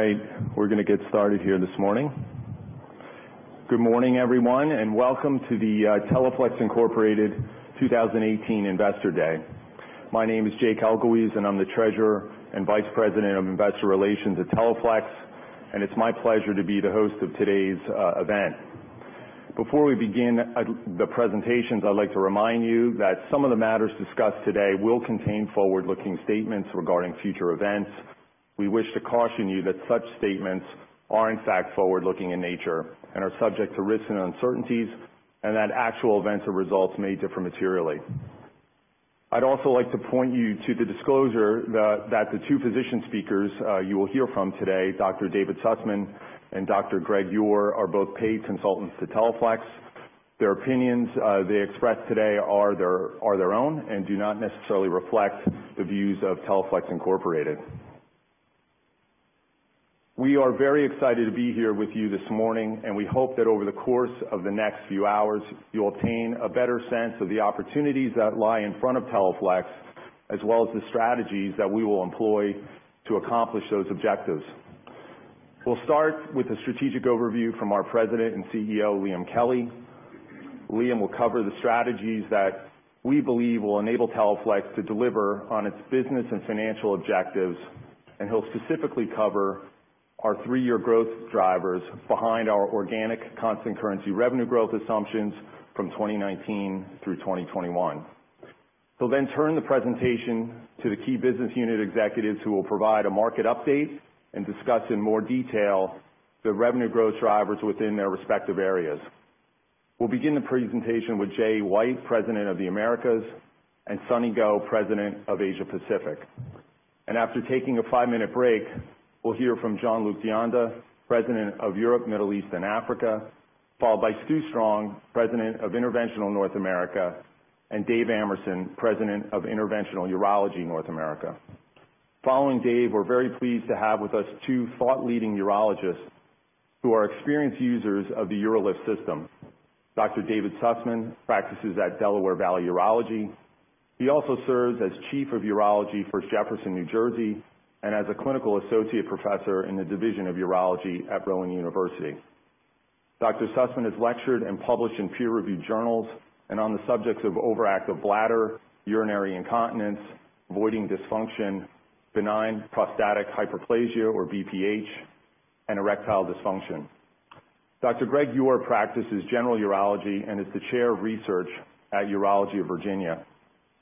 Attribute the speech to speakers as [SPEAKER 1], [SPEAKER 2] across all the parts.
[SPEAKER 1] All right. We're going to get started here this morning. Good morning, everyone. Welcome to the Teleflex Incorporated 2018 Investor Day. My name is Jake Elguicze. I'm the Treasurer and Vice President of Investor Relations at Teleflex, and it's my pleasure to be the host of today's event. Before we begin the presentations, I'd like to remind you that some of the matters discussed today will contain forward-looking statements regarding future events. We wish to caution you that such statements are in fact forward-looking in nature and are subject to risks and uncertainties, and that actual events or results may differ materially. I'd also like to point you to the disclosure that the two physician speakers you will hear from today, Dr. David Sussman and Dr. Gregg Eure, are both paid consultants to Teleflex. Their opinions they express today are their own and do not necessarily reflect the views of Teleflex Incorporated. We are very excited to be here with you this morning. We hope that over the course of the next few hours, you'll obtain a better sense of the opportunities that lie in front of Teleflex, as well as the strategies that we will employ to accomplish those objectives. We'll start with a strategic overview from our President and CEO, Liam Kelly. Liam will cover the strategies that we believe will enable Teleflex to deliver on its business and financial objectives. He'll specifically cover our three-year growth drivers behind our organic constant currency revenue growth assumptions from 2019 through 2021. He'll turn the presentation to the key business unit executives who will provide a market update and discuss in more detail the revenue growth drivers within their respective areas. We'll begin the presentation with Jay White, President of the Americas, and Sunny Goh, President of Asia Pacific. After taking a five-minute break, we'll hear from Jean-Luc Dianda, President of Europe, Middle East, and Africa, followed by Stu Strong, President of Interventional North America, and Dave Amerson, President of Interventional Urology North America. Following Dave, we're very pleased to have with us two thought leading urologists who are experienced users of the UroLift system. Dr. David Sussman practices at Delaware Valley Urology. He also serves as Chief of Urology for Jefferson, New Jersey, and as a Clinical Associate Professor in the division of urology at Rowan University. Dr. Sussman has lectured and published in peer-reviewed journals and on the subjects of overactive bladder, urinary incontinence, voiding dysfunction, benign prostatic hyperplasia, or BPH, and erectile dysfunction. Dr. Gregg Eure practices general urology and is the Chair of Research at Urology of Virginia.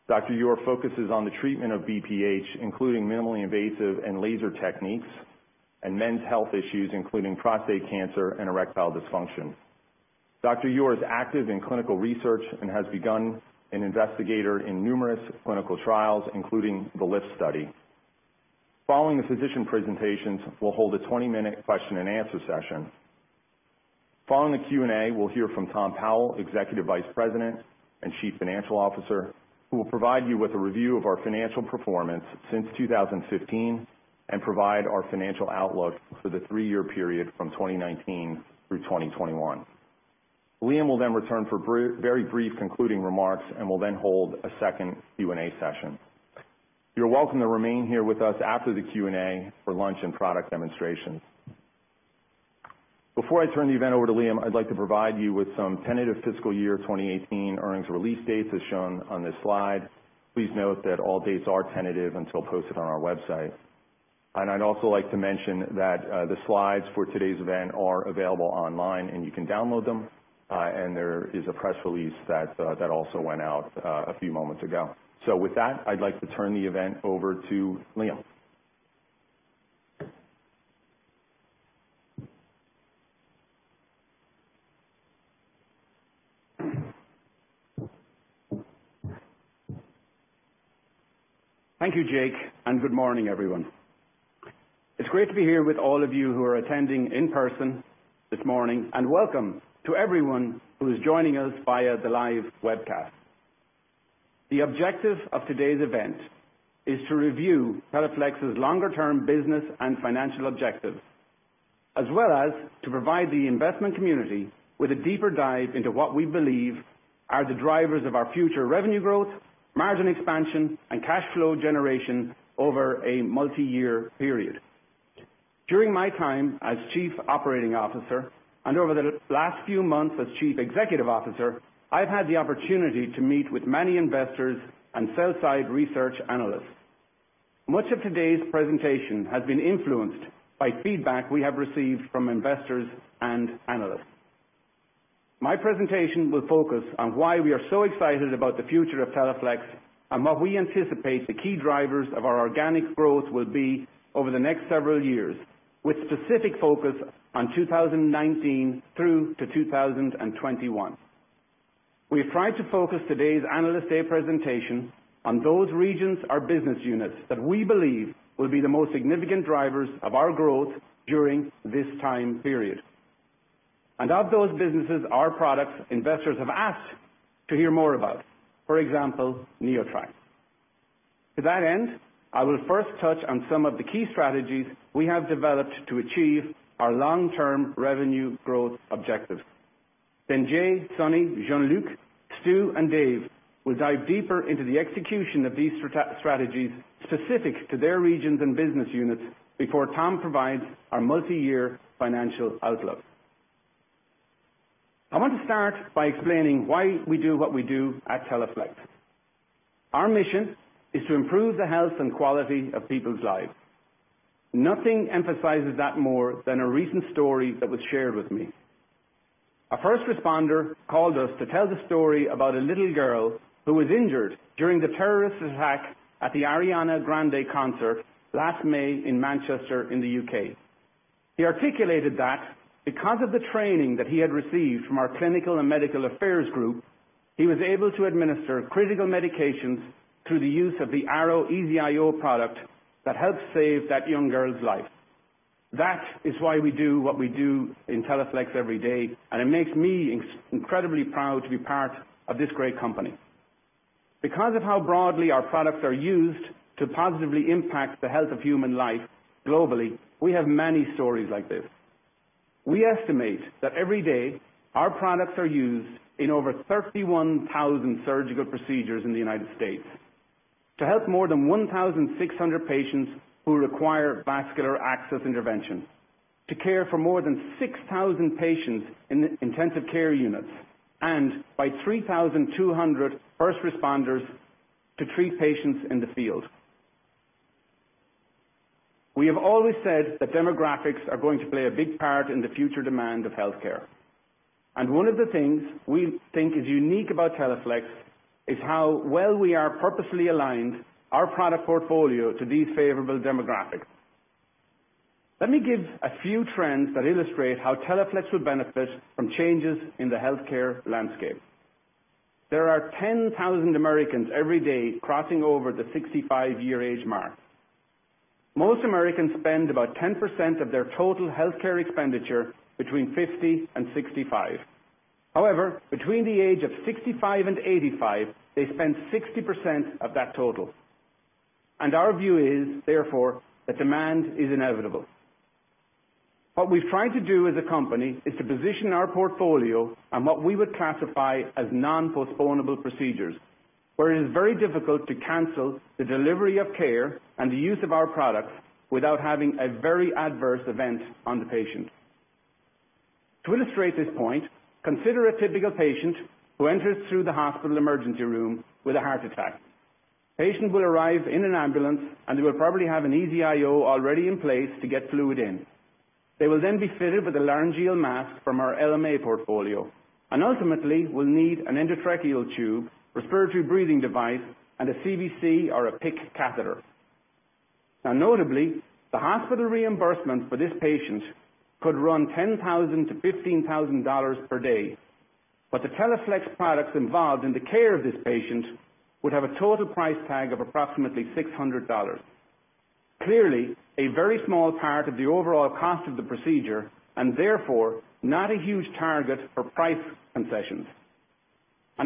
[SPEAKER 1] Dr. Eure focuses on the treatment of BPH, including minimally invasive and laser techniques, and men's health issues, including prostate cancer and erectile dysfunction. Dr. Eure is active in clinical research and has begun an investigator in numerous clinical trials, including the LIFT study. Following the physician presentations, we'll hold a 20-minute question and answer session. Following the Q&A, we'll hear from Tom Powell, Executive Vice President and Chief Financial Officer, who will provide you with a review of our financial performance since 2015 and provide our financial outlook for the three-year period from 2019 through 2021. Liam will return for very brief concluding remarks. We'll then hold a second Q&A session. You're welcome to remain here with us after the Q&A for lunch and product demonstrations. Before I turn the event over to Liam, I'd like to provide you with some tentative fiscal year 2018 earnings release dates, as shown on this slide. Please note that all dates are tentative until posted on our website. I'd also like to mention that the slides for today's event are available online, and you can download them, and there is a press release that also went out a few moments ago. With that, I'd like to turn the event over to Liam.
[SPEAKER 2] Thank you, Jake, and good morning, everyone. It's great to be here with all of you who are attending in person this morning, and welcome to everyone who is joining us via the live webcast. The objective of today's event is to review Teleflex's longer term business and financial objectives, as well as to provide the investment community with a deeper dive into what we believe are the drivers of our future revenue growth, margin expansion, and cash flow generation over a multi-year period. During my time as Chief Operating Officer and over the last few months as Chief Executive Officer, I've had the opportunity to meet with many investors and sell-side research analysts. Much of today's presentation has been influenced by feedback we have received from investors and analysts. My presentation will focus on why we are so excited about the future of Teleflex and what we anticipate the key drivers of our organic growth will be over the next several years, with specific focus on 2019 through to 2021. We have tried to focus today's Analyst Day presentation on those regions or business units that we believe will be the most significant drivers of our growth during this time period. Of those businesses are products investors have asked to hear more about. For example, NeoTract. To that end, I will first touch on some of the key strategies we have developed to achieve our long-term revenue growth objectives. Jay, Sunny, Jean-Luc, Stu, and Dave will dive deeper into the execution of these strategies specific to their regions and business units before Tom provides our multi-year financial outlook. I want to start by explaining why we do what we do at Teleflex. Our mission is to improve the health and quality of people's lives. Nothing emphasizes that more than a recent story that was shared with me. A first responder called us to tell the story about a little girl who was injured during the terrorist attack at the Ariana Grande concert last May in Manchester in the U.K. He articulated that because of the training that he had received from our clinical and medical affairs group, he was able to administer critical medications through the use of the Arrow EZ-IO product that helped save that young girl's life. That is why we do what we do in Teleflex every day, and it makes me incredibly proud to be part of this great company. Because of how broadly our products are used to positively impact the health of human life globally, we have many stories like this. We estimate that every day our products are used in over 31,000 surgical procedures in the U.S. to help more than 1,600 patients who require vascular access intervention, to care for more than 6,000 patients in intensive care units, and by 3,200 first responders to treat patients in the field. One of the things we think is unique about Teleflex is how well we are purposefully aligned our product portfolio to these favorable demographics. Let me give a few trends that illustrate how Teleflex will benefit from changes in the healthcare landscape. There are 10,000 Americans every day crossing over the 65-year age mark. Most Americans spend about 10% of their total healthcare expenditure between 50 and 65. However, between the age of 65 and 85, they spend 60% of that total. Our view is, therefore, that demand is inevitable. What we've tried to do as a company is to position our portfolio on what we would classify as non-postponable procedures, where it is very difficult to cancel the delivery of care and the use of our products without having a very adverse event on the patient. To illustrate this point, consider a typical patient who enters through the hospital emergency room with a heart attack. Patient will arrive in an ambulance, and they will probably have an EZ-IO already in place to get fluid in. They will be fitted with a laryngeal mask from our LMA portfolio, and ultimately will need an endotracheal tube, respiratory breathing device, and a CVC or a PICC catheter. Notably, the hospital reimbursement for this patient could run $10,000 to $15,000 per day. The Teleflex products involved in the care of this patient would have a total price tag of approximately $600. Clearly, a very small part of the overall cost of the procedure and therefore not a huge target for price concessions.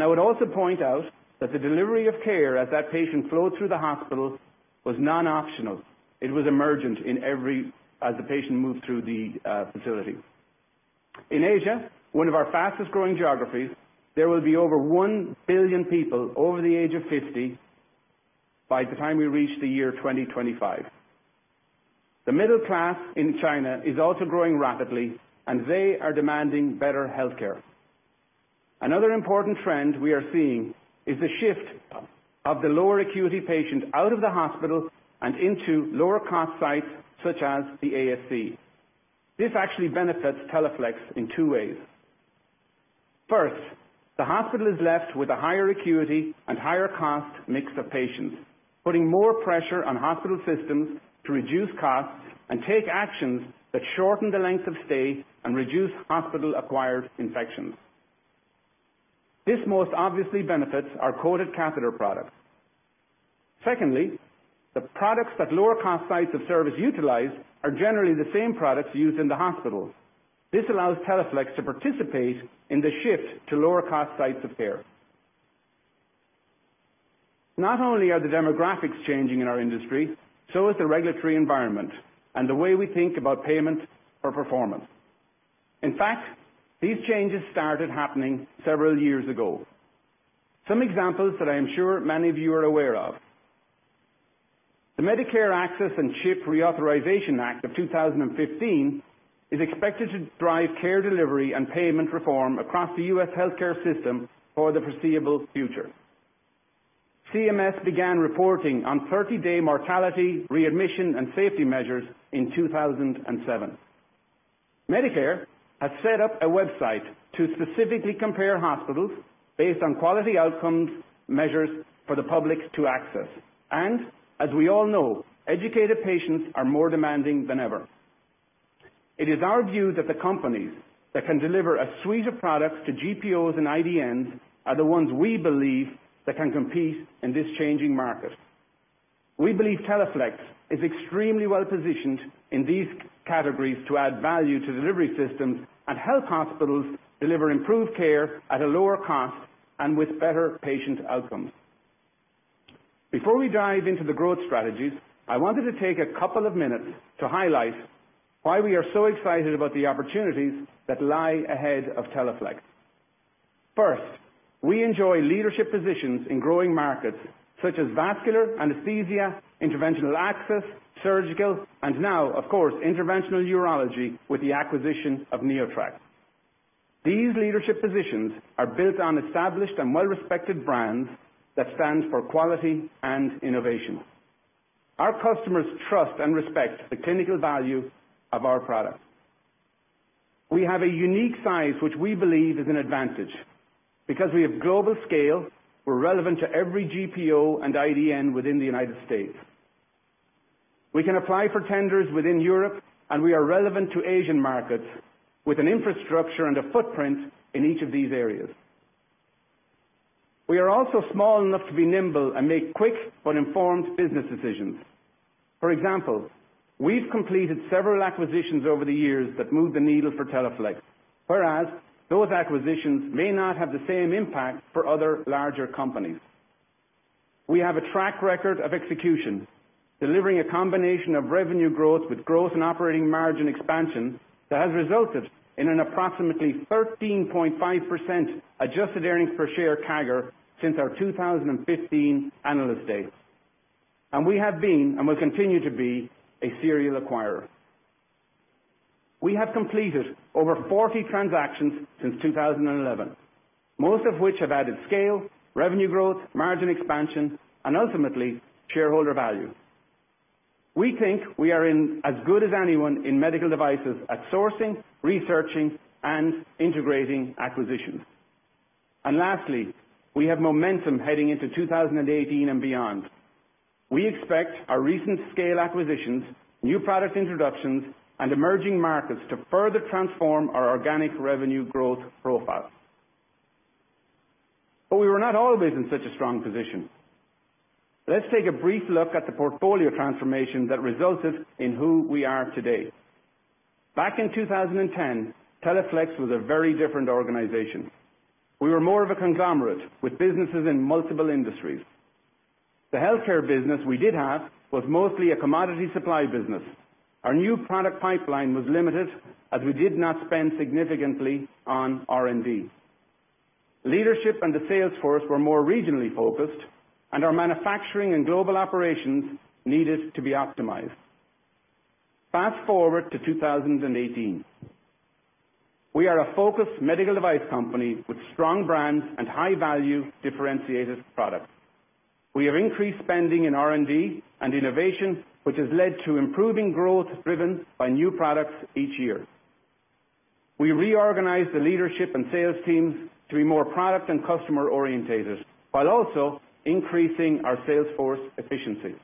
[SPEAKER 2] I would also point out that the delivery of care as that patient flowed through the hospital was non-optional. It was emergent as the patient moved through the facility. In Asia, one of our fastest-growing geographies, there will be over 1 billion people over the age of 50 by the time we reach the year 2025. The middle class in China is also growing rapidly, and they are demanding better healthcare. Another important trend we are seeing is the shift of the lower acuity patient out of the hospital and into lower cost sites such as the ASC. This actually benefits Teleflex in two ways. First, the hospital is left with a higher acuity and higher cost mix of patients, putting more pressure on hospital systems to reduce costs and take actions that shorten the length of stay and reduce hospital-acquired infections. This most obviously benefits our coated catheter products. Secondly, the products that lower cost sites of service utilize are generally the same products used in the hospitals. This allows Teleflex to participate in the shift to lower cost sites of care. Not only are the demographics changing in our industry, so is the regulatory environment and the way we think about payment for performance. In fact, these changes started happening several years ago. Some examples that I am sure many of you are aware of. The Medicare Access and CHIP Reauthorization Act of 2015 is expected to drive care delivery and payment reform across the U.S. healthcare system for the foreseeable future. CMS began reporting on 30-day mortality, readmission, and safety measures in 2007. Medicare has set up a website to specifically compare hospitals based on quality outcomes measures for the public to access. As we all know, educated patients are more demanding than ever. It is our view that the companies that can deliver a suite of products to GPOs and IDNs are the ones we believe that can compete in this changing market. We believe Teleflex is extremely well-positioned in these categories to add value to delivery systems and help hospitals deliver improved care at a lower cost and with better patient outcomes. Before we dive into the growth strategies, I wanted to take a couple of minutes to highlight why we are so excited about the opportunities that lie ahead of Teleflex. First, we enjoy leadership positions in growing markets such as vascular anesthesia, interventional access, surgical, and now, of course, interventional urology with the acquisition of NeoTract. These leadership positions are built on established and well-respected brands that stand for quality and innovation. Our customers trust and respect the clinical value of our products. We have a unique size, which we believe is an advantage because we have global scale. We are relevant to every GPO and IDN within the U.S. We can apply for tenders within Europe, we are relevant to Asian markets with an infrastructure and a footprint in each of these areas. We are also small enough to be nimble and make quick but informed business decisions. For example, we have completed several acquisitions over the years that moved the needle for Teleflex. Whereas those acquisitions may not have the same impact for other larger companies. We have a track record of execution, delivering a combination of revenue growth with growth and operating margin expansion that has resulted in an approximately 13.5% adjusted earnings per share CAGR since our 2015 Analyst Day. We have been, and will continue to be, a serial acquirer. We have completed over 40 transactions since 2011, most of which have added scale, revenue growth, margin expansion, and ultimately shareholder value. We think we are in as good as anyone in medical devices at sourcing, researching, and integrating acquisitions. Lastly, we have momentum heading into 2018 and beyond. We expect our recent scale acquisitions, new product introductions, and emerging markets to further transform our organic revenue growth profile. We were not always in such a strong position. Let's take a brief look at the portfolio transformation that resulted in who we are today. Back in 2010, Teleflex was a very different organization. We were more of a conglomerate with businesses in multiple industries. The healthcare business we did have was mostly a commodity supply business. Our new product pipeline was limited as we did not spend significantly on R&D. Leadership and the sales force were more regionally focused, and our manufacturing and global operations needed to be optimized. Fast-forward to 2018. We are a focused medical device company with strong brands and high-value differentiated products. We have increased spending in R&D and innovation, which has led to improving growth driven by new products each year. We reorganized the leadership and sales teams to be more product and customer orientated while also increasing our sales force efficiency.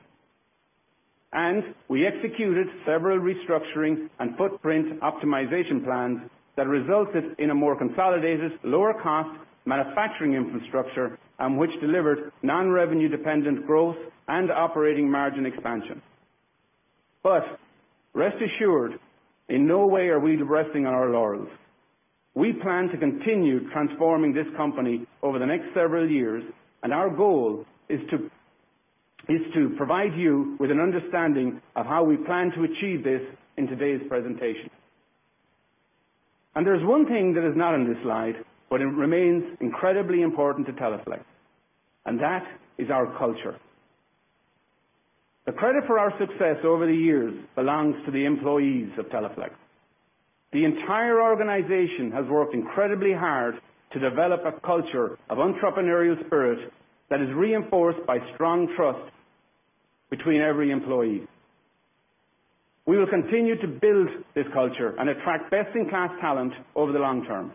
[SPEAKER 2] We executed several restructuring and footprint optimization plans that resulted in a more consolidated, lower cost manufacturing infrastructure and which delivered non-revenue dependent growth and operating margin expansion. Rest assured, in no way are we resting on our laurels. We plan to continue transforming this company over the next several years, and our goal is to provide you with an understanding of how we plan to achieve this in today's presentation. There's one thing that is not on this slide, but it remains incredibly important to Teleflex, and that is our culture. The credit for our success over the years belongs to the employees of Teleflex. The entire organization has worked incredibly hard to develop a culture of entrepreneurial spirit that is reinforced by strong trust between every employee. We will continue to build this culture and attract best-in-class talent over the long term.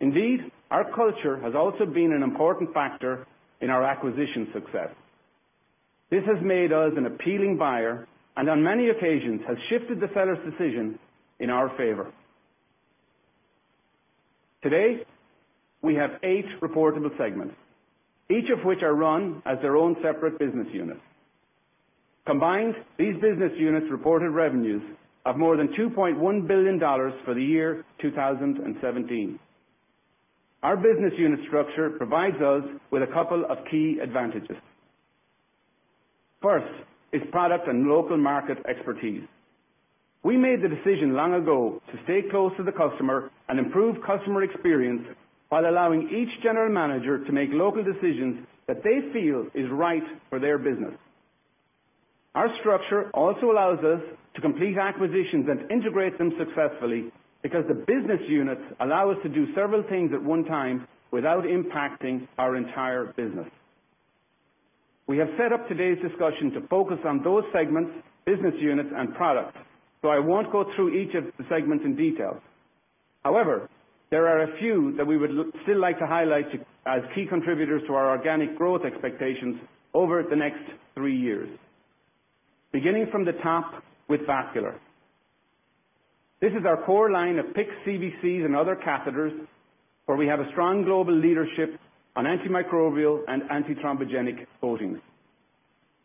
[SPEAKER 2] Indeed, our culture has also been an important factor in our acquisition success. This has made us an appealing buyer, and on many occasions has shifted the seller's decision in our favor. Today, we have eight reportable segments, each of which are run as their own separate business unit. Combined, these business units reported revenues of more than $2.1 billion for the year 2017. Our business unit structure provides us with a couple of key advantages. First is product and local market expertise. We made the decision long ago to stay close to the customer and improve customer experience while allowing each general manager to make local decisions that they feel is right for their business. Our structure also allows us to complete acquisitions and integrate them successfully because the business units allow us to do several things at one time without impacting our entire business. We have set up today's discussion to focus on those segments, business units, and products. I won't go through each of the segments in detail. However, there are a few that we would still like to highlight as key contributors to our organic growth expectations over the next three years. Beginning from the top with Vascular. This is our core line of PICC, CVCs, and other catheters where we have a strong global leadership on antimicrobial and antithrombogenic coatings.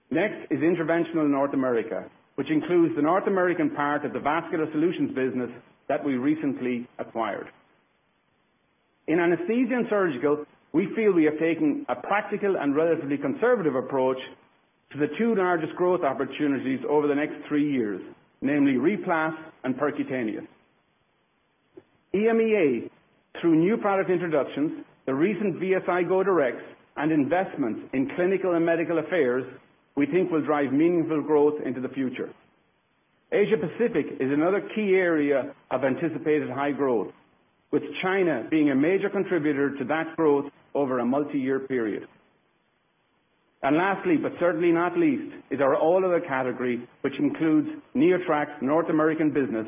[SPEAKER 2] Next is Interventional North America, which includes the North American part of the Vascular Solutions business that we recently acquired. In Anesthesia and Surgical, we feel we have taken a practical and relatively conservative approach to the two largest growth opportunities over the next three years, namely RePlas and Percuvance. EMEA, through new product introductions, the recent VSI go directs, and investments in clinical and medical affairs, we think will drive meaningful growth into the future. Asia Pacific is another key area of anticipated high growth, with China being a major contributor to that growth over a multi-year period. Lastly, but certainly not least, is our all other category, which includes NeoTract's North American business,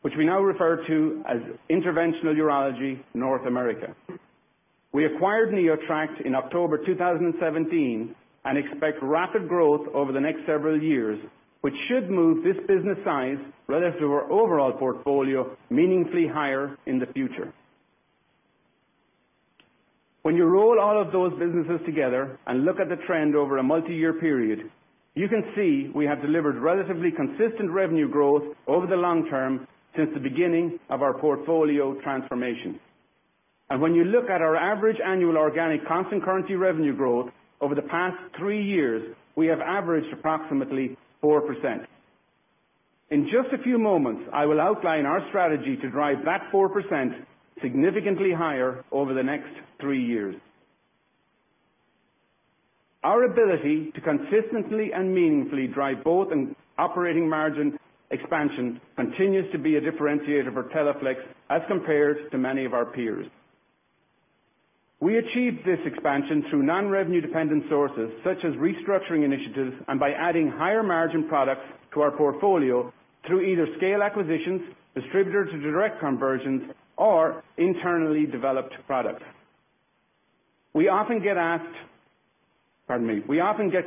[SPEAKER 2] which we now refer to as Interventional Urology North America. We acquired NeoTract in October 2017 and expect rapid growth over the next several years, which should move this business size relative to our overall portfolio meaningfully higher in the future. When you roll all of those businesses together and look at the trend over a multi-year period, you can see we have delivered relatively consistent revenue growth over the long term since the beginning of our portfolio transformation. When you look at our average annual organic constant currency revenue growth over the past three years, we have averaged approximately 4%. In just a few moments, I will outline our strategy to drive that 4% significantly higher over the next three years. Our ability to consistently and meaningfully drive both an operating margin expansion continues to be a differentiator for Teleflex as compared to many of our peers. We achieved this expansion through non-revenue dependent sources such as restructuring initiatives and by adding higher margin products to our portfolio through either scale acquisitions, distributor to direct conversions, or internally developed products. We often get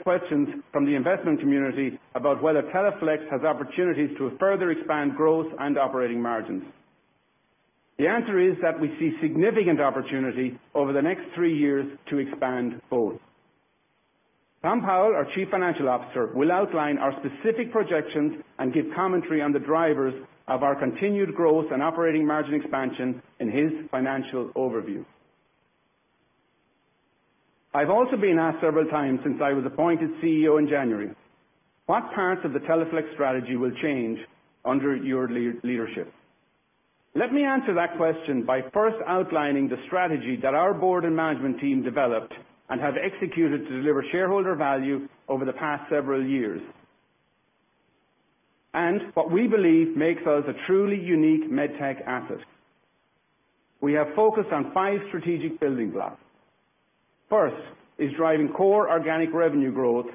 [SPEAKER 2] questions from the investment community about whether Teleflex has opportunities to further expand growth and operating margins. The answer is that we see significant opportunity over the next three years to expand both. Tom Powell, our Chief Financial Officer, will outline our specific projections and give commentary on the drivers of our continued growth and operating margin expansion in his financial overview. I've also been asked several times since I was appointed CEO in January, "What parts of the Teleflex strategy will change under your leadership?" Let me answer that question by first outlining the strategy that our board and management team developed and have executed to deliver shareholder value over the past several years and what we believe makes us a truly unique med tech asset. We have focused on five strategic building blocks. First is driving core organic revenue growth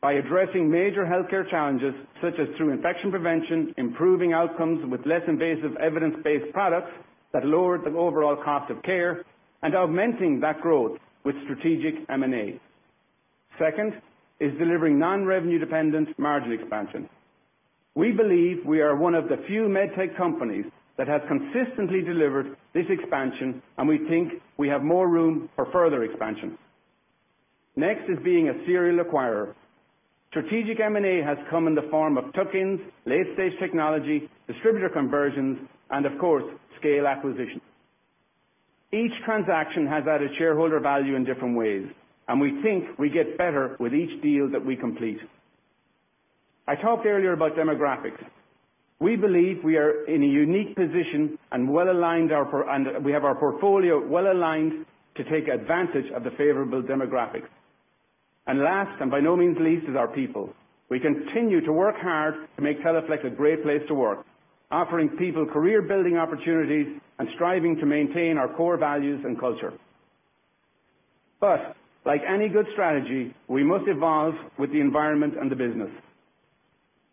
[SPEAKER 2] by addressing major healthcare challenges, such as through infection prevention, improving outcomes with less invasive evidence-based products that lower the overall cost of care, and augmenting that growth with strategic M&A. Second is delivering non-revenue dependent margin expansion. We believe we are one of the few med tech companies that has consistently delivered this expansion, and we think we have more room for further expansion. Next is being a serial acquirer. Strategic M&A has come in the form of tuck-ins, late-stage technology, distributor conversions, and of course, scale acquisitions. Each transaction has added shareholder value in different ways, and we think we get better with each deal that we complete. I talked earlier about demographics. We believe we are in a unique position and we have our portfolio well-aligned to take advantage of the favorable demographics. Last, and by no means least, is our people. We continue to work hard to make Teleflex a great place to work, offering people career-building opportunities and striving to maintain our core values and culture. Like any good strategy, we must evolve with the environment and the business.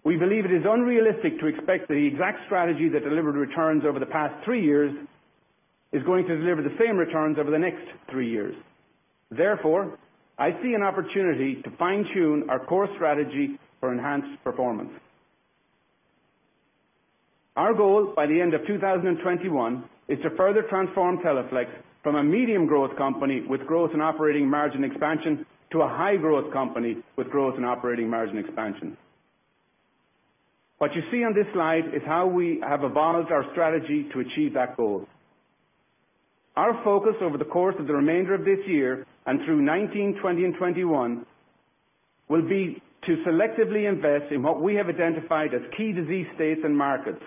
[SPEAKER 2] We believe it is unrealistic to expect the exact strategy that delivered returns over the past three years is going to deliver the same returns over the next three years. Therefore, I see an opportunity to fine-tune our core strategy for enhanced performance. Our goal by the end of 2021 is to further transform Teleflex from a medium growth company with growth and operating margin expansion to a high growth company with growth and operating margin expansion. What you see on this slide is how we have evolved our strategy to achieve that goal. Our focus over the course of the remainder of this year and through 2019, 2020, and 2021 will be to selectively invest in what we have identified as key disease states and markets,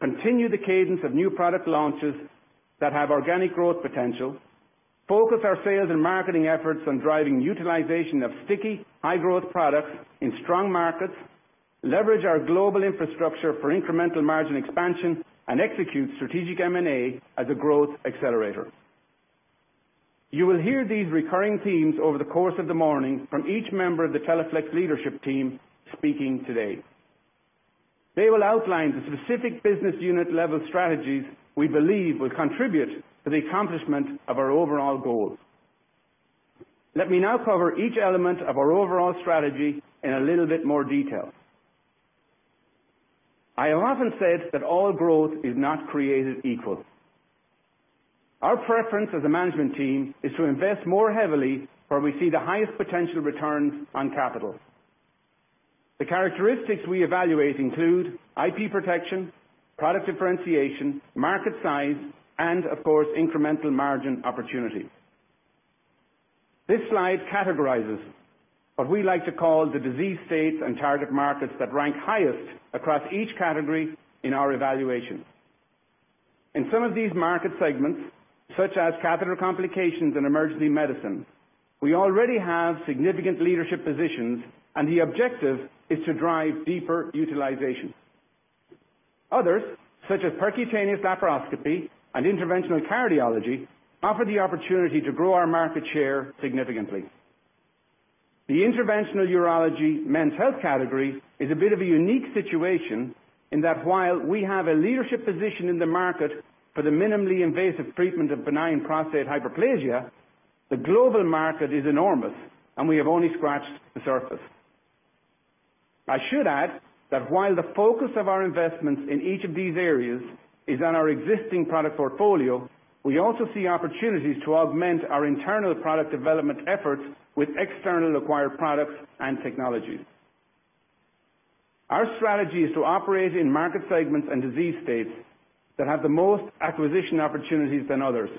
[SPEAKER 2] continue the cadence of new product launches that have organic growth potential. Focus our sales and marketing efforts on driving utilization of sticky, high-growth products in strong markets. Leverage our global infrastructure for incremental margin expansion and execute strategic M&A as a growth accelerator. You will hear these recurring themes over the course of the morning from each member of the Teleflex leadership team speaking today. They will outline the specific business unit level strategies we believe will contribute to the accomplishment of our overall goals. Let me now cover each element of our overall strategy in a little bit more detail. I have often said that all growth is not created equal. Our preference as a management team is to invest more heavily where we see the highest potential returns on capital. The characteristics we evaluate include IP protection, product differentiation, market size, and of course, incremental margin opportunities. This slide categorizes what we like to call the disease states and target markets that rank highest across each category in our evaluation. In some of these market segments, such as catheter complications and emergency medicine, we already have significant leadership positions, and the objective is to drive deeper utilization. Others, such as percutaneous laparoscopy and interventional cardiology, offer the opportunity to grow our market share significantly. The interventional urology men's health category is a bit of a unique situation in that while we have a leadership position in the market for the minimally invasive treatment of benign prostatic hyperplasia, the global market is enormous and we have only scratched the surface. I should add that while the focus of our investments in each of these areas is on our existing product portfolio, we also see opportunities to augment our internal product development efforts with external acquired products and technologies. Our strategy is to operate in market segments and disease states that have the most acquisition opportunities than others.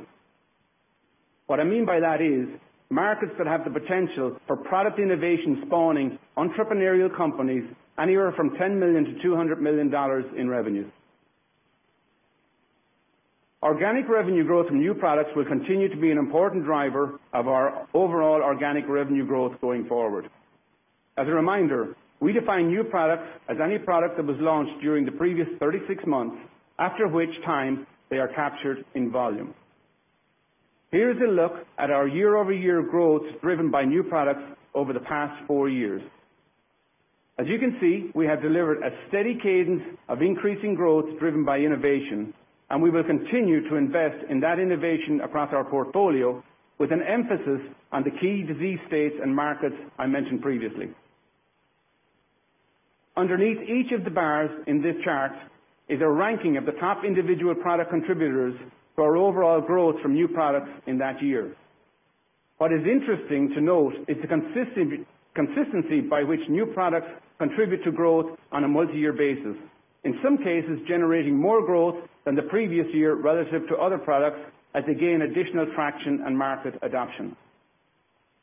[SPEAKER 2] What I mean by that is markets that have the potential for product innovation spawning entrepreneurial companies anywhere from $10 million to $200 million in revenues. Organic revenue growth from new products will continue to be an important driver of our overall organic revenue growth going forward. As a reminder, we define new products as any product that was launched during the previous 36 months, after which time they are captured in volume. Here's a look at our year-over-year growth driven by new products over the past four years. As you can see, we have delivered a steady cadence of increasing growth driven by innovation, and we will continue to invest in that innovation across our portfolio with an emphasis on the key disease states and markets I mentioned previously. Underneath each of the bars in this chart is a ranking of the top individual product contributors to our overall growth from new products in that year. What is interesting to note is the consistency by which new products contribute to growth on a multi-year basis. In some cases, generating more growth than the previous year relative to other products as they gain additional traction and market adoption.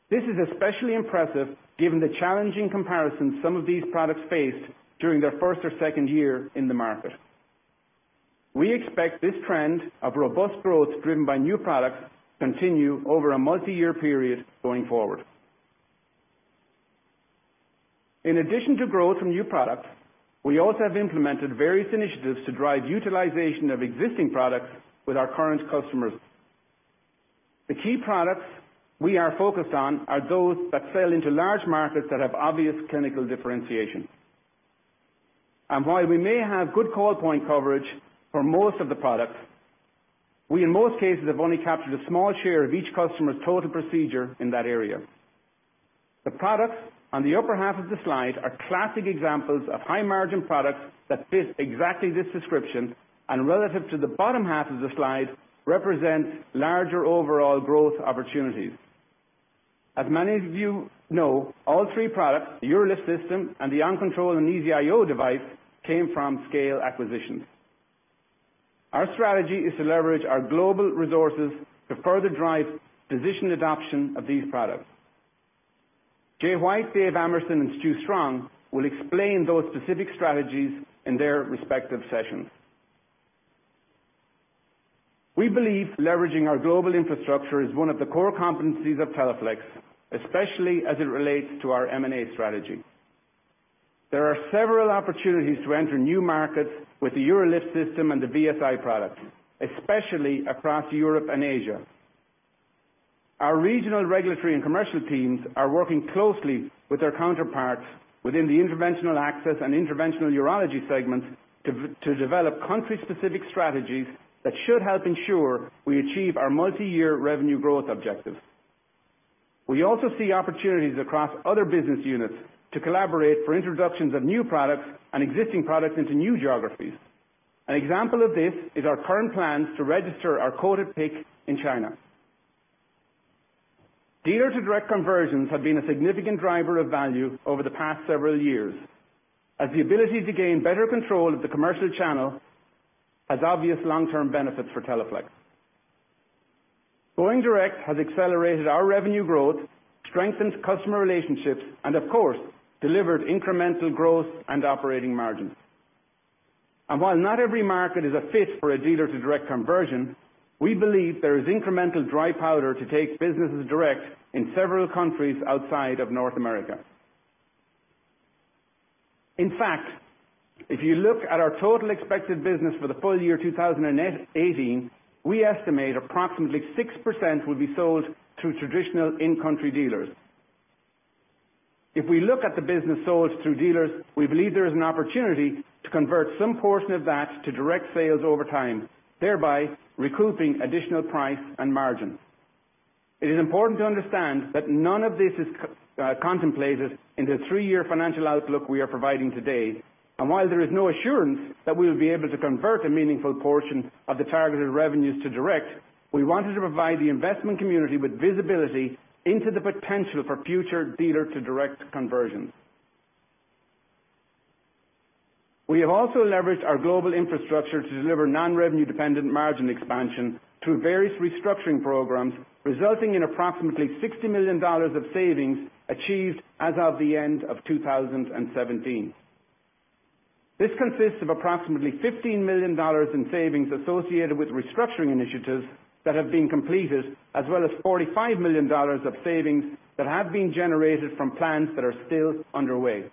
[SPEAKER 2] This is especially impressive given the challenging comparisons some of these products faced during their first or second year in the market. We expect this trend of robust growth driven by new products to continue over a multi-year period going forward. In addition to growth from new products, we also have implemented various initiatives to drive utilization of existing products with our current customers. The key products we are focused on are those that sell into large markets that have obvious clinical differentiation. While we may have good call point coverage for most of the products, we, in most cases, have only captured a small share of each customer's total procedure in that area. The products on the upper half of the slide are classic examples of high-margin products that fit exactly this description and relative to the bottom half of the slide represent larger overall growth opportunities. As many of you know, all three products, the UroLift System and the OnControl and EZ-IO device came from scale acquisitions. Our strategy is to leverage our global resources to further drive physician adoption of these products. Jay White, Dave Amerson, and Stu Strong will explain those specific strategies in their respective sessions. We believe leveraging our global infrastructure is one of the core competencies of Teleflex, especially as it relates to our M&A strategy. There are several opportunities to enter new markets with the UroLift System and the VSI products, especially across Europe and Asia. Our regional regulatory and commercial teams are working closely with their counterparts within the interventional access and interventional urology segments to develop country-specific strategies that should help ensure we achieve our multi-year revenue growth objectives. We also see opportunities across other business units to collaborate for introductions of new products and existing products into new geographies. An example of this is our current plans to register our coated PICC in China. Dealer-to-direct conversions have been a significant driver of value over the past several years, as the ability to gain better control of the commercial channel has obvious long-term benefits for Teleflex. Going direct has accelerated our revenue growth, strengthened customer relationships, of course, delivered incremental growth and operating margins. While not every market is a fit for a dealer-to-direct conversion, we believe there is incremental dry powder to take businesses direct in several countries outside of North America. In fact, if you look at our total expected business for the full year 2018, we estimate approximately 6% will be sold through traditional in-country dealers. If we look at the business sold through dealers, we believe there is an opportunity to convert some portion of that to direct sales over time, thereby recouping additional price and margin. It is important to understand that none of this is contemplated in the three-year financial outlook we are providing today. While there is no assurance that we'll be able to convert a meaningful portion of the targeted revenues to direct, we wanted to provide the investment community with visibility into the potential for future dealer-to-direct conversions. We have also leveraged our global infrastructure to deliver non-revenue dependent margin expansion through various restructuring programs, resulting in approximately $60 million of savings achieved as of the end of 2017. This consists of approximately $15 million in savings associated with restructuring initiatives that have been completed, as well as $45 million of savings that have been generated from plans that are still underway.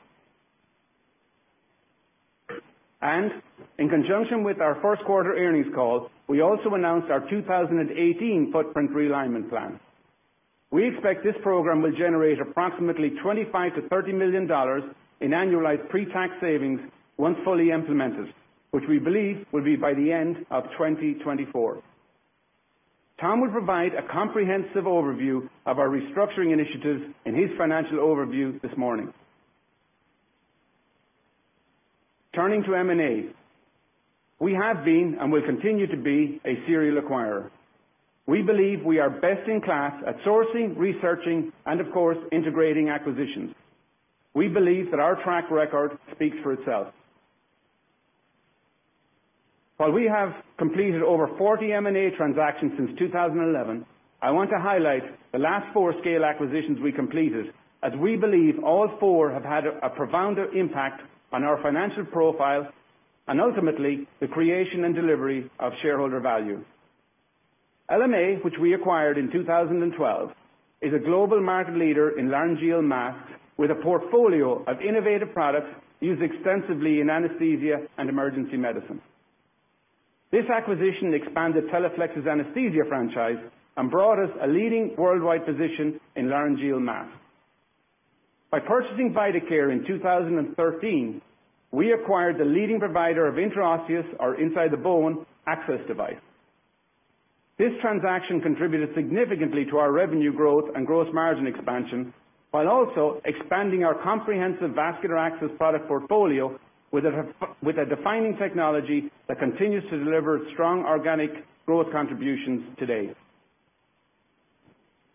[SPEAKER 2] In conjunction with our first quarter earnings call, we also announced our 2018 footprint realignment plan. We expect this program will generate approximately $25 million-$30 million in annualized pre-tax savings once fully implemented, which we believe will be by the end of 2024. Tom will provide a comprehensive overview of our restructuring initiatives in his financial overview this morning. Turning to M&A. We have been, and will continue to be, a serial acquirer. We believe we are best in class at sourcing, researching, and of course, integrating acquisitions. We believe that our track record speaks for itself. While we have completed over 40 M&A transactions since 2011, I want to highlight the last four scale acquisitions we completed, as we believe all four have had a profound impact on our financial profile and ultimately the creation and delivery of shareholder value. LMA, which we acquired in 2012, is a global market leader in laryngeal masks with a portfolio of innovative products used extensively in anesthesia and emergency medicine. This acquisition expanded Teleflex's anesthesia franchise and brought us a leading worldwide position in laryngeal masks. By purchasing Vidacare in 2013, we acquired the leading provider of intraosseous or inside the bone access device. This transaction contributed significantly to our revenue growth and gross margin expansion, while also expanding our comprehensive vascular access product portfolio with a defining technology that continues to deliver strong organic growth contributions today.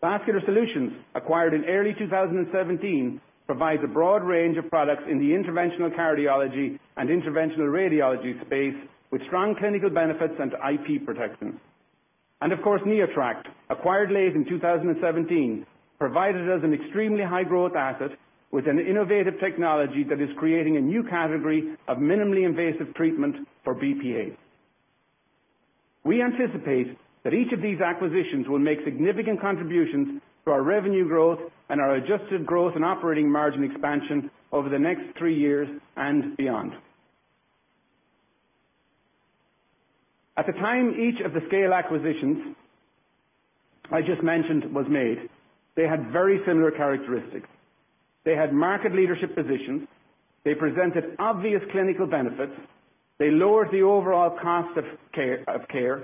[SPEAKER 2] Vascular Solutions, acquired in early 2017, provides a broad range of products in the interventional cardiology and interventional radiology space with strong clinical benefits and IP protection. Of course, NeoTract, acquired late in 2017, provided us an extremely high growth asset with an innovative technology that is creating a new category of minimally invasive treatment for BPH. We anticipate that each of these acquisitions will make significant contributions to our revenue growth and our adjusted growth and operating margin expansion over the next three years and beyond. At the time each of the scale acquisitions I just mentioned was made, they had very similar characteristics. They had market leadership positions. They presented obvious clinical benefits. They lowered the overall cost of care.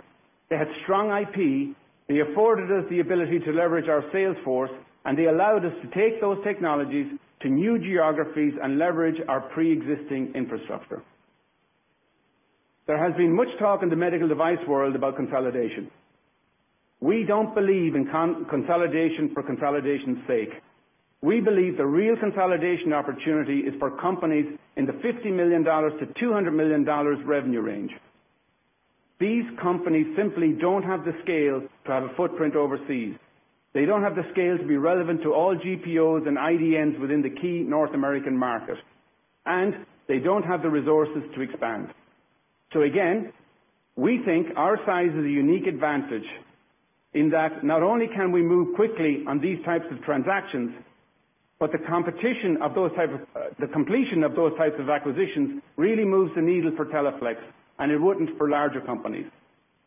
[SPEAKER 2] They had strong IP. They afforded us the ability to leverage our sales force, and they allowed us to take those technologies to new geographies and leverage our preexisting infrastructure. There has been much talk in the medical device world about consolidation. We don't believe in consolidation for consolidation's sake. We believe the real consolidation opportunity is for companies in the $50 million-$200 million revenue range. These companies simply don't have the scale to have a footprint overseas. They don't have the scale to be relevant to all GPOs and IDNs within the key North American market, and they don't have the resources to expand. Again, we think our size is a unique advantage in that not only can we move quickly on these types of transactions, but the completion of those types of acquisitions really moves the needle for Teleflex, and it wouldn't for larger companies.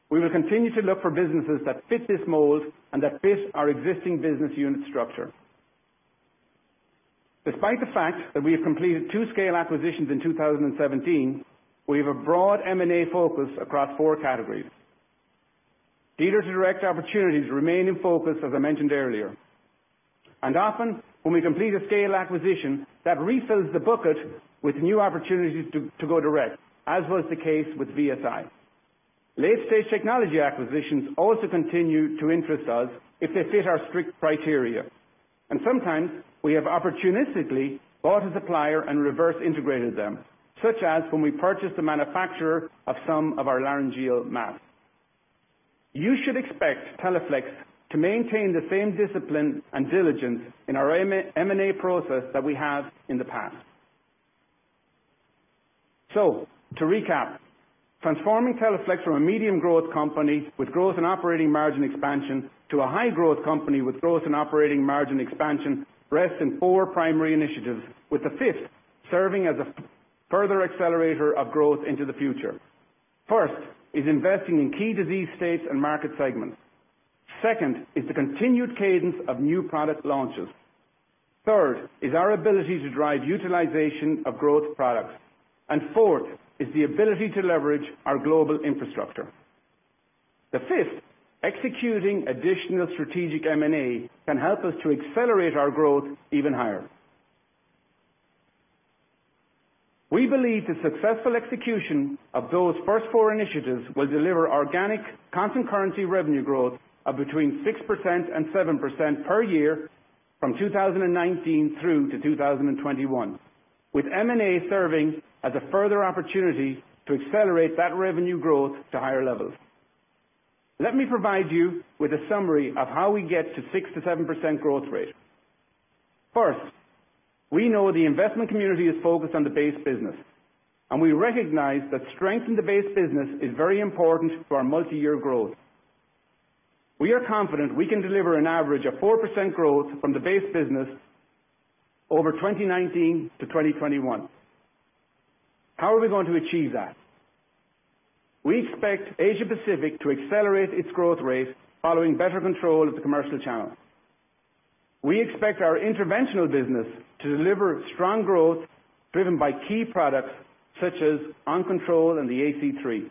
[SPEAKER 2] We will continue to look for businesses that fit this mold and that fit our existing business unit structure. Despite the fact that we have completed 2 scale acquisitions in 2017, we have a broad M&A focus across 4 categories. Dealer-to-direct opportunities remain in focus, as I mentioned earlier. Often, when we complete a scale acquisition, that refills the bucket with new opportunities to go direct, as was the case with VSI. Late-stage technology acquisitions also continue to interest us if they fit our strict criteria. Sometimes we have opportunistically bought a supplier and reverse integrated them, such as when we purchased a manufacturer of some of our laryngeal masks. You should expect Teleflex to maintain the same discipline and diligence in our M&A process that we have in the past. To recap, transforming Teleflex from a medium growth company with growth and operating margin expansion, to a high growth company with growth and operating margin expansion rests in 4 primary initiatives, with the 5th serving as a further accelerator of growth into the future. First is investing in key disease states and market segments. Second is the continued cadence of new product launches. Third is our ability to drive utilization of growth products. Fourth is the ability to leverage our global infrastructure. The 5th, executing additional strategic M&A can help us to accelerate our growth even higher. We believe the successful execution of those first 4 initiatives will deliver organic constant currency revenue growth of between 6%-7% per year from 2019 through to 2021, with M&A serving as a further opportunity to accelerate that revenue growth to higher levels. Let me provide you with a summary of how we get to 6%-7% growth rate. First, we know the investment community is focused on the base business, and we recognize that strength in the base business is very important for our multi-year growth. We are confident we can deliver an average of 4% growth from the base business over 2019 to 2021. How are we going to achieve that? We expect Asia-Pacific to accelerate its growth rate following better control of the commercial channels. We expect our interventional business to deliver strong growth driven by key products such as OnControl and the AC3.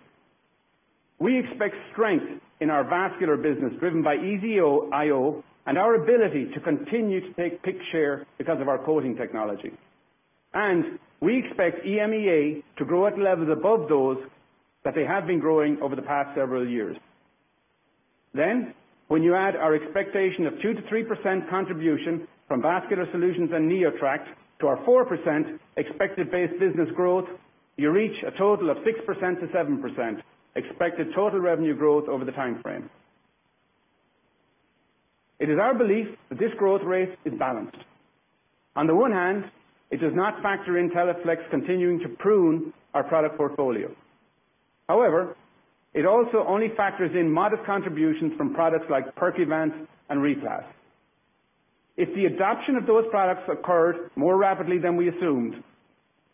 [SPEAKER 2] We expect strength in our vascular business driven by EZ-IO and our ability to continue to take PICC share because of our coating technology. We expect EMEA to grow at levels above those that they have been growing over the past several years. When you add our expectation of 2%-3% contribution from Vascular Solutions and NeoTract to our 4% expected base business growth, you reach a total of 6%-7% expected total revenue growth over the time frame. It is our belief that this growth rate is balanced. On the one hand, it does not factor in Teleflex continuing to prune our product portfolio. However, it also only factors in modest contributions from products like Percuvance and RePlas. If the adoption of those products occurred more rapidly than we assumed,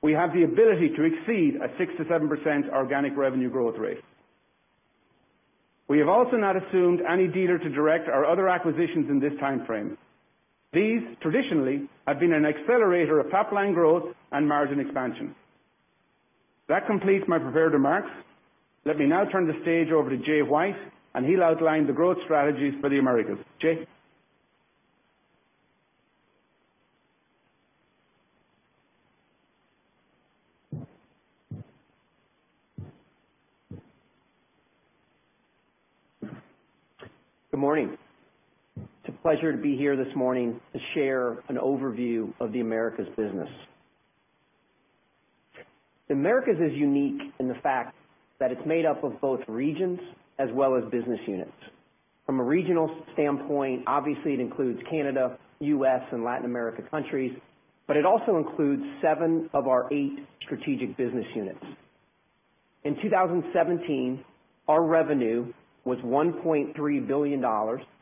[SPEAKER 2] we have the ability to exceed a 6%-7% organic revenue growth rate. We have also not assumed any dealer to direct our other acquisitions in this time frame. These traditionally have been an accelerator of top-line growth and margin expansion. That completes my prepared remarks. Let me now turn the stage over to Jay White, he'll outline the growth strategies for the Americas. Jay?
[SPEAKER 3] Good morning. It's a pleasure to be here this morning to share an overview of the Americas business. The Americas is unique in the fact that it's made up of both regions as well as business units. From a regional standpoint, obviously it includes Canada, U.S., and Latin America countries, but it also includes seven of our eight strategic business units. In 2017, our revenue was $1.3 billion,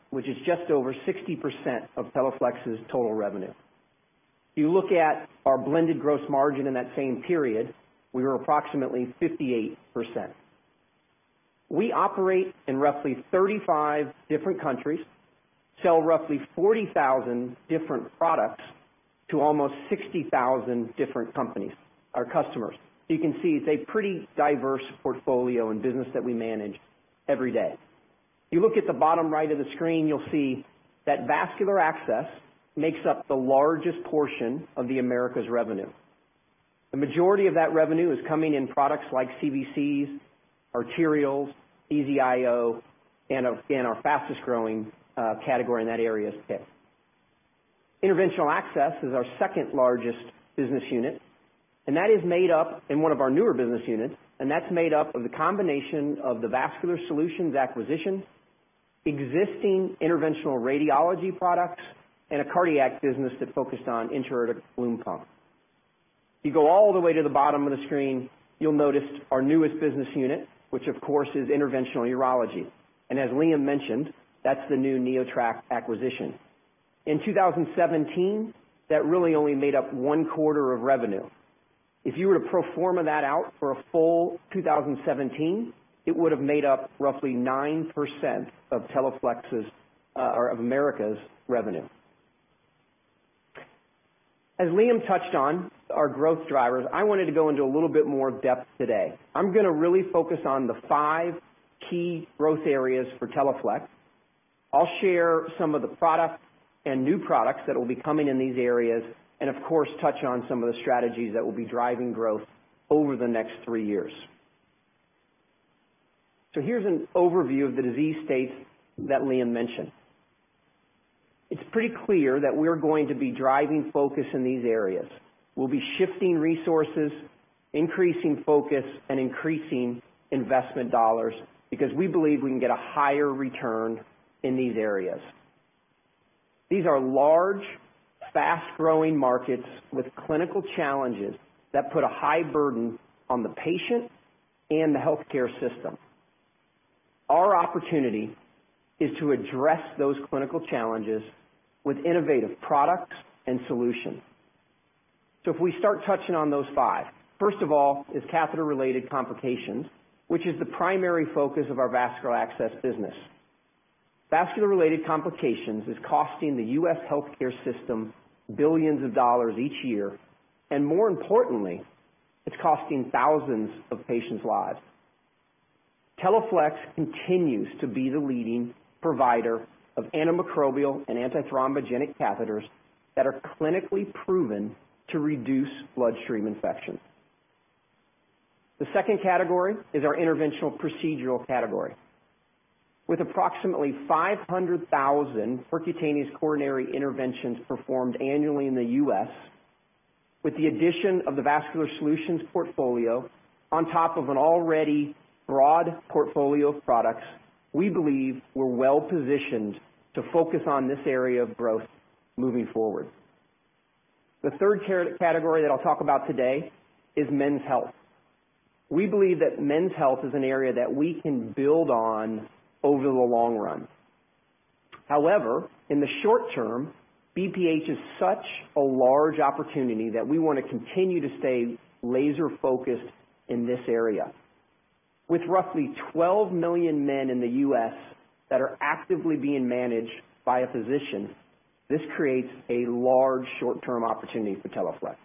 [SPEAKER 3] which is just over 60% of Teleflex's total revenue. If you look at our blended gross margin in that same period, we were approximately 58%. We operate in roughly 35 different countries, sell roughly 40,000 different products to almost 60,000 different companies, our customers. You can see it's a pretty diverse portfolio and business that we manage every day. If you look at the bottom right of the screen, you'll see that vascular access makes up the largest portion of the Americas revenue. The majority of that revenue is coming in products like CVCs, arterials, EZ-IO, and again, our fastest-growing category in that area is PICC. Interventional Access is our second-largest business unit, and that's made up of the combination of the Vascular Solutions acquisition, existing interventional radiology products, and a cardiac business that focused on intra-aortic balloon pump. If you go all the way to the bottom of the screen, you'll notice our newest business unit, which of course is Interventional Urology. As Liam mentioned, that's the new NeoTract acquisition. In 2017, that really only made up one quarter of revenue. If you were to pro forma that out for a full 2017, it would have made up roughly 9% of Teleflex's or of Americas' revenue. As Liam touched on our growth drivers, I wanted to go into a little bit more depth today. I'm going to really focus on the five key growth areas for Teleflex. I'll share some of the products and new products that will be coming in these areas and of course, touch on some of the strategies that will be driving growth over the next three years. Here's an overview of the disease states that Liam mentioned. It's pretty clear that we're going to be driving focus in these areas. We'll be shifting resources, increasing focus, and increasing investment dollars because we believe we can get a higher return in these areas. These are large, fast-growing markets with clinical challenges that put a high burden on the patient and the healthcare system. Our opportunity is to address those clinical challenges with innovative products and solutions. If we start touching on those five, first of all is catheter-related complications, which is the primary focus of our vascular access business. Vascular-related complications is costing the U.S. healthcare system billions of dollars each year, and more importantly, it's costing thousands of patients' lives. Teleflex continues to be the leading provider of antimicrobial and antithrombogenic catheters that are clinically proven to reduce bloodstream infections. The second category is our interventional procedural category. With approximately 500,000 percutaneous coronary interventions performed annually in the U.S., with the addition of the Vascular Solutions portfolio on top of an already broad portfolio of products, we believe we're well-positioned to focus on this area of growth moving forward. The third category that I'll talk about today is men's health. We believe that men's health is an area that we can build on over the long run. However, in the short term, BPH is such a large opportunity that we want to continue to stay laser-focused in this area. With roughly 12 million men in the U.S. that are actively being managed by a physician, this creates a large short-term opportunity for Teleflex.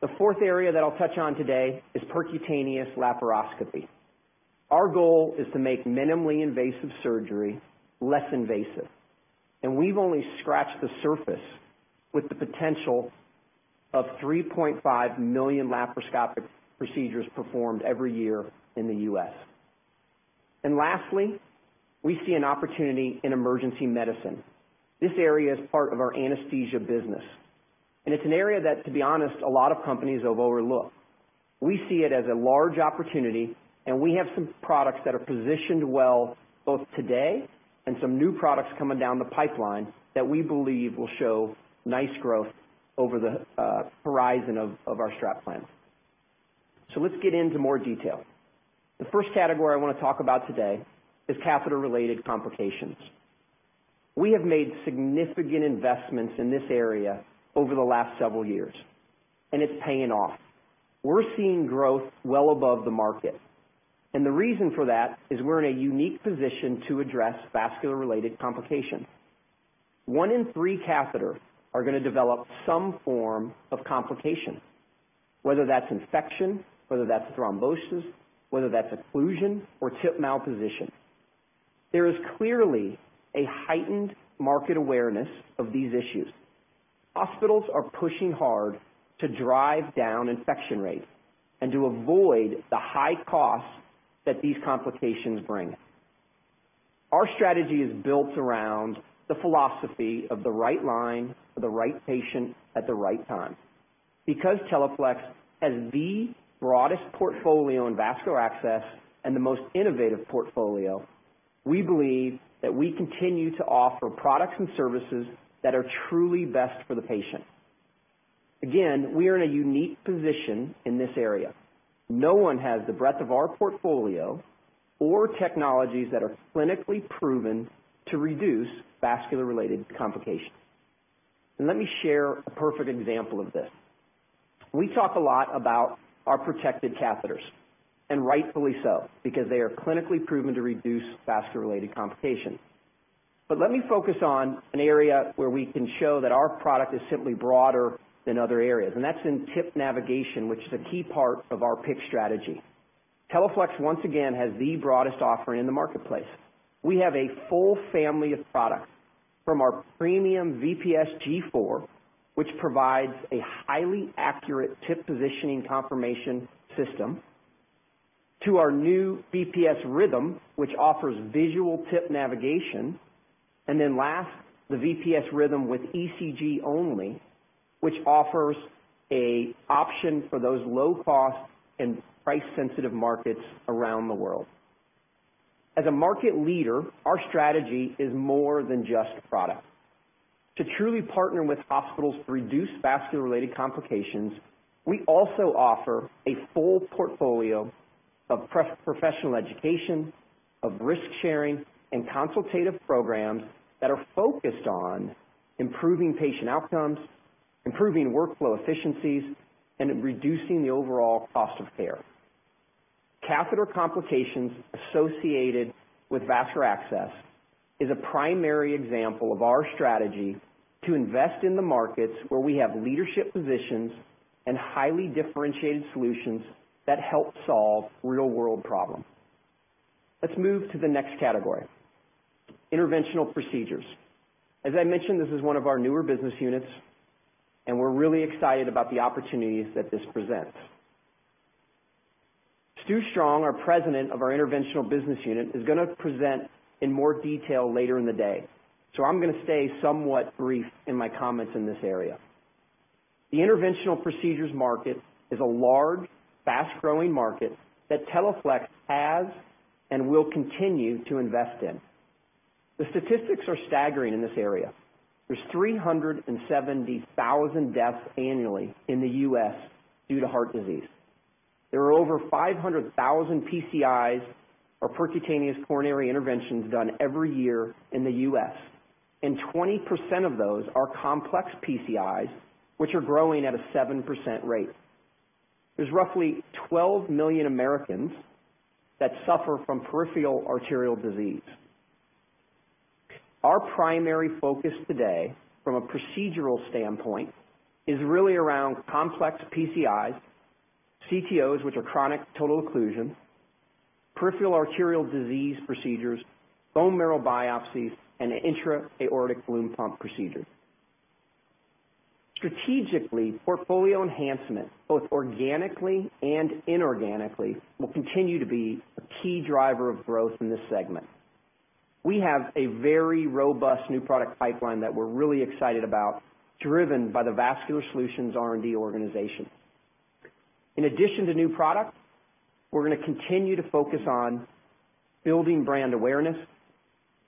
[SPEAKER 3] The fourth area that I'll touch on today is percutaneous laparoscopy. Our goal is to make minimally invasive surgery less invasive, and we've only scratched the surface with the potential of 3.5 million laparoscopic procedures performed every year in the U.S. Lastly, we see an opportunity in emergency medicine. This area is part of our anesthesia business, and it's an area that, to be honest, a lot of companies have overlooked. We see it as a large opportunity, and we have some products that are positioned well both today and some new products coming down the pipeline that we believe will show nice growth over the horizon of our strat plan. Let's get into more detail. The first category I want to talk about today is catheter-related complications. We have made significant investments in this area over the last several years, and it's paying off. We're seeing growth well above the market, and the reason for that is we're in a unique position to address vascular-related complications. One in three catheters are going to develop some form of complication, whether that's infection, whether that's thrombosis, whether that's occlusion or tip malposition. There is clearly a heightened market awareness of these issues. Hospitals are pushing hard to drive down infection rates and to avoid the high costs that these complications bring. Our strategy is built around the philosophy of the right line for the right patient at the right time. Because Teleflex has the broadest portfolio in vascular access and the most innovative portfolio, we believe that we continue to offer products and services that are truly best for the patient. Again, we are in a unique position in this area. No one has the breadth of our portfolio or technologies that are clinically proven to reduce vascular-related complications. Let me share a perfect example of this. We talk a lot about our protected catheters, and rightfully so, because they are clinically proven to reduce vascular-related complications. Let me focus on an area where we can show that our product is simply broader than other areas, and that's in tip navigation, which is a key part of our PICC strategy. Teleflex, once again, has the broadest offering in the marketplace. We have a full family of products from our premium VPS G4, which provides a highly accurate tip positioning confirmation system, to our new VPS Rhythm, which offers visual tip navigation, and then last, the VPS Rhythm with ECG only, which offers a option for those low cost and price-sensitive markets around the world. As a market leader, our strategy is more than just product. To truly partner with hospitals to reduce vascular-related complications, we also offer a full portfolio of professional education, of risk sharing and consultative programs that are focused on improving patient outcomes, improving workflow efficiencies, and reducing the overall cost of care. Catheter complications associated with vascular access is a primary example of our strategy to invest in the markets where we have leadership positions and highly differentiated solutions that help solve real-world problems. Let's move to the next category, interventional procedures. As I mentioned, this is one of our newer business units, and we're really excited about the opportunities that this presents. Stu Strong, our president of our interventional business unit, is going to present in more detail later in the day. I'm going to stay somewhat brief in my comments in this area. The interventional procedures market is a large, fast-growing market that Teleflex has and will continue to invest in. The statistics are staggering in this area. There's 370,000 deaths annually in the U.S. due to heart disease. There are over 500,000 PCIs or percutaneous coronary interventions done every year in the U.S., and 20% of those are complex PCIs, which are growing at a 7% rate. There's roughly 12 million Americans that suffer from peripheral arterial disease. Our primary focus today from a procedural standpoint is really around complex PCIs, CTOs, which are chronic total occlusion, peripheral arterial disease procedures, bone marrow biopsies, and intra-aortic balloon pump procedures. Strategically, portfolio enhancement, both organically and inorganically, will continue to be a key driver of growth in this segment. We have a very robust new product pipeline that we're really excited about, driven by the Vascular Solutions R&D organization. In addition to new product, we're going to continue to focus on building brand awareness,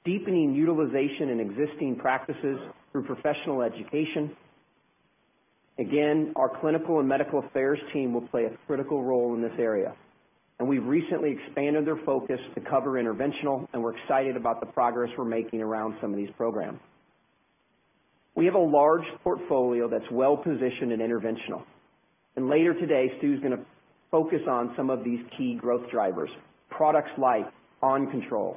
[SPEAKER 3] deepening utilization in existing practices through professional education. Again, our clinical and medical affairs team will play a critical role in this area, and we've recently expanded their focus to cover interventional, and we're excited about the progress we're making around some of these programs. We have a large portfolio that's well-positioned in interventional, and later today, Stu's going to focus on some of these key growth drivers, products like OnControl,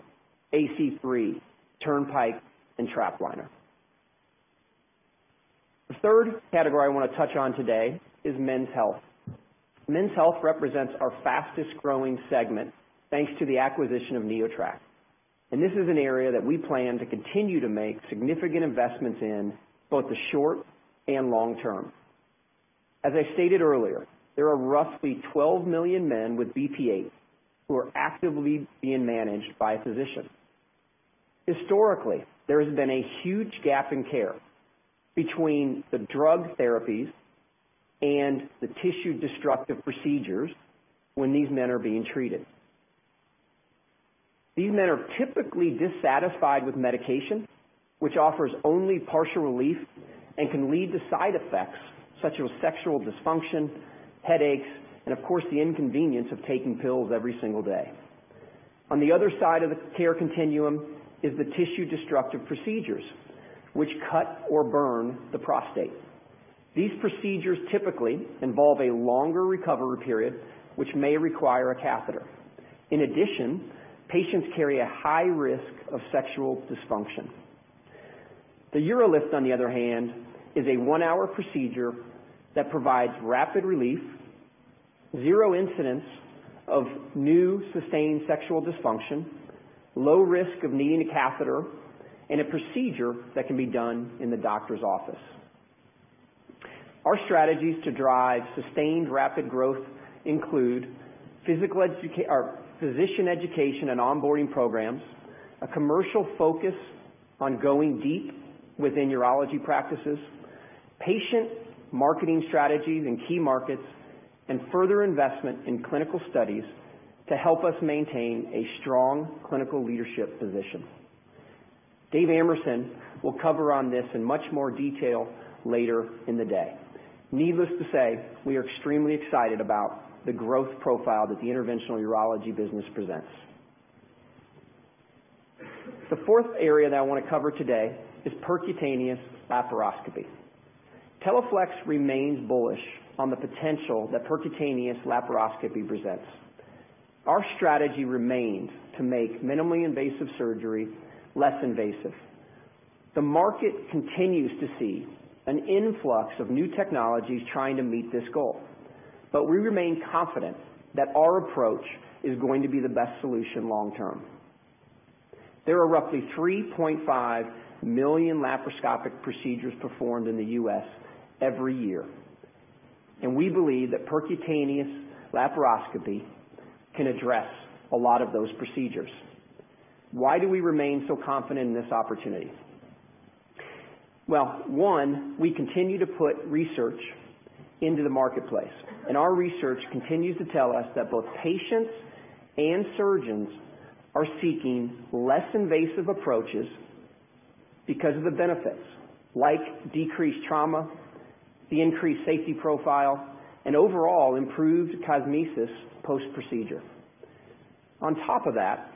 [SPEAKER 3] AC 3.0, Turnpike, and TrapLiner. The third category I want to touch on today is men's health. Men's health represents our fastest-growing segment, thanks to the acquisition of NeoTract. This is an area that we plan to continue to make significant investments in, both the short and long term. As I stated earlier, there are roughly 12 million men with BPH who are actively being managed by a physician. Historically, there has been a huge gap in care between the drug therapies and the tissue-destructive procedures when these men are being treated. These men are typically dissatisfied with medication, which offers only partial relief and can lead to side effects such as sexual dysfunction, headaches, and of course, the inconvenience of taking pills every single day. On the other side of the care continuum is the tissue-destructive procedures, which cut or burn the prostate. These procedures typically involve a longer recovery period, which may require a catheter. In addition, patients carry a high risk of sexual dysfunction. The UroLift, on the other hand, is a one-hour procedure that provides rapid relief, zero incidence of new sustained sexual dysfunction, low risk of needing a catheter, and a procedure that can be done in the doctor's office. Our strategies to drive sustained rapid growth include physician education and onboarding programs, a commercial focus on going deep within urology practices, patient marketing strategies in key markets, and further investment in clinical studies to help us maintain a strong clinical leadership position. Dave Amerson will cover on this in much more detail later in the day. Needless to say, we are extremely excited about the growth profile that the interventional urology business presents. The fourth area that I want to cover today is percutaneous laparoscopy. Teleflex remains bullish on the potential that percutaneous laparoscopy presents. Our strategy remains to make minimally invasive surgery less invasive. The market continues to see an influx of new technologies trying to meet this goal. We remain confident that our approach is going to be the best solution long term. There are roughly 3.5 million laparoscopic procedures performed in the U.S. every year. We believe that percutaneous laparoscopy can address a lot of those procedures. Why do we remain so confident in this opportunity? Well, one, we continue to put research into the marketplace. Our research continues to tell us that both patients and surgeons are seeking less invasive approaches because of the benefits, like decreased trauma, the increased safety profile, and overall improved cosmesis post-procedure. On top of that,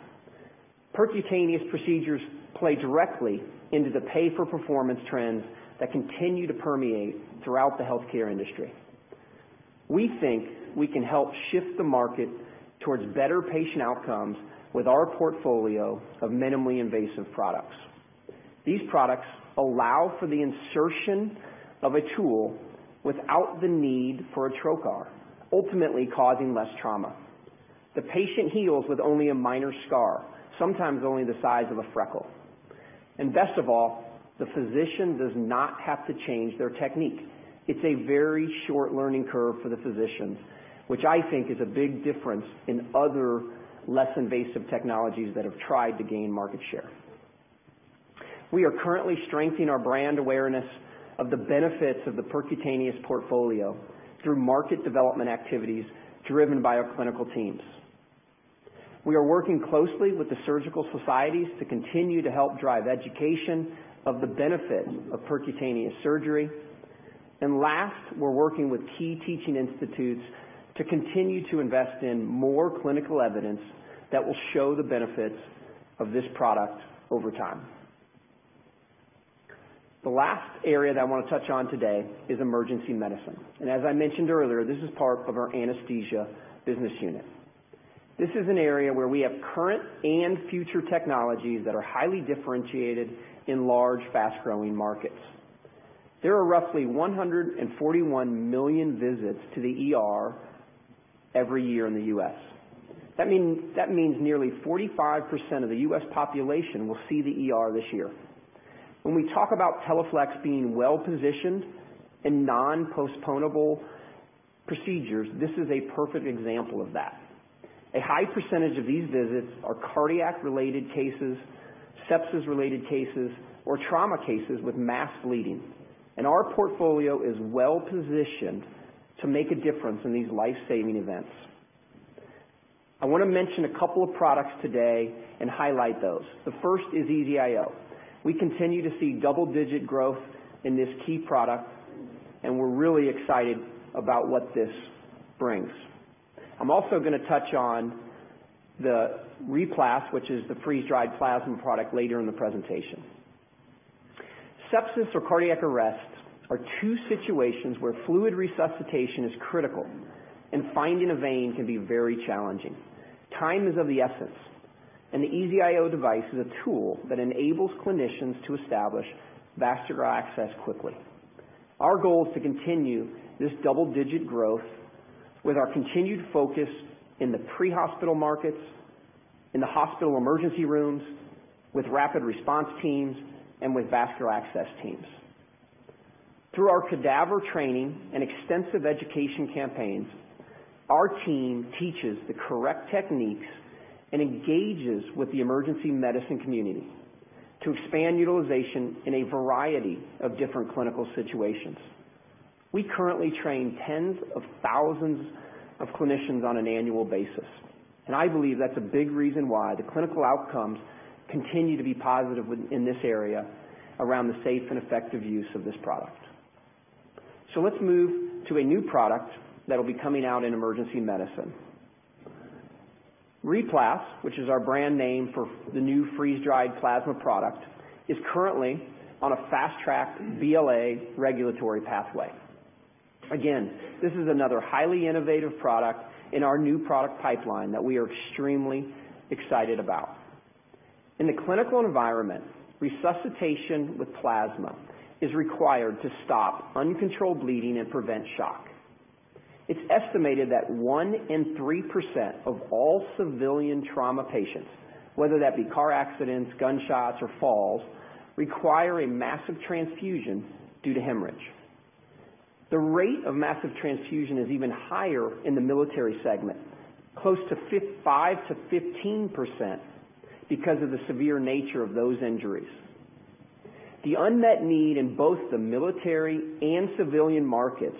[SPEAKER 3] percutaneous procedures play directly into the pay-for-performance trends that continue to permeate throughout the healthcare industry. We think we can help shift the market towards better patient outcomes with our portfolio of minimally invasive products. These products allow for the insertion of a tool without the need for a trocar, ultimately causing less trauma. The patient heals with only a minor scar, sometimes only the size of a freckle. Best of all, the physician does not have to change their technique. It's a very short learning curve for the physician, which I think is a big difference in other less invasive technologies that have tried to gain market share. We are currently strengthening our brand awareness of the benefits of the percutaneous portfolio through market development activities driven by our clinical teams. We are working closely with the surgical societies to continue to help drive education of the benefit of percutaneous surgery. Last, we're working with key teaching institutes to continue to invest in more clinical evidence that will show the benefits of this product over time. The last area that I want to touch on today is emergency medicine. As I mentioned earlier, this is part of our anesthesia business unit. This is an area where we have current and future technologies that are highly differentiated in large, fast-growing markets. There are roughly 141 million visits to the ER every year in the U.S. That means nearly 45% of the U.S. population will see the ER this year. When we talk about Teleflex being well-positioned in non-postponable procedures, this is a perfect example of that. A high percentage of these visits are cardiac-related cases, sepsis-related cases, or trauma cases with mass bleeding, and our portfolio is well-positioned to make a difference in these life-saving events. I want to mention a couple of products today and highlight those. The first is EZ-IO. We continue to see double-digit growth in this key product. We're really excited about what this brings. I'm also going to touch on the RePlas, which is the freeze-dried plasma product, later in the presentation. Sepsis or cardiac arrest are two situations where fluid resuscitation is critical and finding a vein can be very challenging. Time is of the essence, and the EZ-IO device is a tool that enables clinicians to establish vascular access quickly. Our goal is to continue this double-digit growth with our continued focus in the pre-hospital markets, in the hospital emergency rooms, with rapid response teams, and with vascular access teams. Through our cadaver training and extensive education campaigns, our team teaches the correct techniques and engages with the emergency medicine community to expand utilization in a variety of different clinical situations. We currently train tens of thousands of clinicians on an annual basis. I believe that's a big reason why the clinical outcomes continue to be positive in this area around the safe and effective use of this product. Let's move to a new product that'll be coming out in emergency medicine. RePlas, which is our brand name for the new freeze-dried plasma product, is currently on a fast-track BLA regulatory pathway. This is another highly innovative product in our new product pipeline that we are extremely excited about. In the clinical environment, resuscitation with plasma is required to stop uncontrolled bleeding and prevent shock. It's estimated that 1%-3% of all civilian trauma patients, whether that be car accidents, gunshots, or falls, require a massive transfusion due to hemorrhage. The rate of massive transfusion is even higher in the military segment, close to 5%-15%, because of the severe nature of those injuries. The unmet need in both the military and civilian markets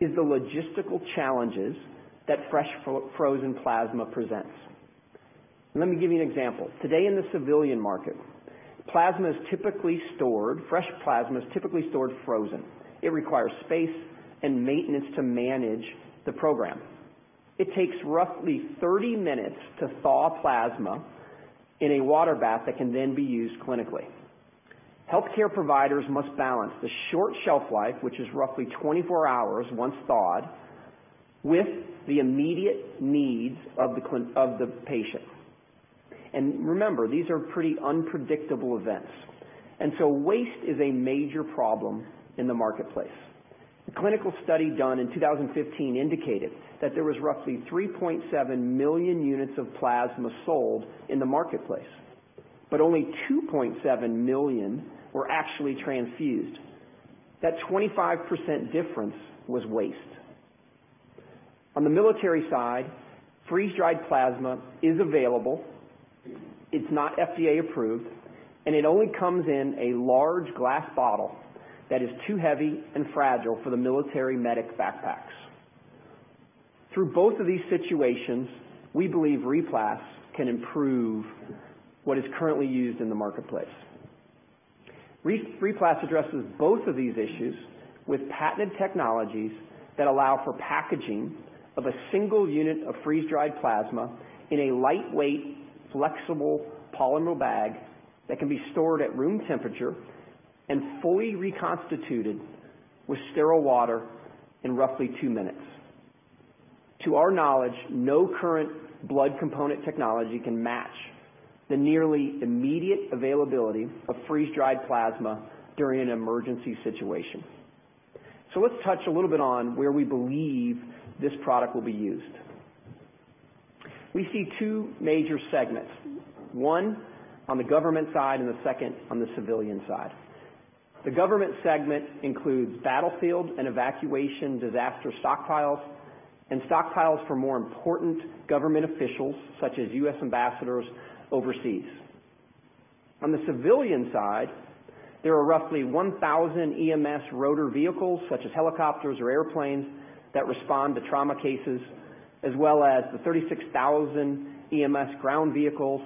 [SPEAKER 3] is the logistical challenges that fresh frozen plasma presents. Let me give you an example. Today in the civilian market, fresh plasma is typically stored frozen. It requires space and maintenance to manage the program. It takes roughly 30 minutes to thaw plasma in a water bath that can then be used clinically. Healthcare providers must balance the short shelf life, which is roughly 24 hours once thawed, with the immediate needs of the patient. Remember, these are pretty unpredictable events, waste is a major problem in the marketplace. A clinical study done in 2015 indicated that there was roughly 3.7 million units of plasma sold in the marketplace, but only 2.7 million were actually transfused. That 25% difference was waste. On the military side, freeze-dried plasma is available. It's not FDA-approved, and it only comes in a large glass bottle that is too heavy and fragile for the military medic backpacks. Through both of these situations, we believe RePlas can improve what is currently used in the marketplace. RePlas addresses both of these issues with patented technologies that allow for packaging of a single unit of freeze-dried plasma in a lightweight, flexible polymer bag that can be stored at room temperature and fully reconstituted with sterile water in roughly two minutes. To our knowledge, no current blood component technology can match the nearly immediate availability of freeze-dried plasma during an emergency situation. Let's touch a little bit on where we believe this product will be used. We see two major segments, one on the government side and the second on the civilian side. The government segment includes battlefield and evacuation disaster stockpiles and stockpiles for more important government officials, such as U.S. ambassadors overseas. On the civilian side, there are roughly 1,000 EMS rotor vehicles, such as helicopters or airplanes, that respond to trauma cases, as well as the 36,000 EMS ground vehicles.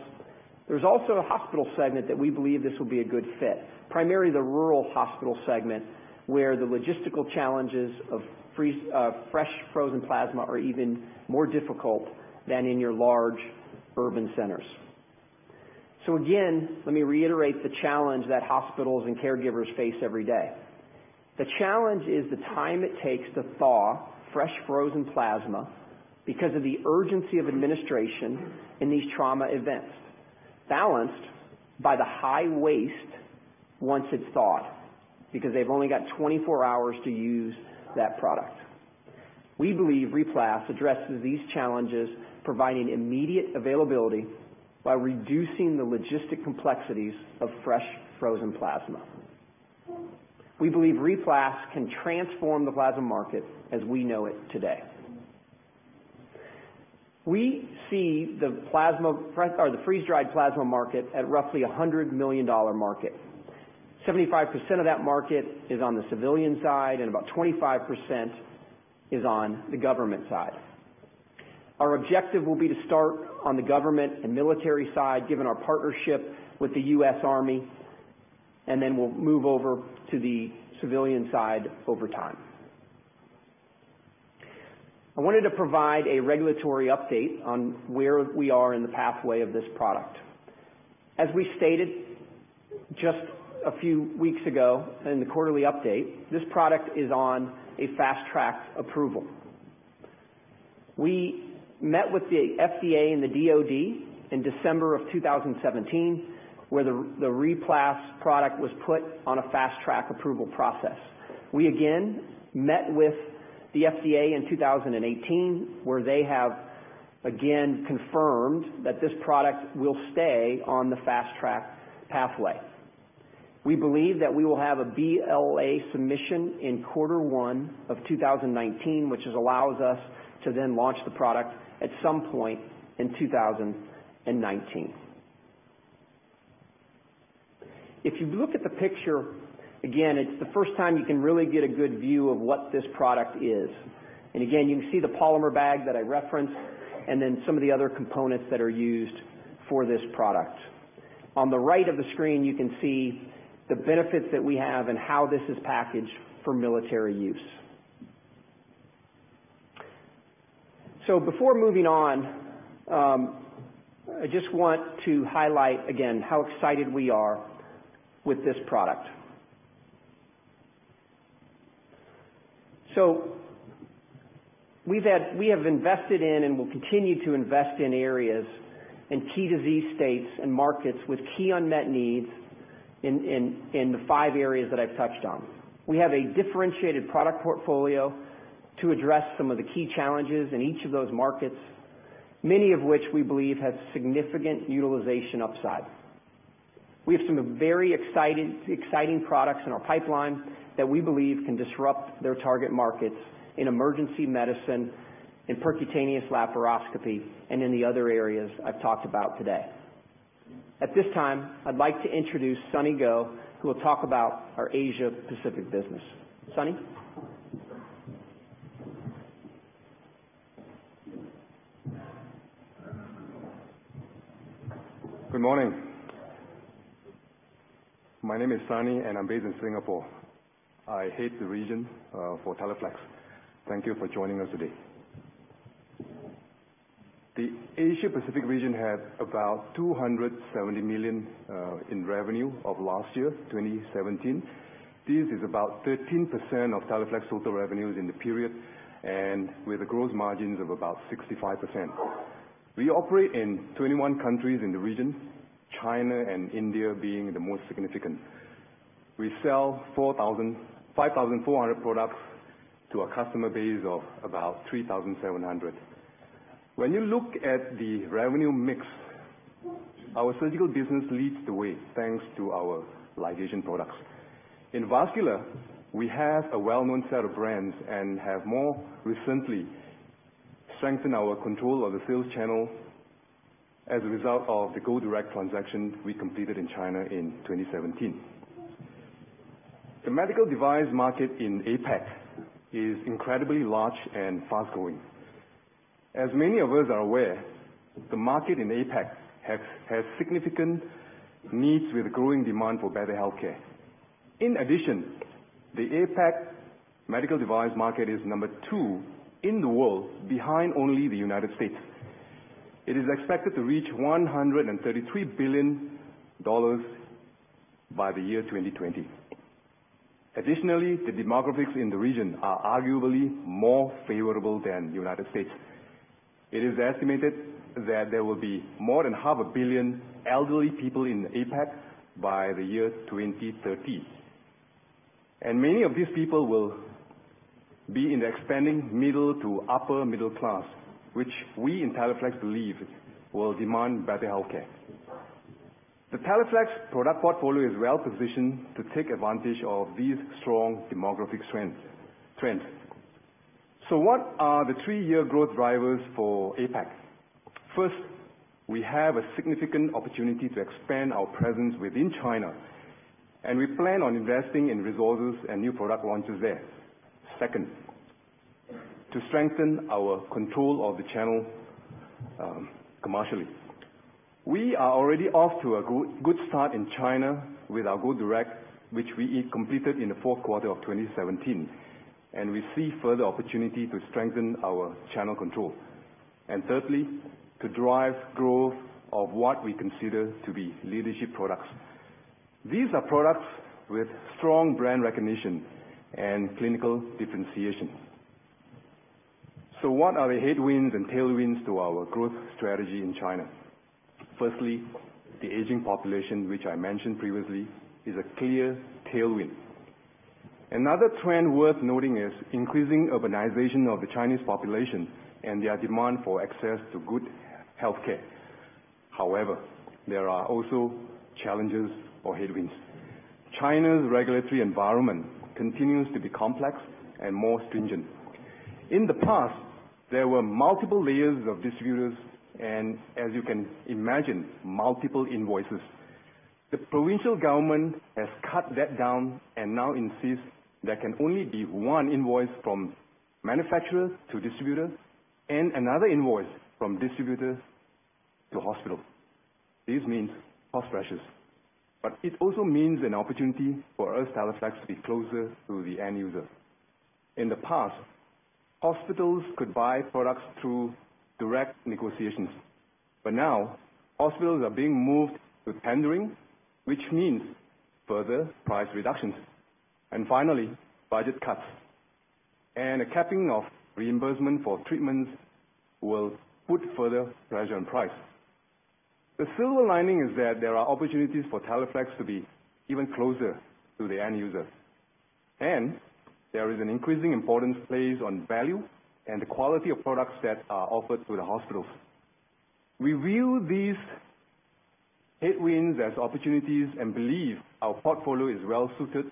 [SPEAKER 3] There's also a hospital segment that we believe this will be a good fit, primarily the rural hospital segment where the logistical challenges of fresh frozen plasma are even more difficult than in your large urban centers. Again, let me reiterate the challenge that hospitals and caregivers face every day. The challenge is the time it takes to thaw fresh frozen plasma because of the urgency of administration in these trauma events, balanced by the high waste once it's thawed, because they've only got 24 hours to use that product. We believe RePlas addresses these challenges, providing immediate availability while reducing the logistic complexities of fresh frozen plasma. We believe RePlas can transform the plasma market as we know it today. We see the freeze-dried plasma market at roughly $100 million market. 75% of that market is on the civilian side, and about 25% is on the government side. Our objective will be to start on the government and military side, given our partnership with the U.S. Army, then we'll move over to the civilian side over time. I wanted to provide a regulatory update on where we are in the pathway of this product. As we stated just a few weeks ago in the quarterly update, this product is on a fast track approval. We met with the FDA and the DoD in December of 2017, where the RePlas product was put on a fast track approval process. We again met with the FDA in 2018, where they have again confirmed that this product will stay on the fast track pathway. We believe that we will have a BLA submission in quarter one of 2019, which allows us to then launch the product at some point in 2019. If you look at the picture, again, it's the first time you can really get a good view of what this product is. Again, you can see the polymer bag that I referenced and then some of the other components that are used for this product. On the right of the screen, you can see the benefits that we have and how this is packaged for military use. Before moving on, I just want to highlight again how excited we are with this product. We have invested in and will continue to invest in areas in key disease states and markets with key unmet needs in the five areas that I've touched on. We have a differentiated product portfolio to address some of the key challenges in each of those markets, many of which we believe have significant utilization upside. We have some very exciting products in our pipeline that we believe can disrupt their target markets in emergency medicine, in percutaneous laparoscopy, and in the other areas I've talked about today. At this time, I'd like to introduce Sunny Goh, who will talk about our Asia Pacific business. Sunny?
[SPEAKER 4] Good morning. My name is Sunny, and I'm based in Singapore. I head the region for Teleflex. Thank you for joining us today. The Asia Pacific region had about $270 million in revenue of last year, 2017. This is about 13% of Teleflex total revenues in the period and with a gross margins of about 65%. We operate in 21 countries in the region, China and India being the most significant. We sell 5,400 products to a customer base of about 3,700. When you look at the revenue mix, our surgical business leads the way, thanks to our ligation products. In Vascular, we have a well-known set of brands and have more recently strengthened our control of the sales channel as a result of the Go Direct transaction we completed in China in 2017. The medical device market in APAC is incredibly large and fast-growing. As many of us are aware, the market in APAC has significant needs with growing demand for better healthcare. In addition, the APAC medical device market is number 2 in the world, behind only the U.S. It is expected to reach $133 billion by the year 2020. Additionally, the demographics in the region are arguably more favorable than U.S. It is estimated that there will be more than half a billion elderly people in APAC by the year 2030, and many of these people will be in the expanding middle to upper middle class, which we in Teleflex believe will demand better healthcare. The Teleflex product portfolio is well-positioned to take advantage of these strong demographic trends. What are the three-year growth drivers for APAC? First, we have a significant opportunity to expand our presence within China, and we plan on investing in resources and new product launches there. Second, to strengthen our control of the channel commercially. We are already off to a good start in China with our Go Direct, which we completed in the fourth quarter of 2017, and we see further opportunity to strengthen our channel control. Thirdly, to drive growth of what we consider to be leadership products. These are products with strong brand recognition and clinical differentiation. What are the headwinds and tailwinds to our growth strategy in China? Firstly, the aging population, which I mentioned previously, is a clear tailwind. Another trend worth noting is increasing urbanization of the Chinese population and their demand for access to good healthcare. However, there are also challenges or headwinds. China's regulatory environment continues to be complex and more stringent. In the past, there were multiple layers of distributors and, as you can imagine, multiple invoices. The provincial government has cut that down and now insists there can only be one invoice from manufacturers to distributors and another invoice from distributors to hospitals. This means cost pressures, but it also means an opportunity for us, Teleflex, to be closer to the end user. In the past, hospitals could buy products through direct negotiations. Now hospitals are being moved to tendering, which means further price reductions. Finally, budget cuts and a capping of reimbursement for treatments will put further pressure on price. The silver lining is that there are opportunities for Teleflex to be even closer to the end user, and there is an increasing importance placed on value and the quality of products that are offered to the hospitals. We view these headwinds as opportunities and believe our portfolio is well-suited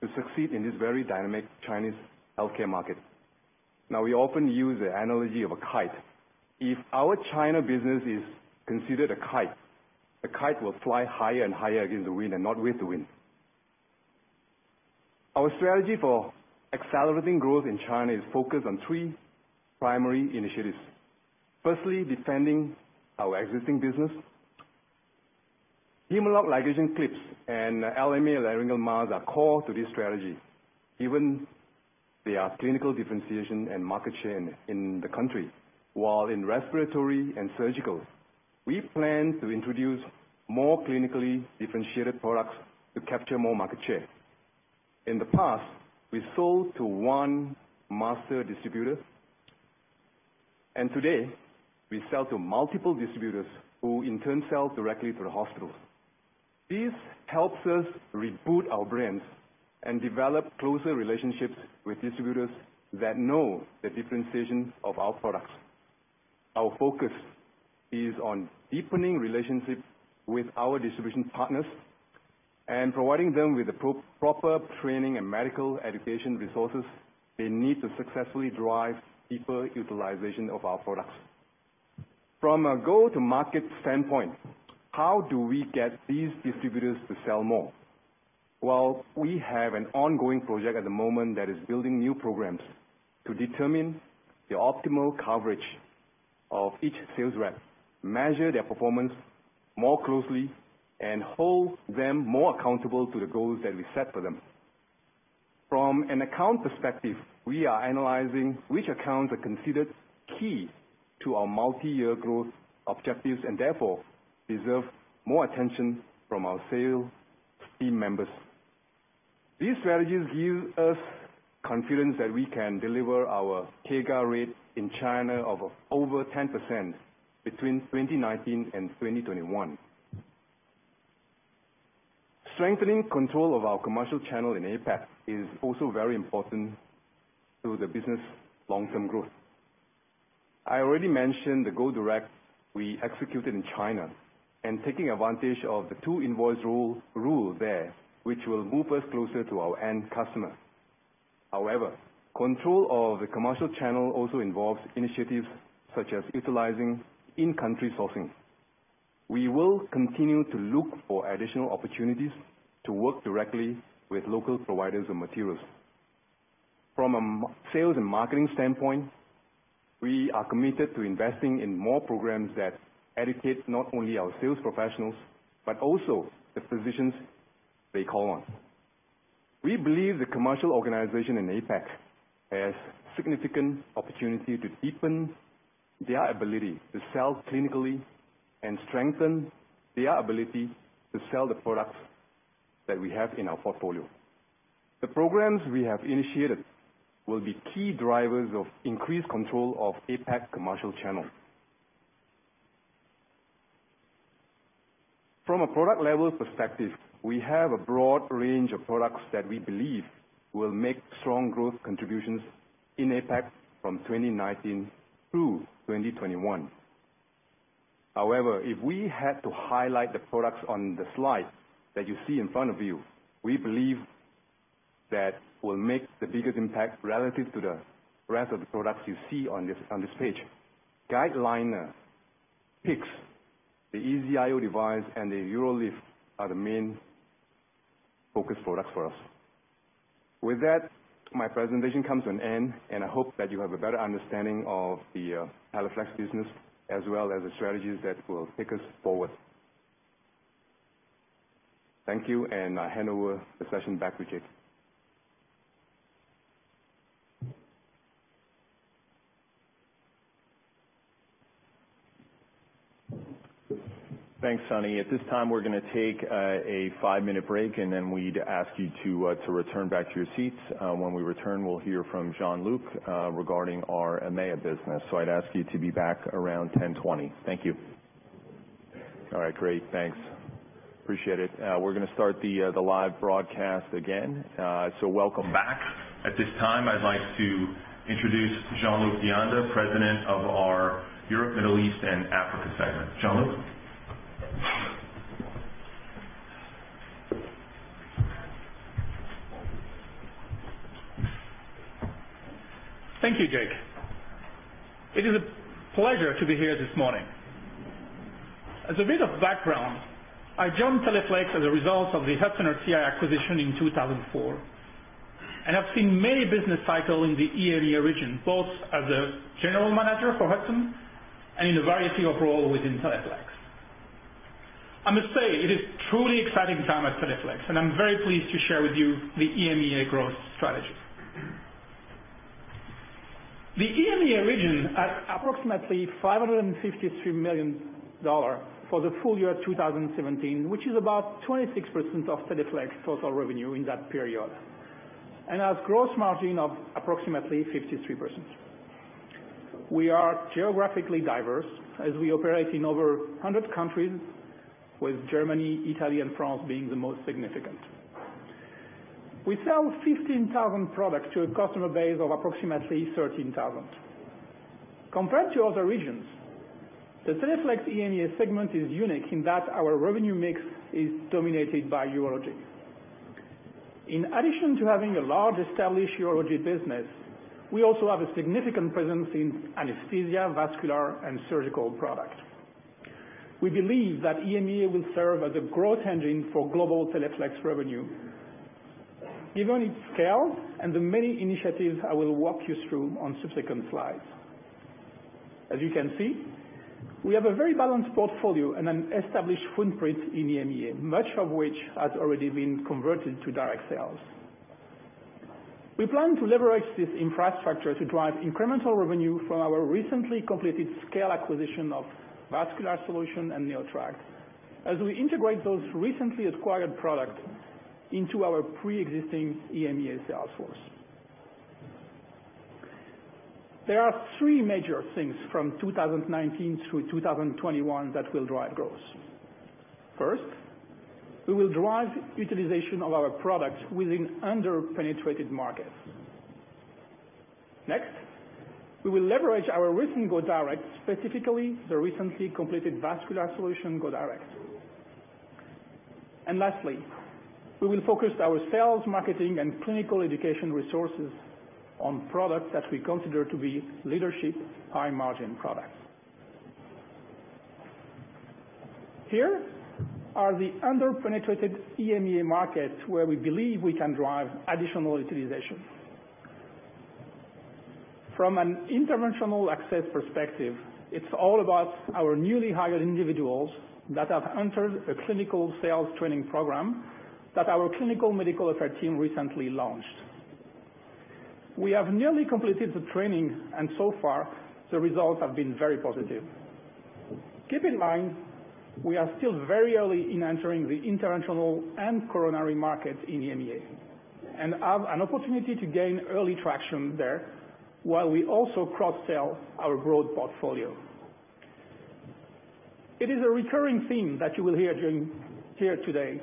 [SPEAKER 4] to succeed in this very dynamic Chinese healthcare market. Now, we often use the analogy of a kite. If our China business is considered a kite, the kite will fly higher and higher against the wind and not with the wind. Our strategy for accelerating growth in China is focused on three primary initiatives. Firstly, defending our existing business. Hem-o-lok ligation clips and LMA laryngeal mask are core to this strategy. Even there are clinical differentiation and market share in the country. While in respiratory and surgical, we plan to introduce more clinically differentiated products to capture more market share. In the past, we sold to one master distributor, and today we sell to multiple distributors who in turn sell directly to the hospitals. This helps us reboot our brands and develop closer relationships with distributors that know the differentiation of our products. Our focus is on deepening relationships with our distribution partners and providing them with the proper training and medical education resources they need to successfully drive deeper utilization of our products. From a go-to-market standpoint, how do we get these distributors to sell more? Well, we have an ongoing project at the moment that is building new programs to determine the optimal coverage of each sales rep, measure their performance more closely, and hold them more accountable to the goals that we set for them. From an account perspective, we are analyzing which accounts are considered key to our multi-year growth objectives and therefore deserve more attention from our sales team members. These strategies give us confidence that we can deliver our CAGR rate in China of over 10% between 2019 and 2021. Strengthening control of our commercial channel in APAC is also very important to the business' long-term growth. I already mentioned the Go Direct we executed in China and taking advantage of the two invoice rule there, which will move us closer to our end customer. However, control of the commercial channel also involves initiatives such as utilizing in-country sourcing. We will continue to look for additional opportunities to work directly with local providers of materials. From a sales and marketing standpoint, we are committed to investing in more programs that educate not only our sales professionals but also the physicians they call on. We believe the commercial organization in APAC has significant opportunity to deepen their ability to sell clinically and strengthen their ability to sell the products that we have in our portfolio. The programs we have initiated will be key drivers of increased control of APAC commercial channel. From a product level perspective, we have a broad range of products that we believe will make strong growth contributions in APAC from 2019 through 2021. However, if we had to highlight the products on the slide that you see in front of you, we believe that will make the biggest impact relative to the rest of the products you see on this page. GuideLiner, PICC, the EZ-IO device, and the UroLift are the main focus products for us. With that, my presentation comes to an end. I hope that you have a better understanding of the Teleflex business as well as the strategies that will take us forward. Thank you. I hand over the session back to Jake.
[SPEAKER 1] Thanks, Sunny. At this time, we're going to take a five-minute break. Then we'd ask you to return back to your seats. When we return, we'll hear from Jean-Luc regarding our EMEA business. I'd ask you to be back around 10:20. Thank you. All right, great. Thanks. Appreciate it. We're going to start the live broadcast again. Welcome back. At this time, I'd like to introduce Jean-Luc Dianda, President of our Europe, Middle East, and Africa segment. Jean-Luc?
[SPEAKER 5] Thank you, Jake. It is a pleasure to be here this morning. As a bit of background, I joined Teleflex as a result of the Hudson RCI acquisition in 2004. I've seen many business cycles in the EMEA region, both as a general manager for Hudson and in a variety of roles within Teleflex. I must say, it is truly exciting time at Teleflex. I'm very pleased to share with you the EMEA growth strategy. The EMEA region at approximately $553 million for the full year 2017, which is about 26% of Teleflex's total revenue in that period, has gross margin of approximately 53%. We are geographically diverse as we operate in over 100 countries, with Germany, Italy, and France being the most significant. We sell 15,000 products to a customer base of approximately 13,000. Compared to other regions, the Teleflex EMEA segment is unique in that our revenue mix is dominated by urology. In addition to having a large established urology business, we also have a significant presence in anesthesia, vascular, and surgical product. We believe that EMEA will serve as a growth engine for global Teleflex revenue given its scale and the many initiatives I will walk you through on subsequent slides. As you can see, we have a very balanced portfolio and an established footprint in EMEA, much of which has already been converted to direct sales. We plan to leverage this infrastructure to drive incremental revenue from our recently completed scale acquisition of Vascular Solutions and NeoTract as we integrate those recently acquired product into our preexisting EMEA sales force. There are three major things from 2019 through 2021 that will drive growth. First, we will drive utilization of our products within under-penetrated markets. Next, we will leverage our recent go direct, specifically the recently completed Vascular Solutions go direct. Lastly, we will focus our sales, marketing, and clinical education resources on products that we consider to be leadership high-margin products. Here are the under-penetrated EMEA markets where we believe we can drive additional utilization. From an interventional access perspective, it's all about our newly hired individuals that have entered a clinical sales training program that our clinical medical affairs team recently launched. We have nearly completed the training, and so far, the results have been very positive. Keep in mind, we are still very early in entering the interventional and coronary market in EMEA and have an opportunity to gain early traction there while we also cross-sell our broad portfolio. It is a recurring theme that you will hear today.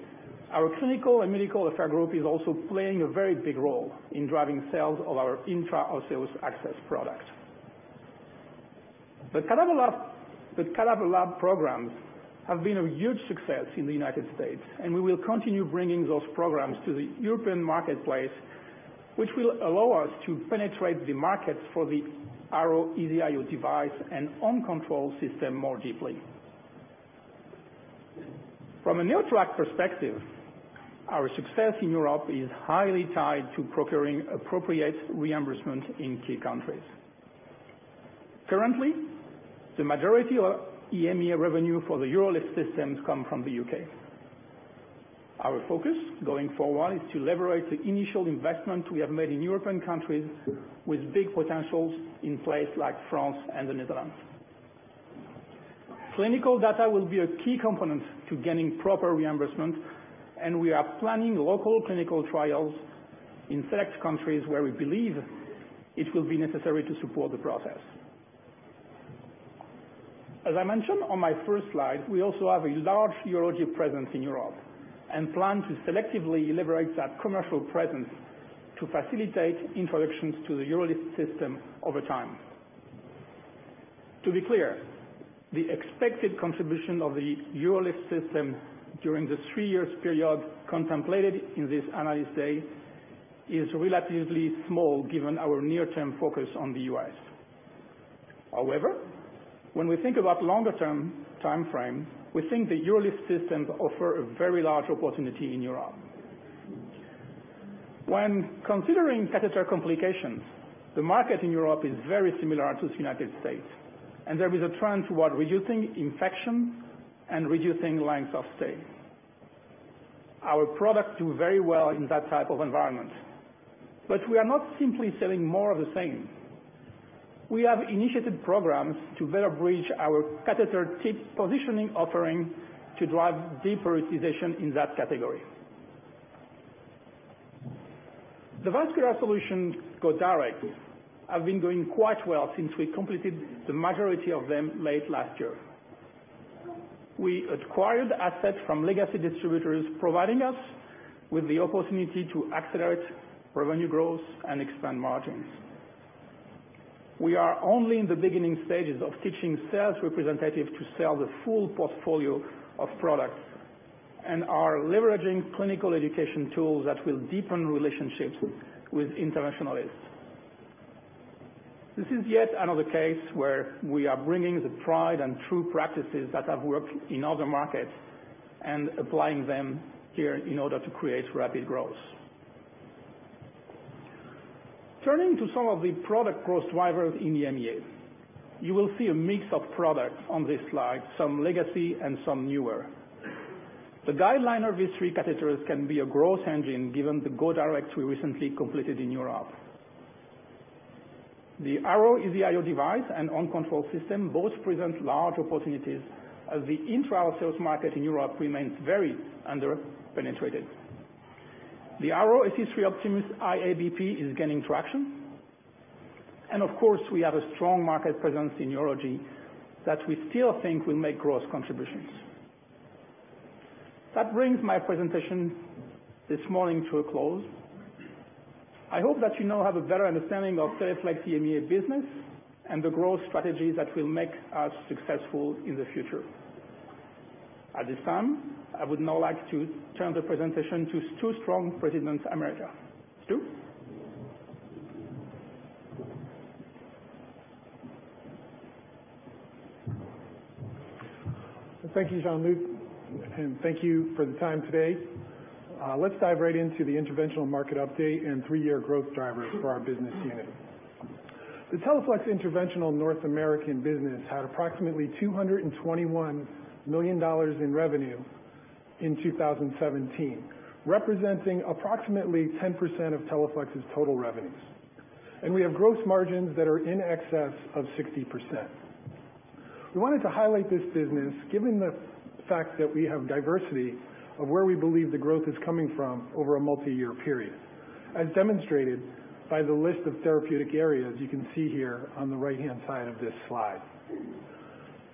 [SPEAKER 5] Our clinical and medical affairs group is also playing a very big role in driving sales of our intra-arterial access product. The Cath Lab programs have been a huge success in the U.S., and we will continue bringing those programs to the European marketplace, which will allow us to penetrate the markets for the Arrow EZ-IO device and OnControl system more deeply. From a NeoTract perspective, our success in Europe is highly tied to procuring appropriate reimbursement in key countries. Currently, the majority of EMEA revenue for the UroLift System comes from the U.K. Our focus going forward is to leverage the initial investment we have made in European countries with big potentials in place like France and the Netherlands. Clinical data will be a key component to getting proper reimbursement, and we are planning local clinical trials in select countries where we believe it will be necessary to support the process. As I mentioned on my first slide, we also have a large urology presence in Europe and plan to selectively leverage that commercial presence to facilitate introductions to the UroLift System over time. To be clear, the expected contribution of the UroLift System during the three years period contemplated in this Analyst Day is relatively small given our near-term focus on the U.S. However, when we think about longer-term time frame, we think the UroLift System offer a very large opportunity in Europe. When considering catheter complications, the market in Europe is very similar to the U.S., and there is a trend toward reducing infection and reducing length of stay. Our products do very well in that type of environment. We are not simply selling more of the same. We have initiated programs to better bridge our catheter tip positioning offering to drive deeper utilization in that category. The Vascular Solutions go-direct have been doing quite well since we completed the majority of them late last year. We acquired assets from legacy distributors, providing us with the opportunity to accelerate revenue growth and expand margins. We are only in the beginning stages of teaching sales representatives to sell the full portfolio of products and are leveraging clinical education tools that will deepen relationships with interventionalists. This is yet another case where we are bringing the tried and true practices that have worked in other markets and applying them here in order to create rapid growth. Turning to some of the product growth drivers in EMEA. You will see a mix of products on this slide, some legacy and some newer. The GuideLiner V3 Catheters can be a growth engine given the go-directs we recently completed in Europe. The Arrow EZ-IO device and OnControl system both present large opportunities as the intraoperative market in Europe remains very under-penetrated. The Arrow AC3 Optimus IABP is gaining traction. Of course, we have a strong market presence in urology that we still think will make growth contributions. That brings my presentation this morning to a close. I hope that you now have a better understanding of Teleflex EMEA business and the growth strategies that will make us successful in the future. At this time, I would now like to turn the presentation to Stew Strong, President America. Stew?
[SPEAKER 6] Thank you, Jean-Luc, and thank you for the time today. Let's dive right into the interventional market update and three-year growth drivers for our business unit. The Teleflex Interventional North American business had approximately $221 million in revenue in 2017, representing approximately 10% of Teleflex's total revenues, and we have gross margins that are in excess of 60%. We wanted to highlight this business given the fact that we have diversity of where we believe the growth is coming from over a multi-year period, as demonstrated by the list of therapeutic areas you can see here on the right-hand side of this slide.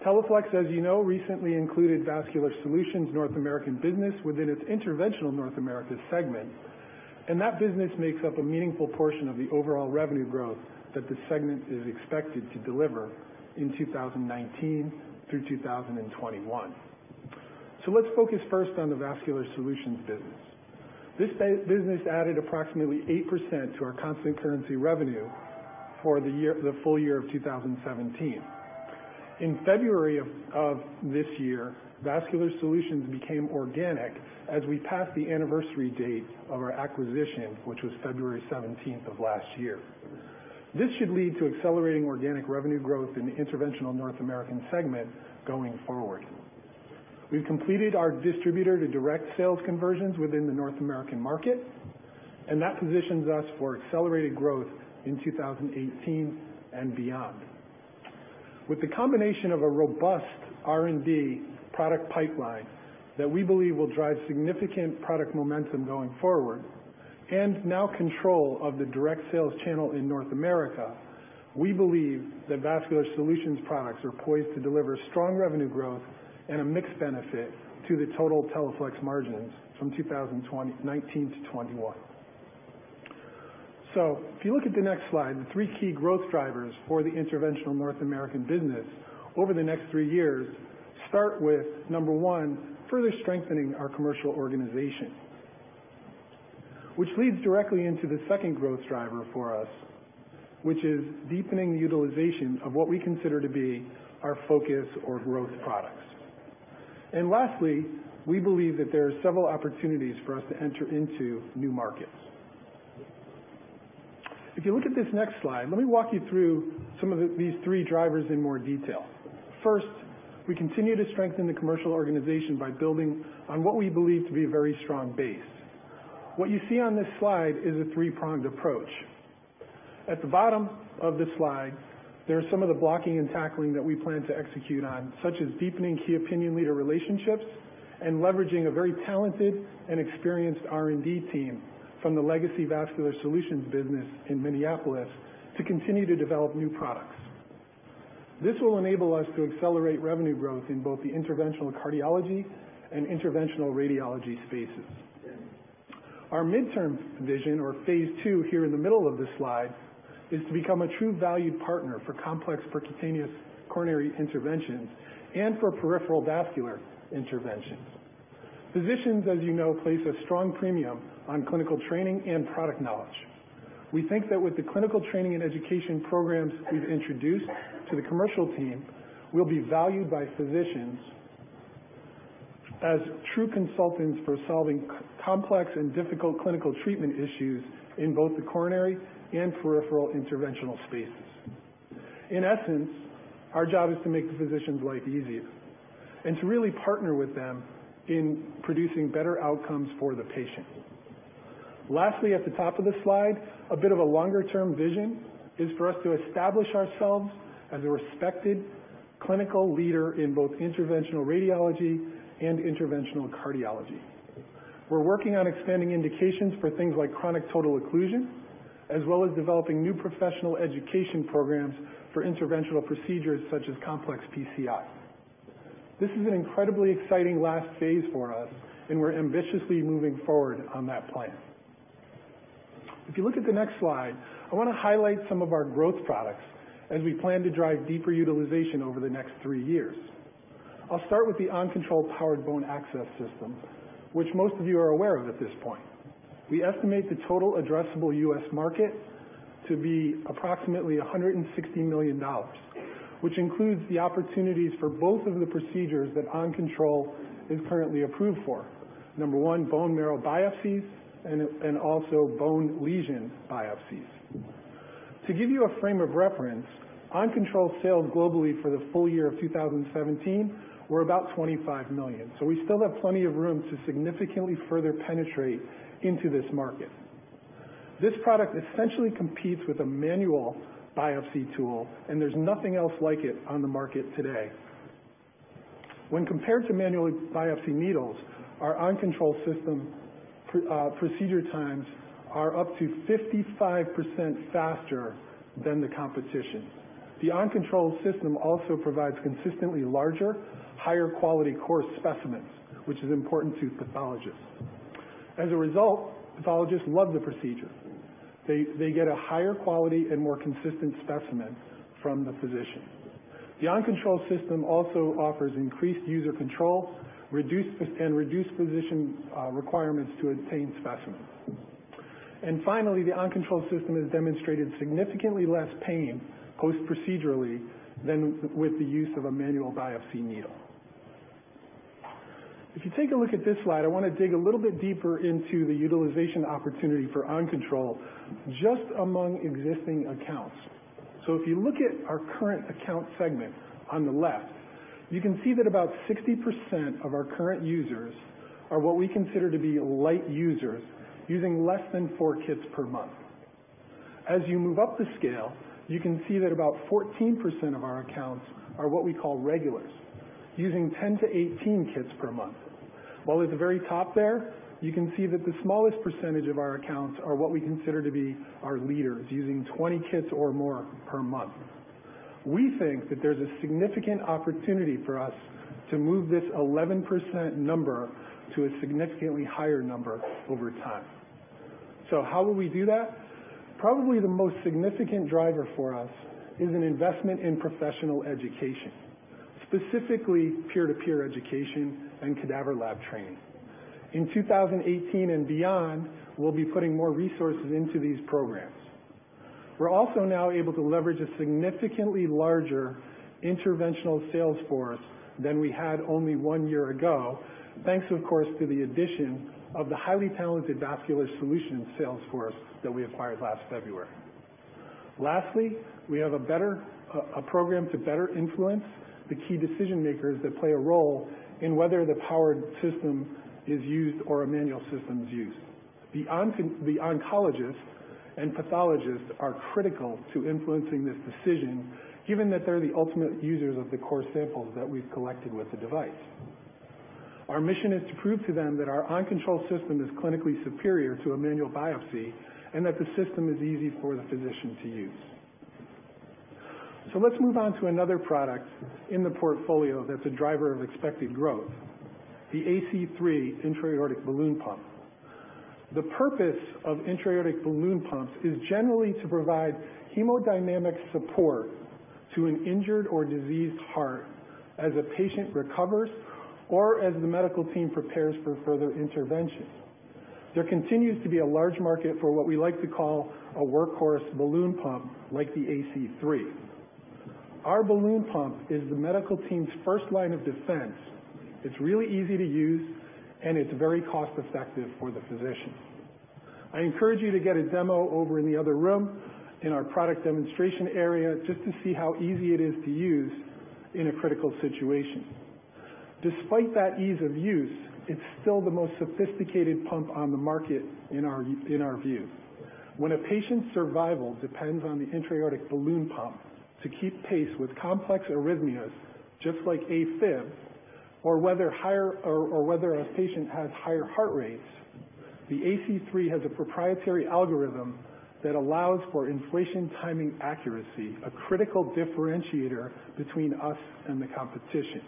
[SPEAKER 6] Teleflex, as you know, recently included Vascular Solutions North American business within its Interventional North America segment, and that business makes up a meaningful portion of the overall revenue growth that the segment is expected to deliver in 2019 through 2021. Let's focus first on the Vascular Solutions business. This business added approximately 8% to our constant currency revenue for the full year of 2017. In February of this year, Vascular Solutions became organic as we passed the anniversary date of our acquisition, which was February 17th of last year. This should lead to accelerating organic revenue growth in the Interventional North American segment going forward. We've completed our distributor-to-direct sales conversions within the North American market, and that positions us for accelerated growth in 2018 and beyond. With the combination of a robust R&D product pipeline that we believe will drive significant product momentum going forward, and now control of the direct sales channel in North America, we believe that Vascular Solutions products are poised to deliver strong revenue growth and a mixed benefit to the total Teleflex margins from 2019 to 2021. If you look at the next slide, the three key growth drivers for the Interventional North American business over the next three years start with, number one, further strengthening our commercial organization. Which leads directly into the second growth driver for us, which is deepening the utilization of what we consider to be our focus or growth products. Lastly, we believe that there are several opportunities for us to enter into new markets. If you look at this next slide, let me walk you through some of these three drivers in more detail. First, we continue to strengthen the commercial organization by building on what we believe to be a very strong base. What you see on this slide is a three-pronged approach. At the bottom of the slide, there are some of the blocking and tackling that we plan to execute on, such as deepening key opinion leader relationships and leveraging a very talented and experienced R&D team from the legacy Vascular Solutions business in Minneapolis to continue to develop new products. This will enable us to accelerate revenue growth in both the interventional cardiology and interventional radiology spaces. Our midterm vision, or phase two here in the middle of this slide, is to become a true valued partner for complex percutaneous coronary interventions and for peripheral vascular interventions. Physicians, as you know, place a strong premium on clinical training and product knowledge. We think that with the clinical training and education programs we've introduced to the commercial team, we'll be valued by physicians as true consultants for solving complex and difficult clinical treatment issues in both the coronary and peripheral interventional spaces. In essence, our job is to make the physician's life easier and to really partner with them in producing better outcomes for the patient. Lastly, at the top of the slide, a bit of a longer-term vision is for us to establish ourselves as a respected clinical leader in both interventional radiology and interventional cardiology. We're working on expanding indications for things like chronic total occlusion, as well as developing new professional education programs for interventional procedures such as complex PCI. This is an incredibly exciting last phase for us, and we're ambitiously moving forward on that plan. If you look at the next slide, I want to highlight some of our growth products as we plan to drive deeper utilization over the next three years. I'll start with the OnControl powered bone access system, which most of you are aware of at this point. We estimate the total addressable U.S. market to be approximately $160 million, which includes the opportunities for both of the procedures that OnControl is currently approved for. Number one, bone marrow biopsies and also bone lesion biopsies. To give you a frame of reference, OnControl sales globally for the full year of 2017 were about $25 million. We still have plenty of room to significantly further penetrate into this market. This product essentially competes with a manual biopsy tool, and there's nothing else like it on the market today. When compared to manual biopsy needles, our OnControl system procedure times are up to 55% faster than the competition. The OnControl system also provides consistently larger, higher quality core specimens, which is important to pathologists. As a result, pathologists love the procedure. They get a higher quality and more consistent specimen from the physician. The OnControl system also offers increased user control and reduced physician requirements to obtain specimens. Finally, the OnControl system has demonstrated significantly less pain post-procedurally than with the use of a manual biopsy needle. If you take a look at this slide, I want to dig a little bit deeper into the utilization opportunity for OnControl just among existing accounts. If you look at our current account segment on the left, you can see that about 60% of our current users are what we consider to be light users using less than four kits per month. As you move up the scale, you can see that about 14% of our accounts are what we call regulars, using 10 to 18 kits per month. While at the very top there, you can see that the smallest percentage of our accounts are what we consider to be our leaders, using 20 kits or more per month. We think that there's a significant opportunity for us to move this 11% number to a significantly higher number over time. How will we do that? Probably the most significant driver for us is an investment in professional education, specifically peer-to-peer education and cadaver lab training. In 2018 and beyond, we'll be putting more resources into these programs. We're also now able to leverage a significantly larger interventional sales force than we had only one year ago, thanks, of course, to the addition of the highly talented Vascular Solutions sales force that we acquired last February. Lastly, we have a program to better influence the key decision makers that play a role in whether the powered system is used or a manual system is used. The oncologists and pathologists are critical to influencing this decision, given that they're the ultimate users of the core samples that we've collected with the device. Our mission is to prove to them that our OnControl system is clinically superior to a manual biopsy and that the system is easy for the physician to use. Let's move on to another product in the portfolio that's a driver of expected growth, the AC3 intra-aortic balloon pump. The purpose of intra-aortic balloon pumps is generally to provide hemodynamic support to an injured or diseased heart as a patient recovers or as the medical team prepares for further intervention. There continues to be a large market for what we like to call a workhorse balloon pump like the AC3. Our balloon pump is the medical team's first line of defense. It's really easy to use, and it's very cost-effective for the physician. I encourage you to get a demo over in the other room in our product demonstration area just to see how easy it is to use in a critical situation. Despite that ease of use, it's still the most sophisticated pump on the market in our view. When a patient's survival depends on the intra-aortic balloon pump to keep pace with complex arrhythmias just like AFib or whether a patient has higher heart rates, the AC3 has a proprietary algorithm that allows for inflation timing accuracy, a critical differentiator between us and the competition.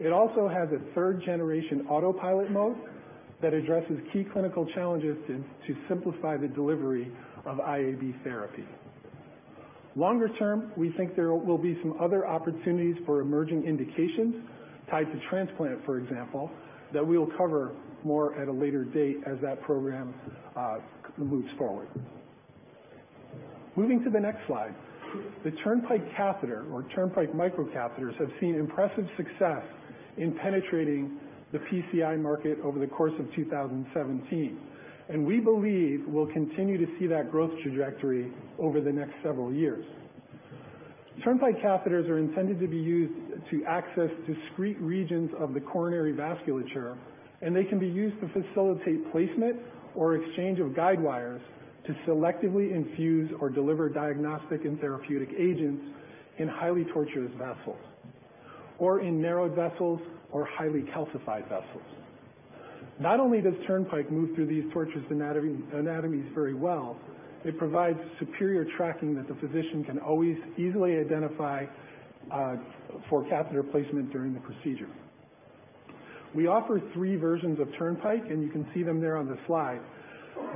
[SPEAKER 6] It also has a third-generation autopilot mode that addresses key clinical challenges to simplify the delivery of IAB therapy. Longer term, we think there will be some other opportunities for emerging indications, tied to transplant, for example, that we'll cover more at a later date as that program moves forward. Moving to the next slide. The Turnpike catheter or Turnpike micro catheters have seen impressive success in penetrating the PCI market over the course of 2017, and we believe we'll continue to see that growth trajectory over the next several years. Turnpike catheters are intended to be used to access discrete regions of the coronary vasculature. They can be used to facilitate placement or exchange of guide wires to selectively infuse or deliver diagnostic and therapeutic agents in highly tortuous vessels, or in narrowed vessels or highly calcified vessels. Not only does Turnpike move through these tortuous anatomies very well, it provides superior tracking that the physician can always easily identify for catheter placement during the procedure. We offer three versions of Turnpike, and you can see them there on the slide.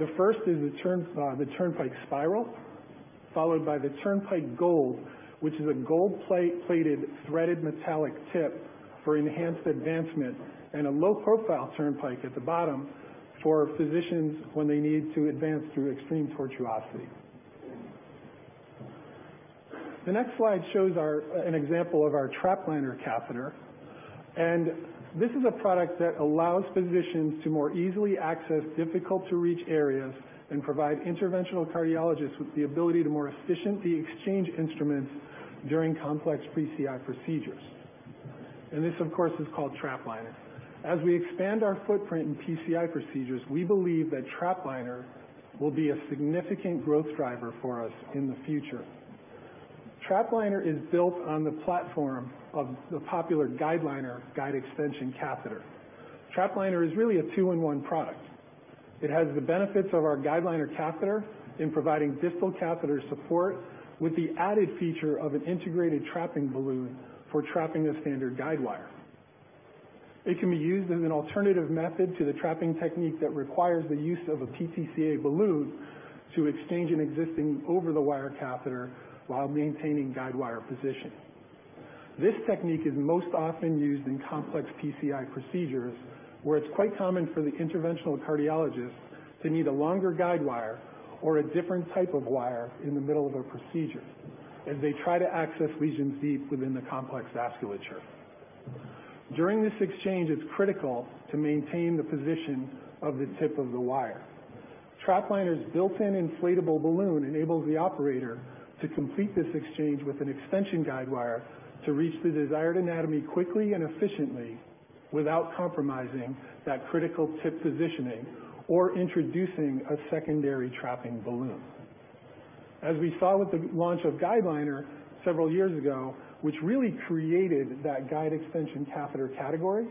[SPEAKER 6] The first is the Turnpike Spiral, followed by the Turnpike Gold, which is a gold-plated threaded metallic tip for enhanced advancement, a low-profile Turnpike at the bottom for physicians when they need to advance through extreme tortuosity. The next slide shows an example of our TrapLiner catheter. This is a product that allows physicians to more easily access difficult-to-reach areas and provide interventional cardiologists with the ability to more efficiently exchange instruments during complex PCI procedures. This, of course, is called TrapLiner. As we expand our footprint in PCI procedures, we believe that TrapLiner will be a significant growth driver for us in the future. TrapLiner is built on the platform of the popular GuideLiner guide extension catheter. TrapLiner is really a two-in-one product. It has the benefits of our GuideLiner catheter in providing distal catheter support with the added feature of an integrated trapping balloon for trapping a standard guide wire. It can be used as an alternative method to the trapping technique that requires the use of a PTCA balloon to exchange an existing over-the-wire catheter while maintaining guide wire position. This technique is most often used in complex PCI procedures, where it's quite common for the interventional cardiologist to need a longer guide wire or a different type of wire in the middle of a procedure as they try to access lesions deep within the complex vasculature. During this exchange, it's critical to maintain the position of the tip of the wire. TrapLiner's built-in inflatable balloon enables the operator to complete this exchange with an extension guide wire to reach the desired anatomy quickly and efficiently without compromising that critical tip positioning or introducing a secondary trapping balloon. As we saw with the launch of GuideLiner several years ago, which really created that guide extension catheter category,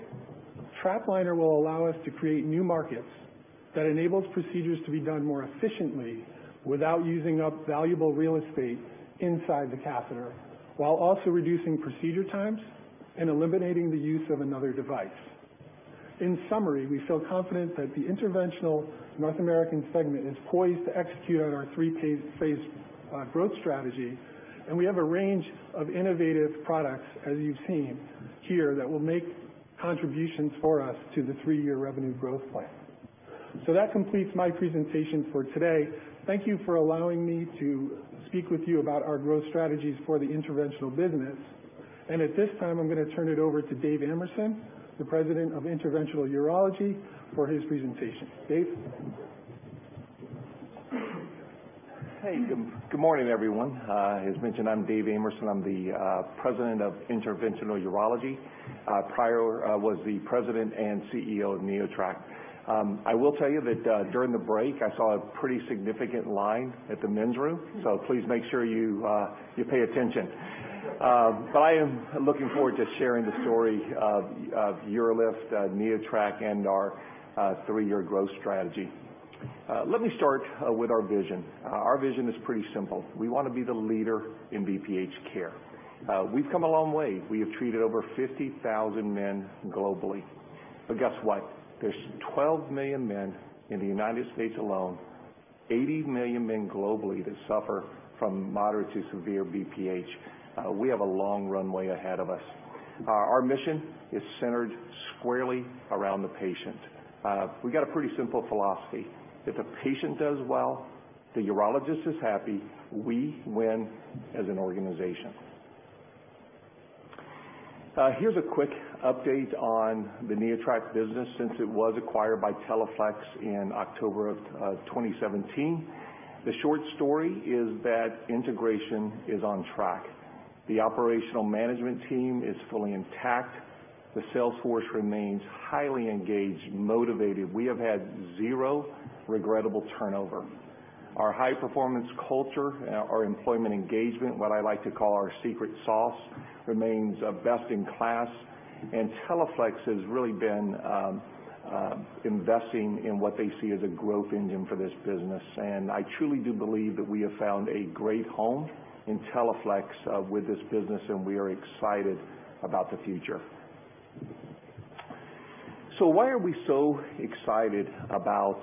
[SPEAKER 6] TrapLiner will allow us to create new markets that enables procedures to be done more efficiently without using up valuable real estate inside the catheter, while also reducing procedure times and eliminating the use of another device. In summary, we feel confident that the interventional North American segment is poised to execute on our three-phase growth strategy, and we have a range of innovative products, as you've seen here, that will make contributions for us to the three-year revenue growth plan. That completes my presentation for today. Thank you for allowing me to speak with you about our growth strategies for the interventional business. At this time, I'm going to turn it over to Dave Amerson, the President of Interventional Urology, for his presentation. Dave?
[SPEAKER 7] Hey. Good morning, everyone. As mentioned, I'm Dave Amerson. I'm the President of Interventional Urology. Prior, I was the president and CEO of NeoTract. I will tell you that during the break, I saw a pretty significant line at the men's room, so please make sure you pay attention. I am looking forward to sharing the story of UroLift, NeoTract, and our three-year growth strategy. Let me start with our vision. Our vision is pretty simple. We want to be the leader in BPH care. We've come a long way. We have treated over 50,000 men globally. Guess what? There's 12 million men in the United States alone, 80 million men globally, that suffer from moderate to severe BPH. We have a long runway ahead of us. Our mission is centered squarely around the patient. We got a pretty simple philosophy. If the patient does well, the urologist is happy, we win as an organization. Here's a quick update on the NeoTract business since it was acquired by Teleflex in October of 2017. The short story is that integration is on track. The operational management team is fully intact. The sales force remains highly engaged, motivated. We have had zero regrettable turnover. Our high-performance culture, our employment engagement, what I like to call our secret sauce, remains best in class. Teleflex has really been investing in what they see as a growth engine for this business. I truly do believe that we have found a great home in Teleflex with this business, and we are excited about the future. Why are we so excited about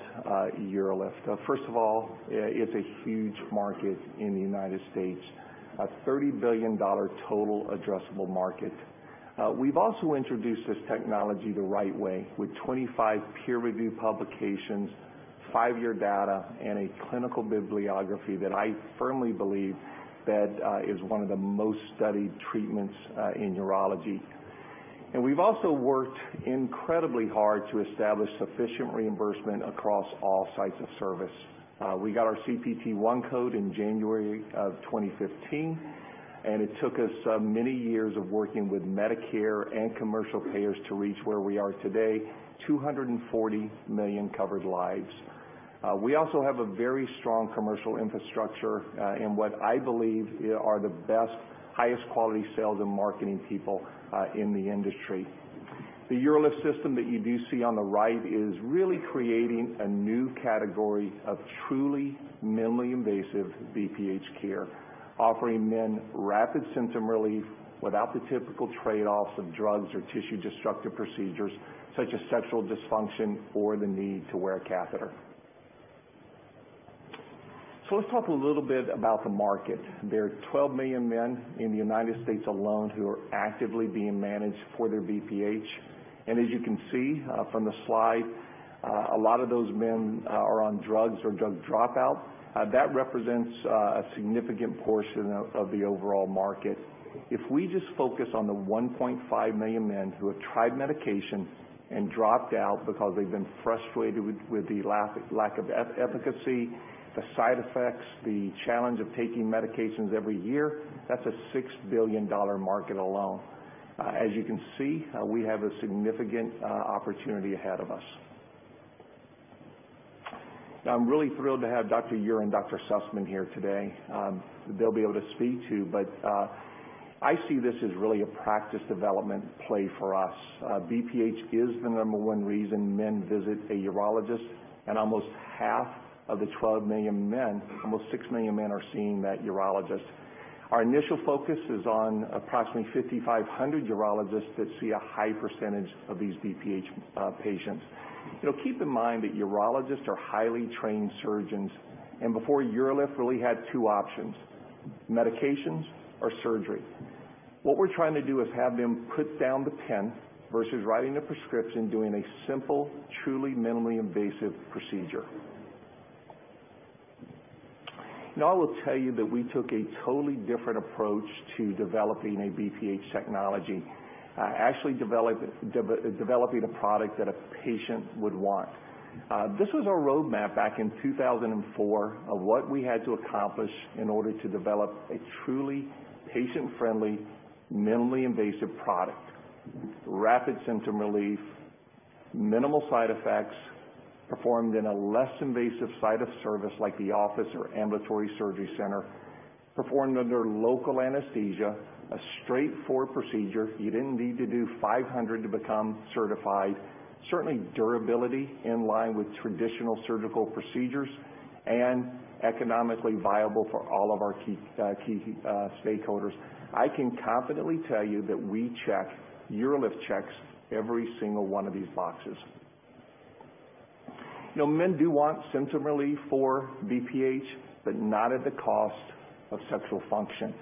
[SPEAKER 7] UroLift? First of all, it's a huge market in the United States, a $30 billion total addressable market. We've also introduced this technology the right way, with 25 peer-reviewed publications, five-year data, and a clinical bibliography that I firmly believe that is one of the most studied treatments in urology. We've also worked incredibly hard to establish sufficient reimbursement across all sites of service. We got our CPT 1 code in January of 2015, it took us many years of working with Medicare and commercial payers to reach where we are today, 240 million covered lives. We also have a very strong commercial infrastructure in what I believe are the best, highest quality sales and marketing people in the industry. The UroLift system that you do see on the right is really creating a new category of truly minimally invasive BPH care, offering men rapid symptom relief without the typical trade-offs of drugs or tissue-destructive procedures, such as sexual dysfunction or the need to wear a catheter. Let's talk a little bit about the market. There are 12 million men in the U.S. alone who are actively being managed for their BPH. As you can see from the slide, a lot of those men are on drugs or drug dropouts. That represents a significant portion of the overall market. If we just focus on the 1.5 million men who have tried medication and dropped out because they've been frustrated with the lack of efficacy, the side effects, the challenge of taking medications every year, that's a $6 billion market alone. As you can see, we have a significant opportunity ahead of us. I'm really thrilled to have Dr. Eure and Dr. Sussman here today, who they'll be able to speak to. I see this as really a practice development play for us. BPH is the number 1 reason men visit a urologist. Almost half of the 12 million men, almost 6 million men, are seeing that urologist. Our initial focus is on approximately 5,500 urologists that see a high percentage of these BPH patients. Keep in mind that urologists are highly trained surgeons. Before UroLift really had 2 options, medications or surgery. What we're trying to do is have them put down the pen versus writing a prescription, doing a simple, truly minimally invasive procedure. I will tell you that we took a totally different approach to developing a BPH technology, actually developing a product that a patient would want. This was our roadmap back in 2004 of what we had to accomplish in order to develop a truly patient-friendly, minimally invasive product. Rapid symptom relief, minimal side effects, performed in a less invasive site of service like the office or ambulatory surgery center, performed under local anesthesia, a straightforward procedure, you didn't need to do 500 to become certified. Certainly durability in line with traditional surgical procedures and economically viable for all of our key stakeholders. I can confidently tell you that we check, UroLift checks every single one of these boxes. Men do want symptom relief for BPH, but not at the cost of sexual function.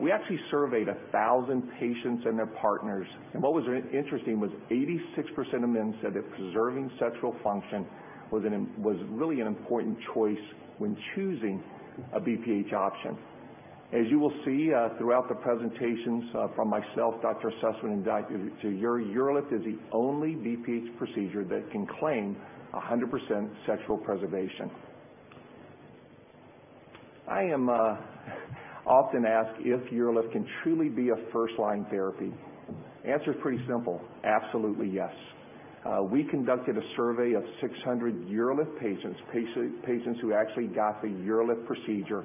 [SPEAKER 7] We actually surveyed 1,000 patients and their partners. What was interesting was 86% of men said that preserving sexual function was really an important choice when choosing a BPH option. As you will see throughout the presentations from myself, Dr. Sussman, and Dr. Eure, UroLift is the only BPH procedure that can claim 100% sexual preservation. I am often asked if UroLift can truly be a first-line therapy. Answer's pretty simple. Absolutely, yes. We conducted a survey of 600 UroLift patients who actually got the UroLift procedure,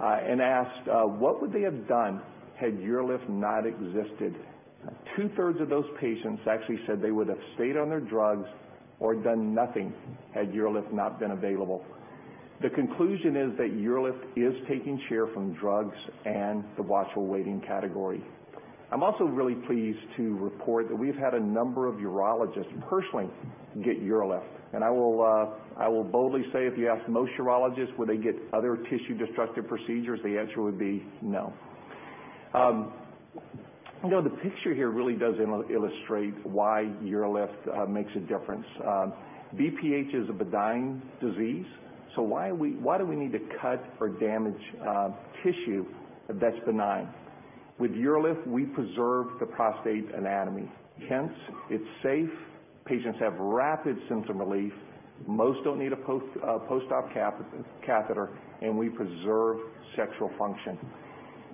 [SPEAKER 7] asked what would they have done had UroLift not existed. Two-thirds of those patients actually said they would have stayed on their drugs or done nothing had UroLift not been available. The conclusion is that UroLift is taking share from drugs and the watchful waiting category. I'm also really pleased to report that we've had a number of urologists personally get UroLift. I will boldly say, if you ask most urologists would they get other tissue-destructive procedures, the answer would be no. The picture here really does illustrate why UroLift makes a difference. BPH is a benign disease, so why do we need to cut or damage tissue that's benign? With UroLift, we preserve the prostate anatomy, hence it's safe, patients have rapid symptom relief, most don't need a post-op catheter, and we preserve sexual function.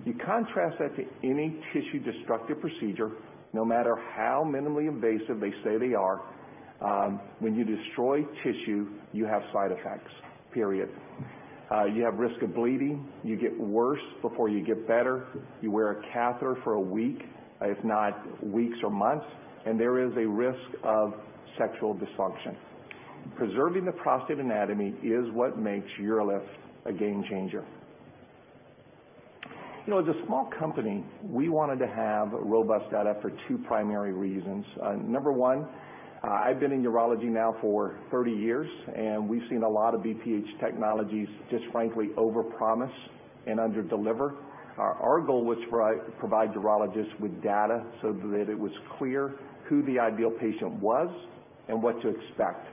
[SPEAKER 7] You contrast that to any tissue-destructive procedure, no matter how minimally invasive they say they are. When you destroy tissue, you have side effects, period. You have risk of bleeding. You get worse before you get better. You wear a catheter for 1 week, if not weeks or months, and there is a risk of sexual dysfunction. Preserving the prostate anatomy is what makes UroLift a game changer. As a small company, we wanted to have robust data for two primary reasons. Number one, I've been in urology now for 30 years, and we've seen a lot of BPH technologies just frankly overpromise and underdeliver. Our goal was to provide urologists with data so that it was clear who the ideal patient was and what to expect.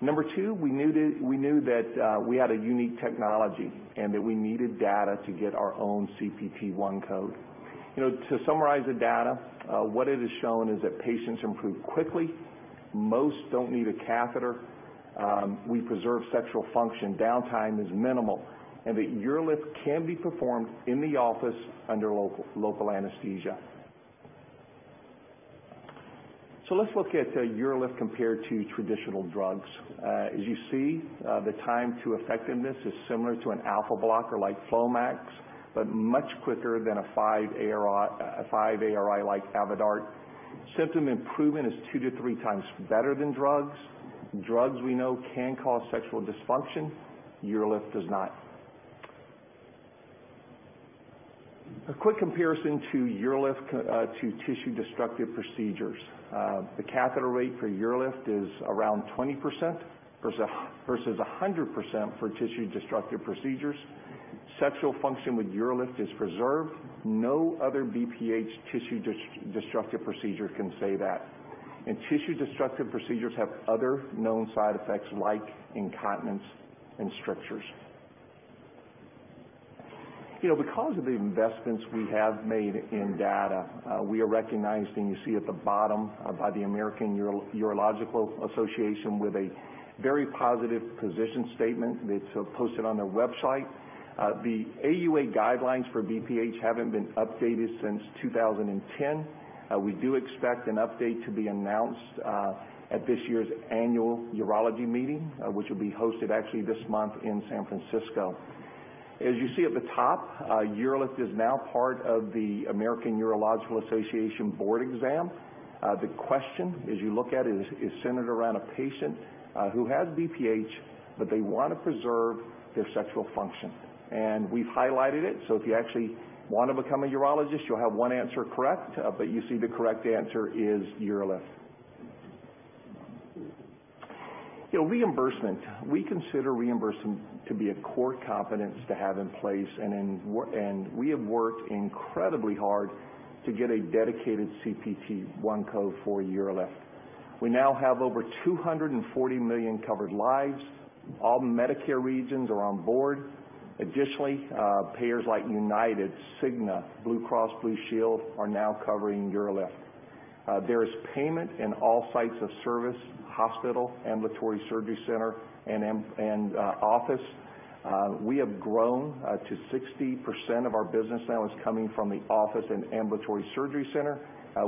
[SPEAKER 7] Number two, we knew that we had a unique technology and that we needed data to get our own CPT one code. To summarize the data, what it has shown is that patients improve quickly. Most don't need a catheter. We preserve sexual function. Downtime is minimal, and that UroLift can be performed in the office under local anesthesia. Let's look at UroLift compared to traditional drugs. As you see, the time to effectiveness is similar to an alpha blocker like Flomax, but much quicker than a 5-ARI like Avodart. Symptom improvement is two to three times better than drugs. Drugs we know can cause sexual dysfunction. UroLift does not. A quick comparison to UroLift to tissue-destructive procedures. The catheter rate for UroLift is around 20% versus 100% for tissue-destructive procedures. Sexual function with UroLift is preserved. No other BPH tissue-destructive procedure can say that. And tissue-destructive procedures have other known side effects like incontinence and strictures. Because of the investments we have made in data, we are recognized, and you see at the bottom by the American Urological Association with a very positive position statement that's posted on their website. The AUA guidelines for BPH haven't been updated since 2010. We do expect an update to be announced at this year's annual urology meeting which will be hosted actually this month in San Francisco. As you see at the top, UroLift is now part of the American Urological Association board exam. The question, as you look at it, is centered around a patient who has BPH, but they want to preserve their sexual function. We've highlighted it, so if you actually want to become a urologist, you'll have one answer correct. You see the correct answer is UroLift. Reimbursement. We consider reimbursement to be a core competence to have in place, and we have worked incredibly hard to get a dedicated CPT one code for UroLift. We now have over 240 million covered lives. All Medicare regions are on board. Additionally, payers like UnitedHealthcare, Cigna, Blue Cross Blue Shield are now covering UroLift. There is payment in all sites of service, hospital, ambulatory surgery center, and office. We have grown to 60% of our business now is coming from the office and ambulatory surgery center.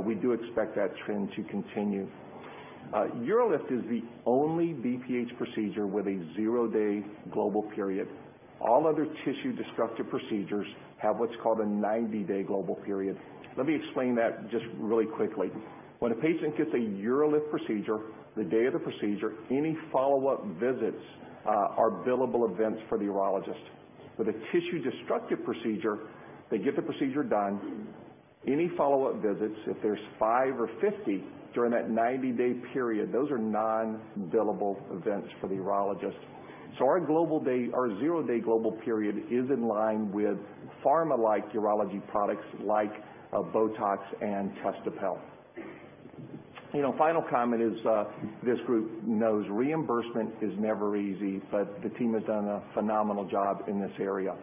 [SPEAKER 7] We do expect that trend to continue. UroLift is the only BPH procedure with a zero-day global period. All other tissue-destructive procedures have what's called a 90-day global period. Let me explain that just really quickly. When a patient gets a UroLift procedure, the day of the procedure, any follow-up visits are billable events for the urologist. With a tissue-destructive procedure, they get the procedure done. Any follow-up visits, if there's five or 50 during that 90-day period, those are non-billable events for the urologist. Our zero-day global period is in line with pharma-like urology products like BOTOX and TESTOPEL. Final comment is this group knows reimbursement is never easy, but the team has done a phenomenal job in this area.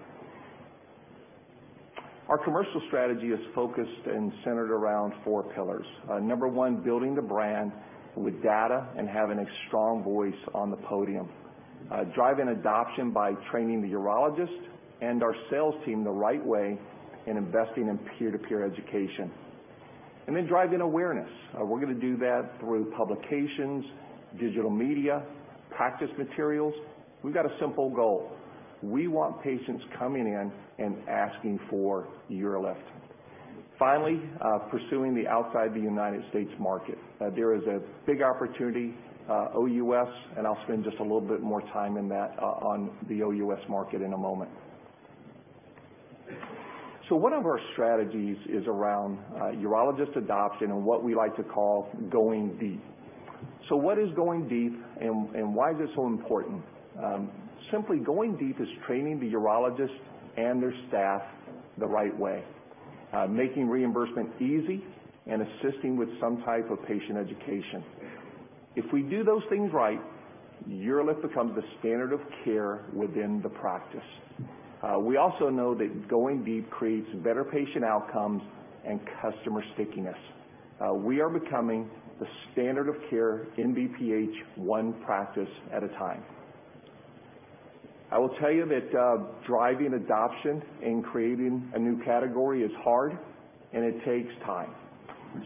[SPEAKER 7] Our commercial strategy is focused and centered around four pillars. Number one, building the brand with data and having a strong voice on the podium. Driving adoption by training the urologist and our sales team the right way and investing in peer-to-peer education. Driving awareness. We're going to do that through publications, digital media, practice materials. We've got a simple goal. We want patients coming in and asking for UroLift. Finally, pursuing the outside the United States market. There is a big opportunity, OUS. I'll spend just a little bit more time on the OUS market in a moment. One of our strategies is around urologist adoption and what we like to call going deep. What is going deep, and why is this so important? Simply, going deep is training the urologist and their staff the right way, making reimbursement easy, and assisting with some type of patient education. If we do those things right, UroLift becomes the standard of care within the practice. We also know that going deep creates better patient outcomes and customer stickiness. We are becoming the standard of care in BPH one practice at a time. I will tell you that driving adoption and creating a new category is hard and it takes time.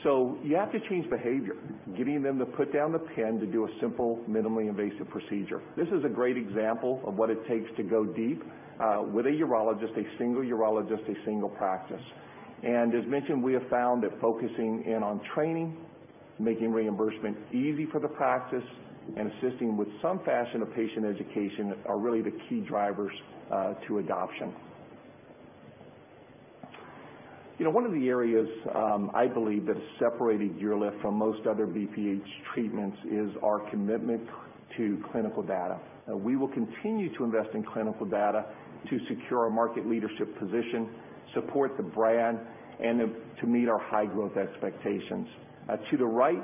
[SPEAKER 7] You have to change behavior, getting them to put down the pen to do a simple, minimally invasive procedure. This is a great example of what it takes to go deep with a urologist, a single urologist, a single practice. As mentioned, we have found that focusing in on training, making reimbursement easy for the practice, and assisting with some fashion of patient education are really the key drivers to adoption. One of the areas I believe that has separated UroLift from most other BPH treatments is our commitment to clinical data. We will continue to invest in clinical data to secure our market leadership position, support the brand, and to meet our high growth expectations. To the right,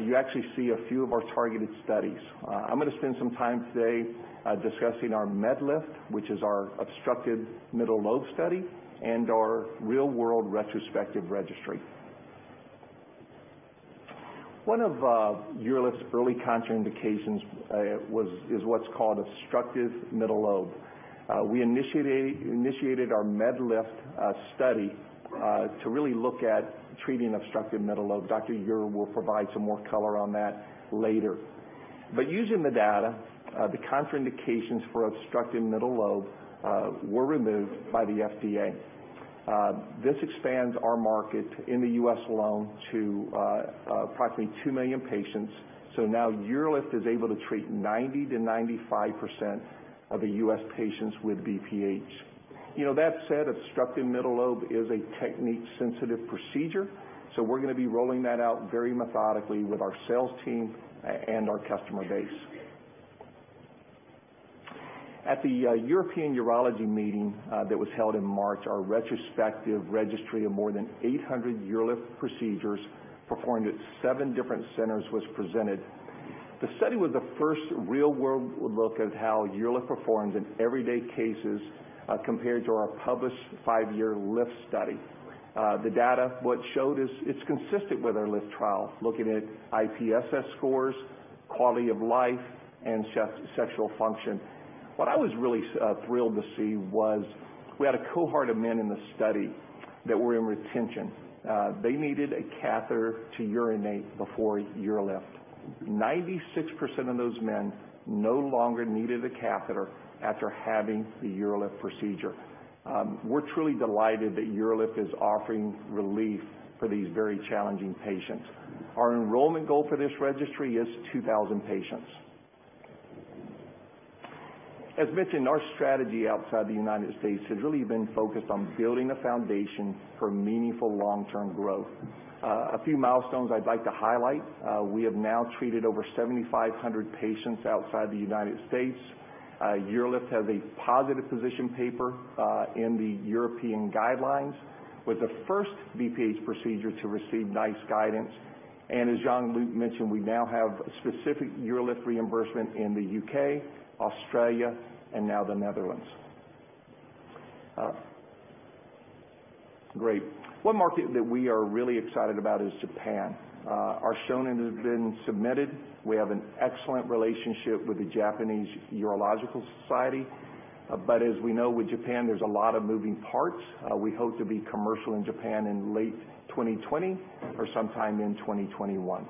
[SPEAKER 7] you actually see a few of our targeted studies. I'm going to spend some time today discussing our MedLift, which is our obstructed middle lobe study, and our real-world retrospective registry. One of UroLift's early contraindications is what's called obstructive middle lobe. We initiated our MedLift study to really look at treating obstructive middle lobe. Dr. Eure will provide some more color on that later. Using the data, the contraindications for obstructive middle lobe were removed by the FDA. This expands our market in the U.S. alone to approximately 2 million patients. Now UroLift is able to treat 90%-95% of the U.S. patients with BPH. That said, obstructive middle lobe is a technique-sensitive procedure, we're going to be rolling that out very methodically with our sales team and our customer base. At the European Urology meeting that was held in March, our retrospective registry of more than 800 UroLift procedures performed at seven different centers was presented. The study was the first real-world look at how UroLift performs in everyday cases compared to our published five-year L.I.F.T. study. The data, what showed is it's consistent with our L.I.F.T. trial, looking at IPSS scores, quality of life, and sexual function. What I was really thrilled to see was we had a cohort of men in the study that were in retention. They needed a catheter to urinate before UroLift. 96% of those men no longer needed a catheter after having the UroLift procedure. We're truly delighted that UroLift is offering relief for these very challenging patients. Our enrollment goal for this registry is 2,000 patients. As mentioned, our strategy outside the U.S. has really been focused on building a foundation for meaningful long-term growth. A few milestones I'd like to highlight. We have now treated over 7,500 patients outside the U.S. UroLift has a positive position paper in the European guidelines, was the first BPH procedure to receive NICE guidance, and as Jean-Luc mentioned, we now have specific UroLift reimbursement in the U.K., Australia, and now the Netherlands. Great. One market that we are really excited about is Japan. Our shonin has been submitted. We have an excellent relationship with the Japanese Urological Association. As we know with Japan, there's a lot of moving parts. We hope to be commercial in Japan in late 2020 or sometime in 2021.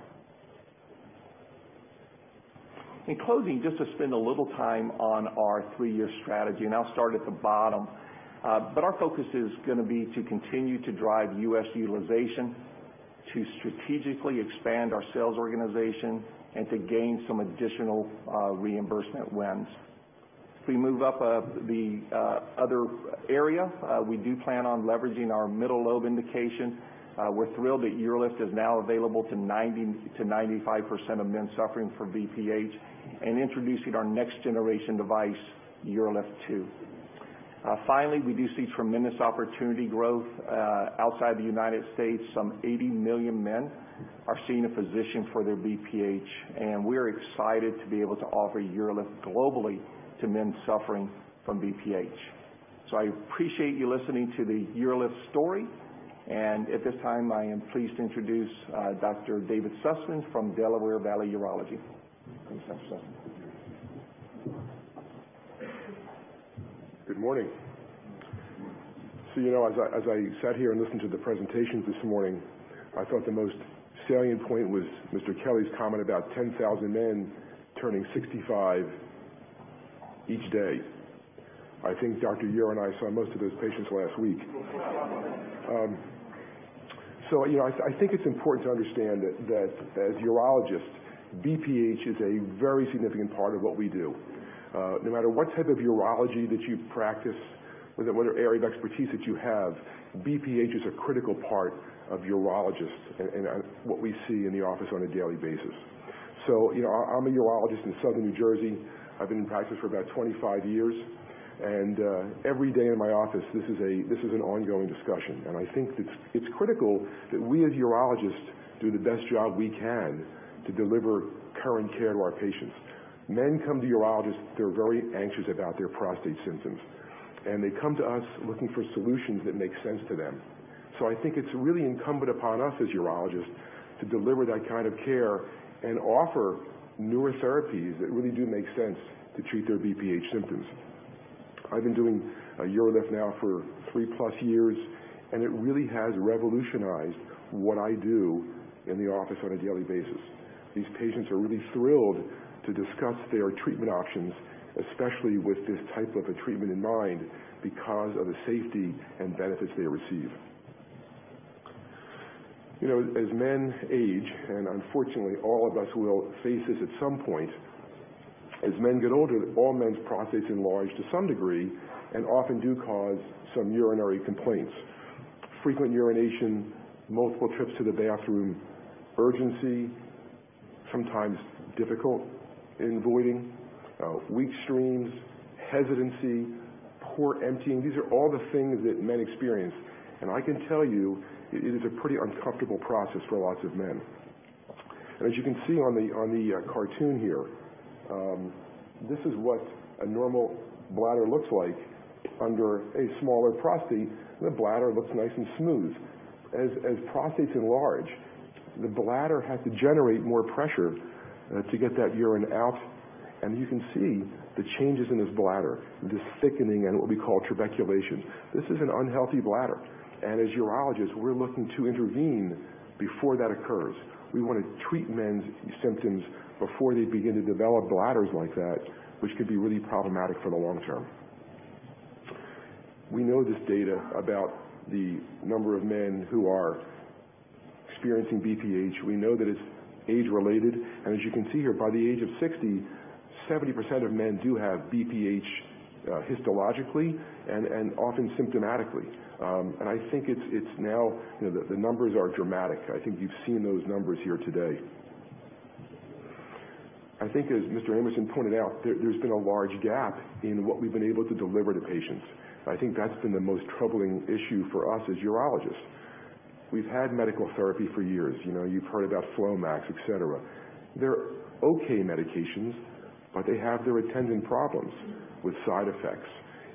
[SPEAKER 7] In closing, just to spend a little time on our three-year strategy, I'll start at the bottom. Our focus is going to be to continue to drive U.S. utilization, to strategically expand our sales organization, and to gain some additional reimbursement wins. If we move up the other area, we do plan on leveraging our middle lobe indication. We're thrilled that UroLift is now available to 90%-95% of men suffering from BPH and introducing our next generation device, UroLift 2 System. Finally, we do see tremendous opportunity growth outside the U.S. Some 80 million men are seeing a physician for their BPH, and we're excited to be able to offer UroLift globally to men suffering from BPH. I appreciate you listening to the UroLift story. At this time, I am pleased to introduce Dr. David Sussman from Delaware Valley Urology. Thanks, Jeff.
[SPEAKER 8] Good morning.
[SPEAKER 7] Good morning.
[SPEAKER 8] As I sat here and listened to the presentations this morning, I thought the most salient point was Liam Kelly's comment about 10,000 men turning 65 each day. I think Dr. Eure and I saw most of those patients last week. I think it's important to understand that as urologists, BPH is a very significant part of what we do. No matter what type of urology that you practice, whether what area of expertise that you have, BPH is a critical part of urologists and what we see in the office on a daily basis. I'm a urologist in Southern New Jersey. I've been in practice for about 25 years. Every day in my office, this is an ongoing discussion. I think that it's critical that we as urologists do the best job we can to deliver current care to our patients. Men come to urologists, they're very anxious about their prostate symptoms. They come to us looking for solutions that make sense to them. I think it's really incumbent upon us as urologists to deliver that kind of care and offer newer therapies that really do make sense to treat their BPH symptoms. I've been doing UroLift now for three-plus years, it really has revolutionized what I do in the office on a daily basis. These patients are really thrilled to discuss their treatment options, especially with this type of a treatment in mind because of the safety and benefits they receive. As men age, unfortunately, all of us will face this at some point, as men get older, all men's prostates enlarge to some degree and often do cause some urinary complaints. Frequent urination, multiple trips to the bathroom, urgency, sometimes difficult in voiding, weak streams, hesitancy, poor emptying. These are all the things that men experience, and I can tell you it is a pretty uncomfortable process for lots of men. As you can see on the cartoon here, this is what a normal bladder looks like under a smaller prostate. The bladder looks nice and smooth. As prostates enlarge, the bladder has to generate more pressure to get that urine out. You can see the changes in this bladder, this thickening and what we call trabeculation. This is an unhealthy bladder, and as urologists, we're looking to intervene before that occurs. We want to treat men's symptoms before they begin to develop bladders like that, which could be really problematic for the long term. We know this data about the number of men who are experiencing BPH. We know that it's age-related. As you can see here, by the age of 60, 70% of men do have BPH histologically and often symptomatically. I think the numbers are dramatic. I think you've seen those numbers here today. I think as Mr. Amerson pointed out, there's been a large gap in what we've been able to deliver to patients. I think that's been the most troubling issue for us as urologists. We've had medical therapy for years. You've heard about FLOMAX, et cetera. They're okay medications, but they have their attendant problems with side effects.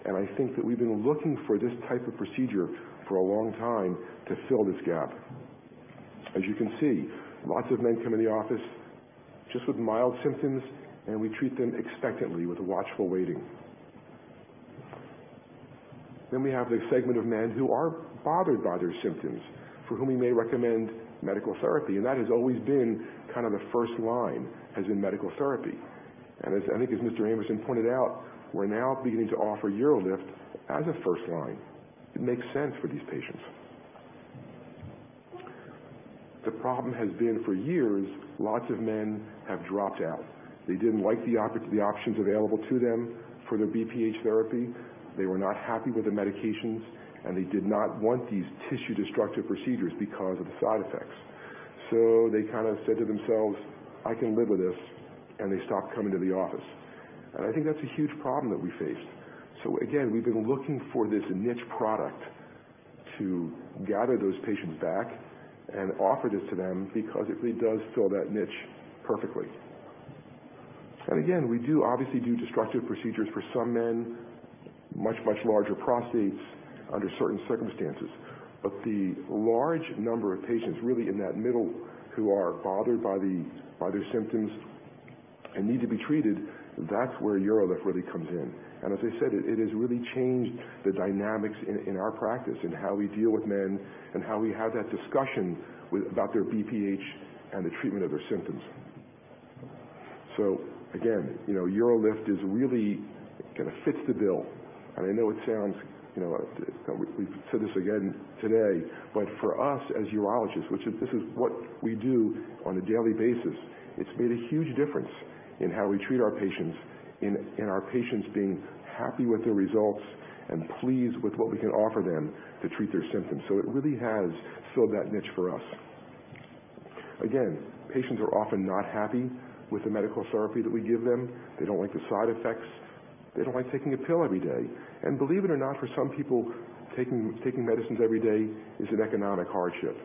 [SPEAKER 8] I think that we've been looking for this type of procedure for a long time to fill this gap. As you can see, lots of men come in the office just with mild symptoms, and we treat them expectantly with watchful waiting. We have the segment of men who are bothered by their symptoms, for whom we may recommend medical therapy, and that has always been the first line, has been medical therapy. I think as Mr. Amerson pointed out, we're now beginning to offer UroLift as a first line. It makes sense for these patients. The problem has been for years, lots of men have dropped out. They didn't like the options available to them for their BPH therapy. They were not happy with the medications, and they did not want these tissue-destructive procedures because of the side effects. They said to themselves, "I can live with this," and they stopped coming to the office. I think that's a huge problem that we faced. Again, we've been looking for this niche product to gather those patients back and offer this to them because it really does fill that niche perfectly. Again, we do obviously do destructive procedures for some men, much, much larger prostates under certain circumstances. The large number of patients really in that middle who are bothered by their symptoms and need to be treated, that's where UroLift really comes in. As I said, it has really changed the dynamics in our practice and how we deal with men and how we have that discussion about their BPH and the treatment of their symptoms. Again, UroLift is really going to fits the bill. I know we've said this again today, for us as urologists, which this is what we do on a daily basis, it's made a huge difference in how we treat our patients and our patients being happy with the results and pleased with what we can offer them to treat their symptoms. It really has filled that niche for us. Again, patients are often not happy with the medical therapy that we give them. They don't like the side effects. They don't like taking a pill every day. Believe it or not, for some people, taking medicines every day is an economic hardship.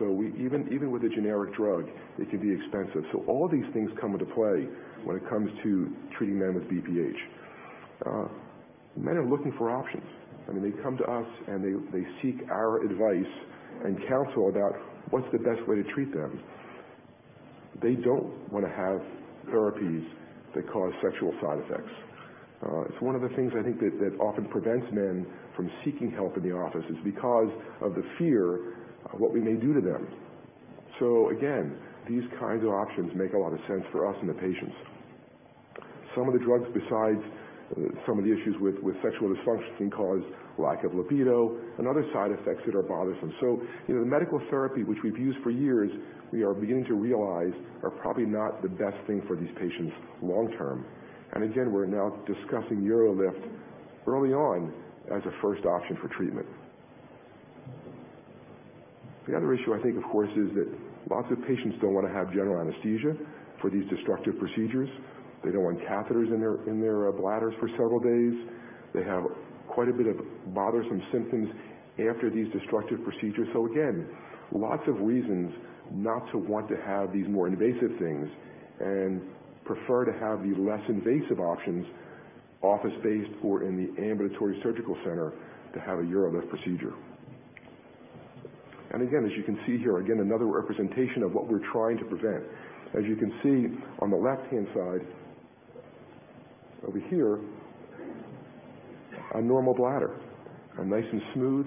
[SPEAKER 8] Even with a generic drug, it can be expensive. All these things come into play when it comes to treating men with BPH. Men are looking for options. They come to us, they seek our advice and counsel about what's the best way to treat them. They don't want to have therapies that cause sexual side effects. It's one of the things I think that often prevents men from seeking help in the office is because of the fear of what we may do to them. Again, these kinds of options make a lot of sense for us and the patients. Some of the drugs, besides some of the issues with sexual dysfunction, can cause lack of libido and other side effects that are bothersome. The medical therapy which we've used for years, we are beginning to realize are probably not the best thing for these patients long term. Again, we're now discussing UroLift early on as a first option for treatment. The other issue I think, of course, is that lots of patients don't want to have general anesthesia for these destructive procedures. They don't want catheters in their bladders for several days. They have quite a bit of bothersome symptoms after these destructive procedures. Again, lots of reasons not to want to have these more invasive things and prefer to have these less invasive options Office-based or in the ambulatory surgical center to have a UroLift procedure. Again, as you can see here, again, another representation of what we're trying to prevent. You can see on the left-hand side over here, a normal bladder. Nice and smooth.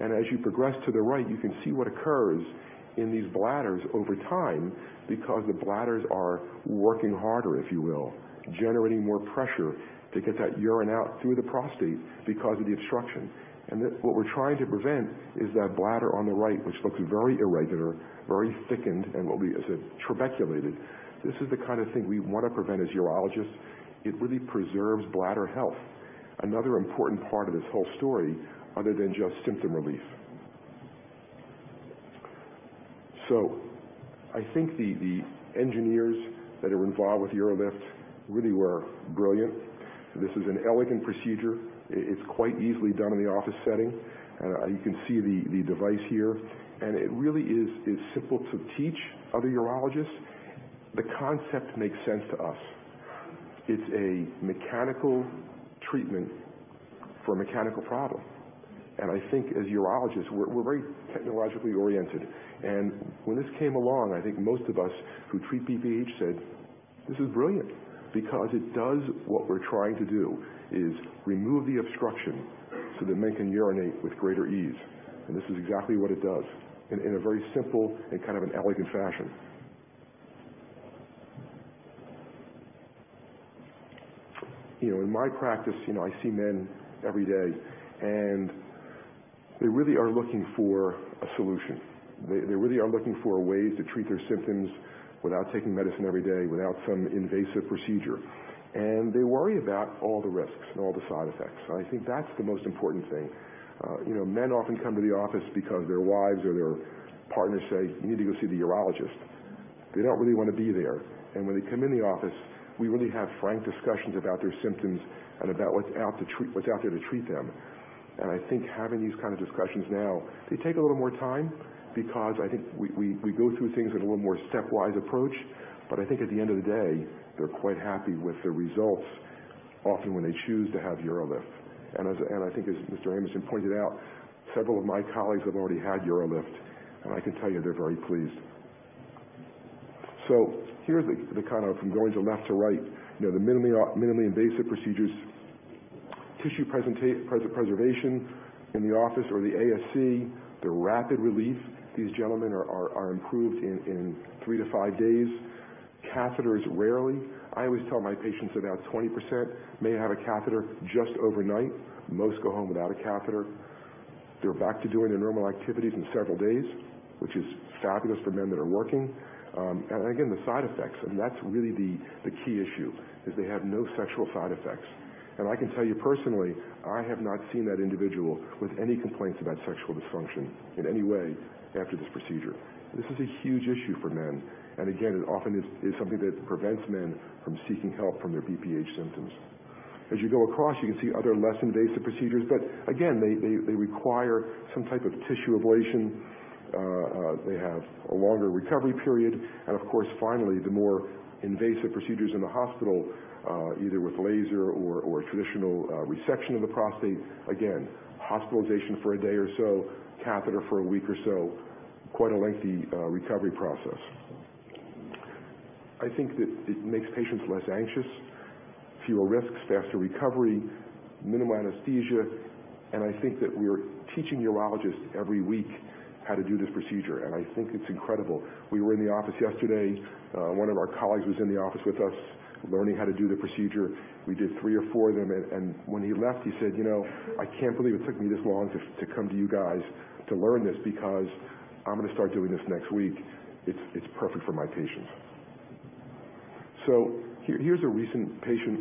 [SPEAKER 8] As you progress to the right, you can see what occurs in these bladders over time because the bladders are working harder, if you will, generating more pressure to get that urine out through the prostate because of the obstruction. What we're trying to prevent is that bladder on the right, which looks very irregular, very thickened, is trabeculated. This is the kind of thing we want to prevent as urologists. It really preserves bladder health. Another important part of this whole story other than just symptom relief. I think the engineers that are involved with UroLift really were brilliant. This is an elegant procedure. It's quite easily done in the office setting. You can see the device here, it really is simple to teach other urologists. The concept makes sense to us. It's a mechanical treatment for a mechanical problem. I think as urologists, we're very technologically oriented. When this came along, I think most of us who treat BPH said, "This is brilliant because it does what we're trying to do, is remove the obstruction so that men can urinate with greater ease." This is exactly what it does in a very simple and kind of an elegant fashion. In my practice, I see men every day, and they really are looking for a solution. They really are looking for ways to treat their symptoms without taking medicine every day, without some invasive procedure. They worry about all the risks and all the side effects. I think that's the most important thing. Men often come to the office because their wives or their partners say, "You need to go see the urologist." They don't really want to be there. When they come in the office, we really have frank discussions about their symptoms and about what's out there to treat them. I think having these kind of discussions now, they take a little more time because I think we go through things in a little more stepwise approach. I think at the end of the day, they're quite happy with the results, often when they choose to have UroLift. I think as Mr. Amerson pointed out, several of my colleagues have already had UroLift, and I can tell you they're very pleased. Here's the kind of, from going from left to right, the minimally invasive procedures, tissue preservation in the office or the ASC, the rapid relief. These gentlemen are improved in three to five days. Catheters rarely. I always tell my patients about 20% may have a catheter just overnight. Most go home without a catheter. They're back to doing their normal activities in several days, which is fabulous for men that are working. Again, the side effects, and that's really the key issue, is they have no sexual side effects. I can tell you personally, I have not seen that individual with any complaints about sexual dysfunction in any way after this procedure. This is a huge issue for men. Again, it often is something that prevents men from seeking help from their BPH symptoms. As you go across, you can see other less invasive procedures. Again, they require some type of tissue ablation. They have a longer recovery period. Of course, finally, the more invasive procedures in the hospital, either with laser or traditional resection of the prostate. Again, hospitalization for a day or so, catheter for a week or so. Quite a lengthy recovery process. I think that it makes patients less anxious, fewer risks, faster recovery, minimal anesthesia. I think that we are teaching urologists every week how to do this procedure, and I think it's incredible. We were in the office yesterday. One of our colleagues was in the office with us learning how to do the procedure. We did three or four of them, when he left, he said, "I can't believe it took me this long to come to you guys to learn this because I'm going to start doing this next week. It's perfect for my patients." Here's a recent patient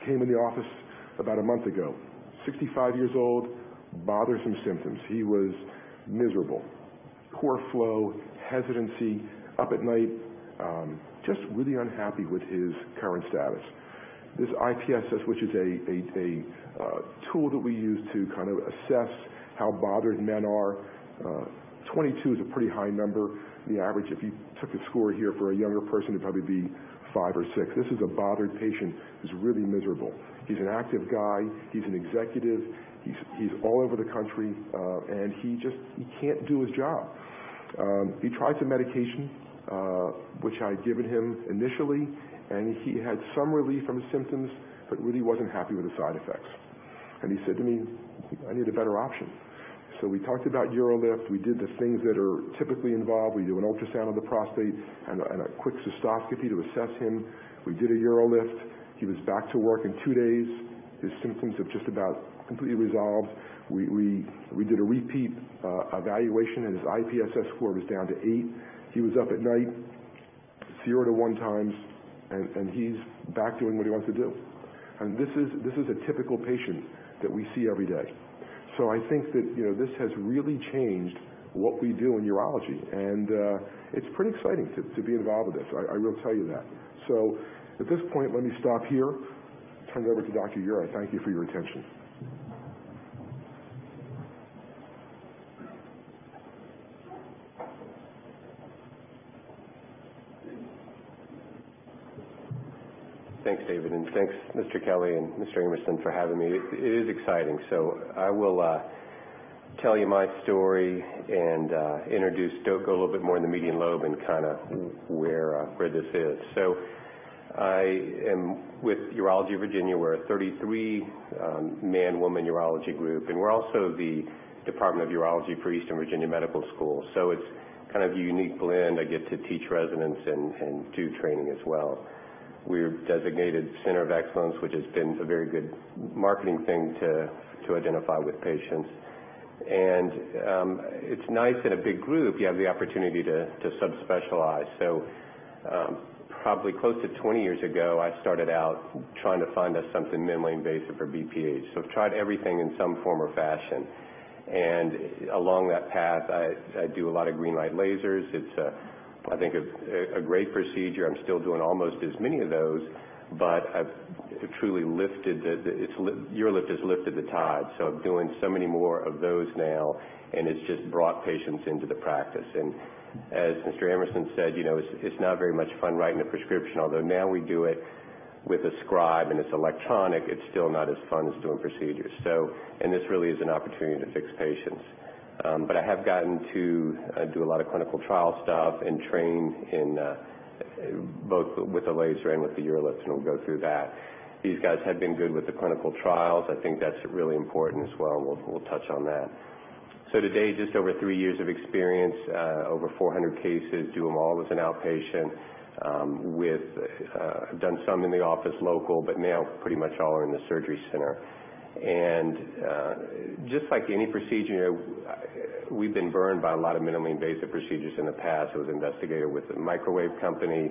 [SPEAKER 8] who came in the office about a month ago. 65 years old, bothersome symptoms. He was miserable. Poor flow, hesitancy, up at night. Just really unhappy with his current status. This IPSS, which is a tool that we use to kind of assess how bothered men are. 22 is a pretty high number. The average, if you took a score here for a younger person, it'd probably be five or six. This is a bothered patient who's really miserable. He's an active guy. He's an executive. He's all over the country. He just can't do his job. He tried some medication, which I had given him initially, and he had some relief from his symptoms but really wasn't happy with the side effects. He said to me, "I need a better option." We talked about UroLift. We did the things that are typically involved. We do an ultrasound of the prostate and a quick cystoscopy to assess him. We did a UroLift. He was back to work in two days. His symptoms have just about completely resolved. We did a repeat evaluation, and his IPSS score was down to eight. He was up at night zero to one times, and he's back doing what he wants to do. This is a typical patient that we see every day. I think that this has really changed what we do in urology, and it's pretty exciting to be involved with this. I will tell you that. At this point, let me stop here, turn it over to Dr. Eure. Thank you for your attention.
[SPEAKER 9] Thanks, David, and thanks, Mr. Kelly and Mr. Amerson, for having me. It is exciting. I will tell you my story and introduce [Doko] a little bit more in the median lobe and where this is. I am with Urology of Virginia. We're a 33 man, woman urology group, and we're also the Department of Urology for Eastern Virginia Medical School. It's a unique blend. I get to teach residents and do training as well. We're a designated center of excellence, which has been a very good marketing thing to identify with patients. It's nice in a big group, you have the opportunity to sub-specialize. Probably close to 20 years ago, I started out trying to find us something minimally invasive for BPH. I've tried everything in some form or fashion. Along that path, I do a lot of green light lasers. It's, I think, a great procedure. I'm still doing almost as many of those, UroLift has lifted the tide. I'm doing so many more of those now, it's just brought patients into the practice. As Mr. Amerson said, it's not very much fun writing a prescription, although now we do it with a scribe and it's electronic. It's still not as fun as doing procedures. This really is an opportunity to fix patients. I have gotten to do a lot of clinical trial stuff and train both with the laser and with the UroLift. We'll go through that. These guys have been good with the clinical trials. I think that's really important as well. We'll touch on that. To date, just over three years of experience, over 400 cases, do them all as an outpatient. I've done some in the office local, but now pretty much all are in the surgery center. Just like any procedure, we've been burned by a lot of minimally invasive procedures in the past. I was investigated with a microwave company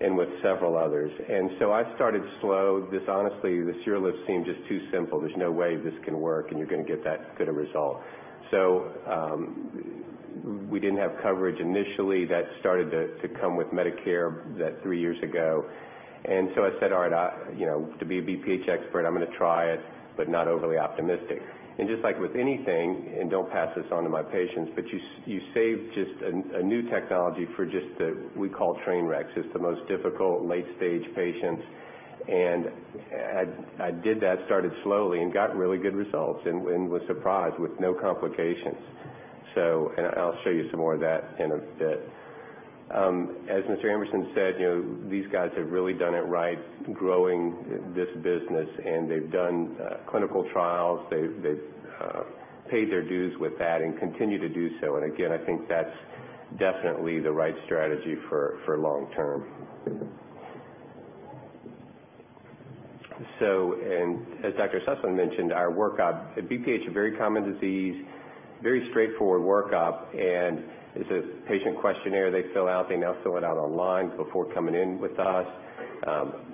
[SPEAKER 9] and with several others. I started slow. Honestly, this UroLift seemed just too simple. There's no way this can work and you're going to get that good a result. We didn't have coverage initially. That started to come with Medicare three years ago. I said, "All right, to be a BPH expert, I'm going to try it," but not overly optimistic. Just like with anything, and don't pass this on to my patients, but you save a new technology for just the, we call train wrecks. It's the most difficult late-stage patients. I did that, started slowly and got really good results and was surprised with no complications. I'll show you some more of that in a bit. As Mr. Amerson said, these guys have really done it right growing this business, and they've done clinical trials. They've paid their dues with that and continue to do so. Again, I think that's definitely the right strategy for long term. As Dr. Sussman mentioned, our workup. BPH, a very common disease, very straightforward workup. It's a patient questionnaire they fill out. They now fill it out online before coming in with us.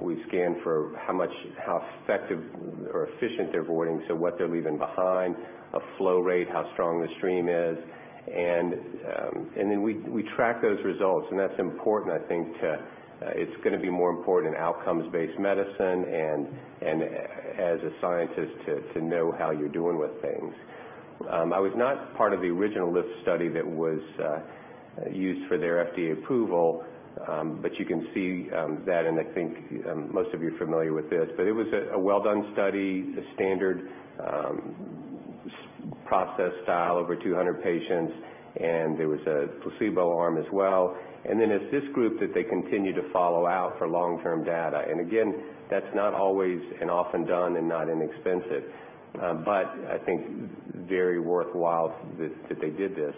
[SPEAKER 9] We scan for how effective or efficient they're voiding, so what they're leaving behind, a flow rate, how strong the stream is. Then we track those results, and that's important, I think. It's going to be more important in outcomes-based medicine and as a scientist to know how you're doing with things. I was not part of the original LIFT study that was used for their FDA approval. You can see that, and I think most of you are familiar with this. It was a well-done study, the standard process style, over 200 patients, and there was a placebo arm as well. It's this group that they continue to follow out for long-term data. Again, that's not always and often done and not inexpensive. I think very worthwhile that they did this.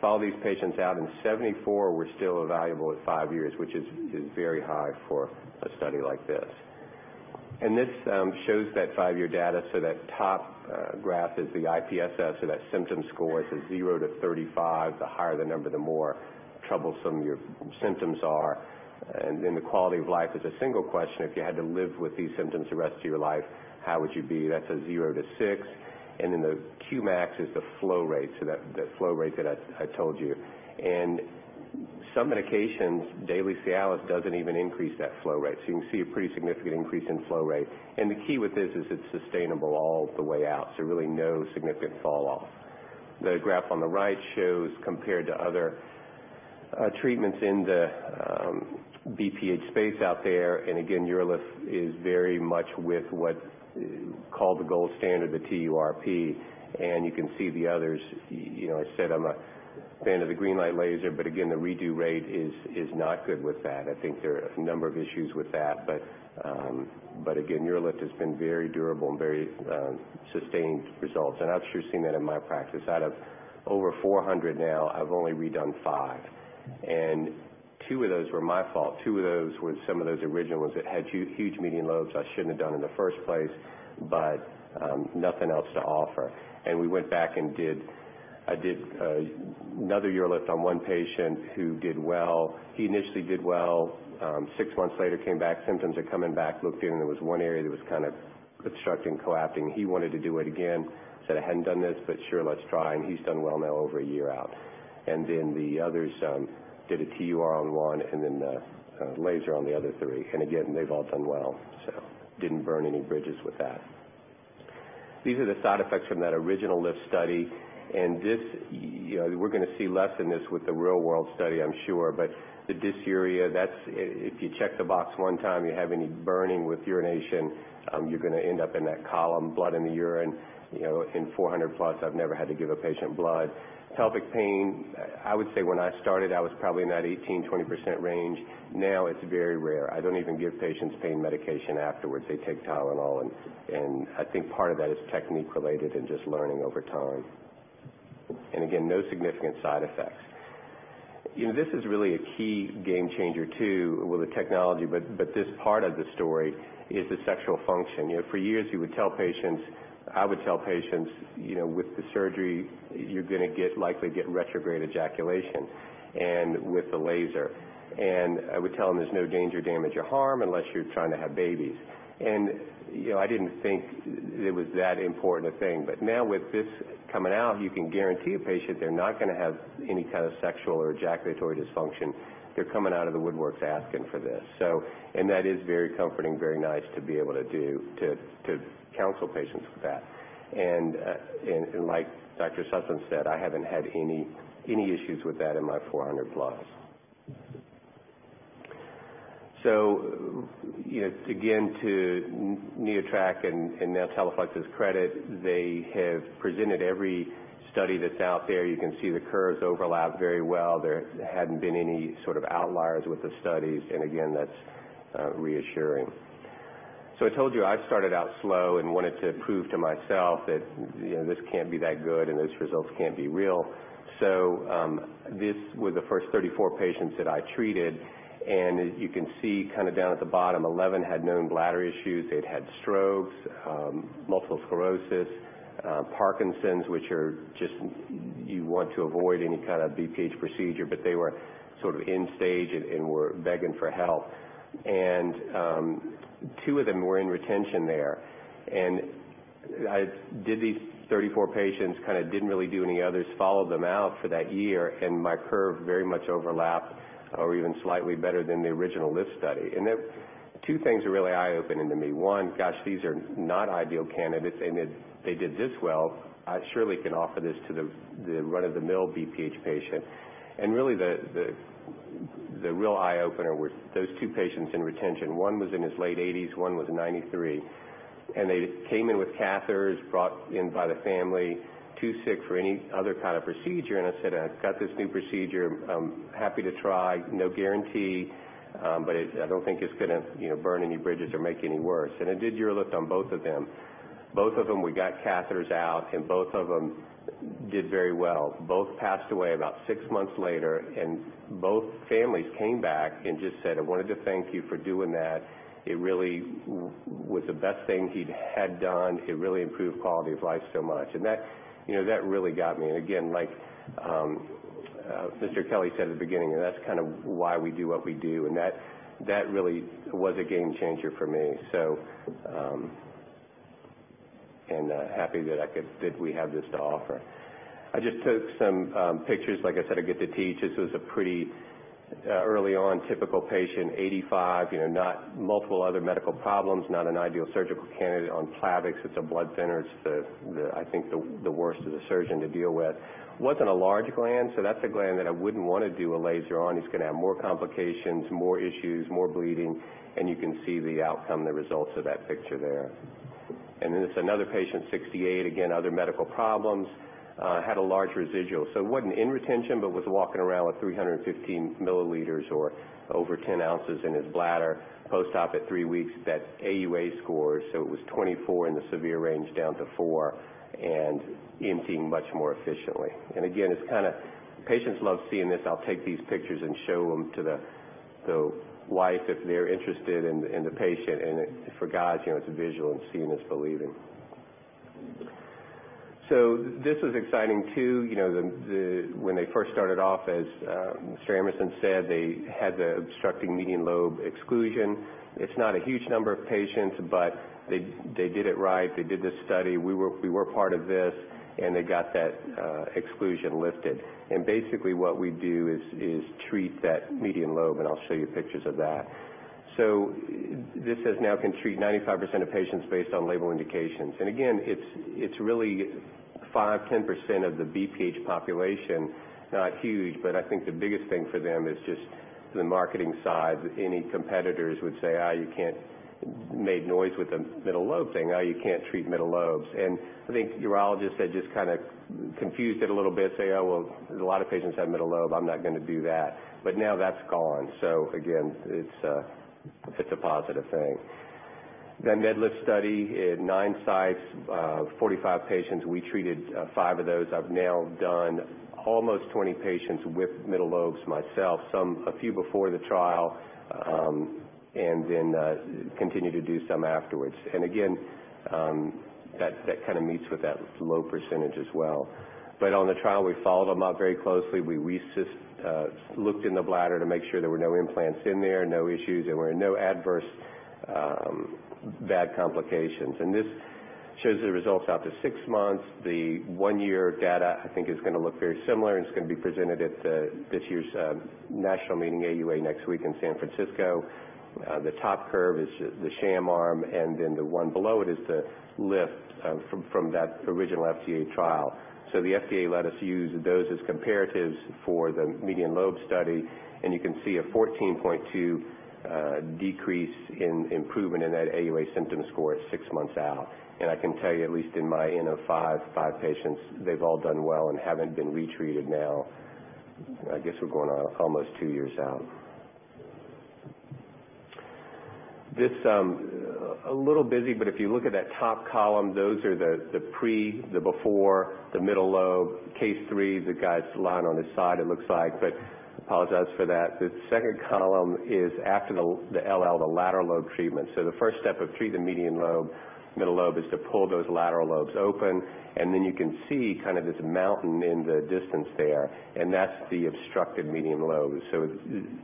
[SPEAKER 9] Follow these patients out, and 74 were still evaluable at five years, which is very high for a study like this. This shows that five-year data. That top graph is the IPSS, so that symptom score. It's a zero to 35. The higher the number, the more troublesome your symptoms are. The quality of life is a single question. If you had to live with these symptoms the rest of your life, how would you be? That's a zero to six. The Qmax is the flow rate, so that flow rate that I told you. Some medications, daily Cialis doesn't even increase that flow rate. You can see a pretty significant increase in flow rate. The key with this is it's sustainable all the way out. Really no significant fall off. The graph on the right shows compared to other treatments in the BPH space out there. Again, UroLift is very much with what's called the gold standard, the TURP. You can see the others. I said I'm a fan of the green light laser, the redo rate is not good with that. I think there are a number of issues with that. UroLift has been very durable and very sustained results, and I've sure seen that in my practice. Out of over 400 now, I've only redone five. Two of those were my fault. Two of those were some of those original ones that had huge median lobes I shouldn't have done in the first place, but nothing else to offer. We went back and I did another UroLift on one patient who did well. He initially did well. Six months later, came back, symptoms are coming back, looked in, and there was one area that was kind of obstructing, collapsing. He wanted to do it again. Said, "I hadn't done this, but sure, let's try." He's done well now over a year out. The others, did a TUR on one and then the laser on the other three. They've all done well. Didn't burn any bridges with that. These are the side effects from that original L.I.F.T. study. We're going to see less than this with the real world study, I'm sure. The dysuria, if you check the box one time, you have any burning with urination, you're going to end up in that column. Blood in the urine. In 400 plus, I've never had to give a patient blood. Pelvic pain, I would say when I started, I was probably in that 18%-20% range. Now it's very rare. I don't even give patients pain medication afterwards. They take TYLENOL, I think part of that is technique related and just learning over time. No significant side effects. This is really a key game changer too, with the technology, but this part of the story is the sexual function. For years you would tell patients, I would tell patients, "With the surgery, you're going to likely get retrograde ejaculation with the laser." I would tell them, "There's no danger, damage, or harm unless you're trying to have babies." I didn't think it was that important a thing. Now with this coming out, you can guarantee a patient they're not going to have any kind of sexual or ejaculatory dysfunction. They're coming out of the woodworks asking for this. That is very comforting, very nice to be able to counsel patients with that. Like Dr. Sussman said, I haven't had any issues with that in my 400 plus. To NeoTract and now Teleflex's credit, they have presented every study that's out there. You can see the curves overlap very well. There hadn't been any sort of outliers with the studies. That's reassuring. I told you I started out slow and wanted to prove to myself that this can't be that good and those results can't be real. This was the first 34 patients that I treated, and as you can see kind of down at the bottom, 11 had known bladder issues. They'd had strokes, multiple sclerosis, Parkinson's, which you want to avoid any kind of BPH procedure, but they were sort of end stage and were begging for help. Two of them were in retention there. I did these 34 patients, kind of didn't really do any others, followed them out for that year. My curve very much overlapped or even slightly better than the original L.I.F.T. study. Two things are really eye-opening to me. One, gosh, these are not ideal candidates. If they did this well, I surely can offer this to the run-of-the-mill BPH patient. Really the real eye-opener were those 2 patients in retention. One was in his late 80s, one was 93. They came in with catheters, brought in by the family, too sick for any other kind of procedure. I said, "I've got this new procedure. I'm happy to try. No guarantee. I don't think it's going to burn any bridges or make you any worse." I did UroLift on both of them. Both of them, we got catheters out. Both of them did very well. Both passed away about 6 months later. Both families came back and just said, "I wanted to thank you for doing that. It really was the best thing he'd had done. It really improved quality of life so much." That really got me. Again, like Mr. Kelly said at the beginning, that's kind of why we do what we do. That really was a game changer for me. Happy that we have this to offer. I just took some pictures. Like I said, I get to teach. This was a pretty early on typical patient, 85. Multiple other medical problems, not an ideal surgical candidate on Plavix. It's a blood thinner. It's I think the worst of the surgeon to deal with. Wasn't a large gland. That's a gland that I wouldn't want to do a laser on. He's going to have more complications, more issues, more bleeding. You can see the outcome, the results of that picture there. This is another patient, 68. Again, other medical problems. Had a large residual. Wasn't in retention but was walking around with 315 milliliters or over 10 ounces in his bladder. Post-op at 3 weeks, that AUA score. It was 24 in the severe range down to 4 and emptying much more efficiently. Again, patients love seeing this. I'll take these pictures and show them to the wife if they're interested, and the patient. For guys, it's a visual, and seeing is believing. This was exciting, too. When they first started off, as Mr. Amerson said, they had the obstructing median lobe exclusion. It's not a huge number of patients. They did it right. They did the study. We were part of this. They got that exclusion lifted. Basically what we do is treat that median lobe, and I'll show you pictures of that. This says now can treat 95% of patients based on label indications. Again, it's really 5%-10% of the BPH population. Not huge. I think the biggest thing for them is just the marketing side. Any competitors would say, "You can't make noise with the middle lobe thing. You can't treat middle lobes." I think urologists had just kind of confused it a little bit, say, "Oh, well, a lot of patients have middle lobe. I'm not going to do that." Now that's gone. Again, it's a positive thing. The MedLift study at 9 sites, 45 patients. We treated five of those. I've now done almost 20 patients with middle lobes myself, a few before the trial, and then continued to do some afterwards. Again, that kind of meets with that low percentage as well. On the trial, we followed them up very closely. We looked in the bladder to make sure there were no implants in there, no issues. There were no adverse bad complications. This shows the results out to six months. The one-year data, I think, is going to look very similar, and it's going to be presented at this year's national meeting AUA next week in San Francisco. The top curve is the sham arm, and then the one below it is the UroLift from that original FDA trial. The FDA let us use those as comparatives for the median lobe study, and you can see a 14.2 increase in improvement in that AUA symptom score at six months out. I can tell you, at least in my N of five patients, they've all done well and haven't been retreated now. I guess we're going on almost two years out. This, a little busy, but if you look at that top column, those are the pre, the before, the middle lobe, case 3, the guy's lying on his side, it looks like, but I apologize for that. The second column is after the LL, the lateral lobe treatment. The first step of treating the median lobe, middle lobe, is to pull those lateral lobes open, and then you can see this mountain in the distance there, and that's the obstructed median lobe.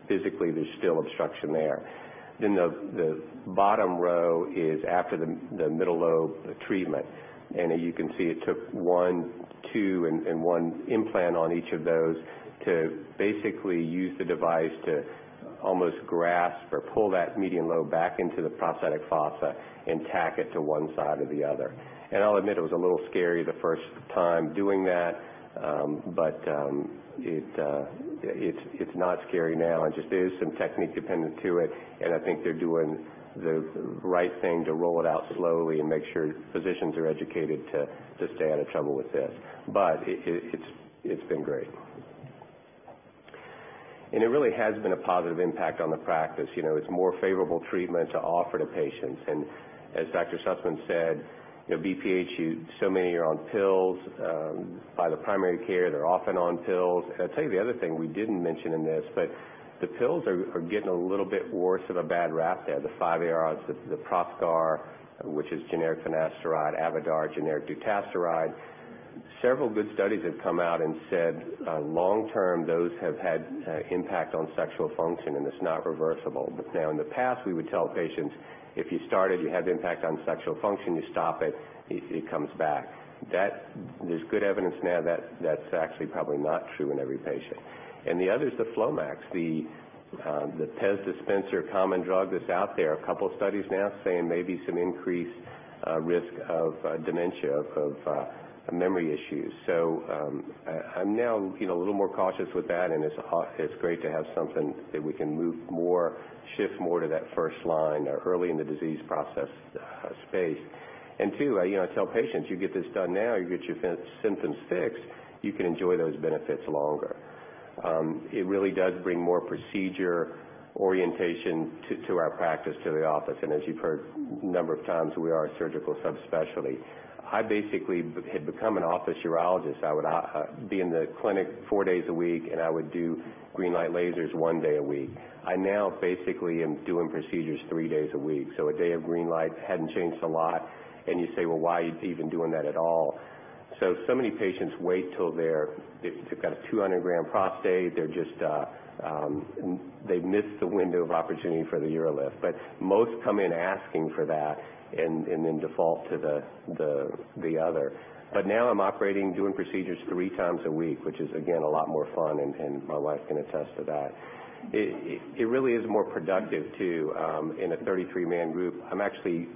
[SPEAKER 9] Physically, there's still obstruction there. The bottom row is after the middle lobe treatment. You can see it took one, two, and one implant on each of those to basically use the device to almost grasp or pull that median lobe back into the prostatic fossa and tack it to one side or the other. I'll admit, it was a little scary the first time doing that. It's not scary now. It just is some technique dependent to it, and I think they're doing the right thing to roll it out slowly and make sure physicians are educated to stay out of trouble with this. It's been great. It really has been a positive impact on the practice. It's a more favorable treatment to offer to patients. And as Dr. Sussman said, BPH, so many are on pills. By the primary care, they're often on pills. I'll tell you the other thing we didn't mention in this, the pills are getting a little bit worse of a bad rap there. The 5-ARI, the Proscar, which is generic finasteride, Avodart, generic dutasteride. Several good studies have come out and said, long term, those have had impact on sexual function, and it's not reversible. Now in the past, we would tell patients, if you started, you had the impact on sexual function, you stop it comes back. There's good evidence now that that's actually probably not true in every patient. The other is the FLOMAX, the tamsulosin common drug that's out there. A couple studies now saying maybe some increased risk of dementia, of memory issues. I'm now a little more cautious with that, and it's great to have something that we can move more, shift more to that first line or early in the disease process space. Two, I tell patients, "You get this done now, you get your symptoms fixed, you can enjoy those benefits longer." It really does bring more procedure orientation to our practice, to the office. As you've heard a number of times, we are a surgical subspecialty. I basically had become an office urologist. I would be in the clinic four days a week, and I would do green light lasers one day a week. I now basically am doing procedures three days a week. A day of green light hadn't changed a lot. You say, "Well, why are you even doing that at all?" So many patients wait till they've got a 200-gram prostate. They've missed the window of opportunity for the UroLift. Most come in asking for that and then default to the other. Now I'm operating, doing procedures three times a week, which is, again, a lot more fun, and my wife can attest to that. It really is more productive, too, in a 33-man group. I'm actually,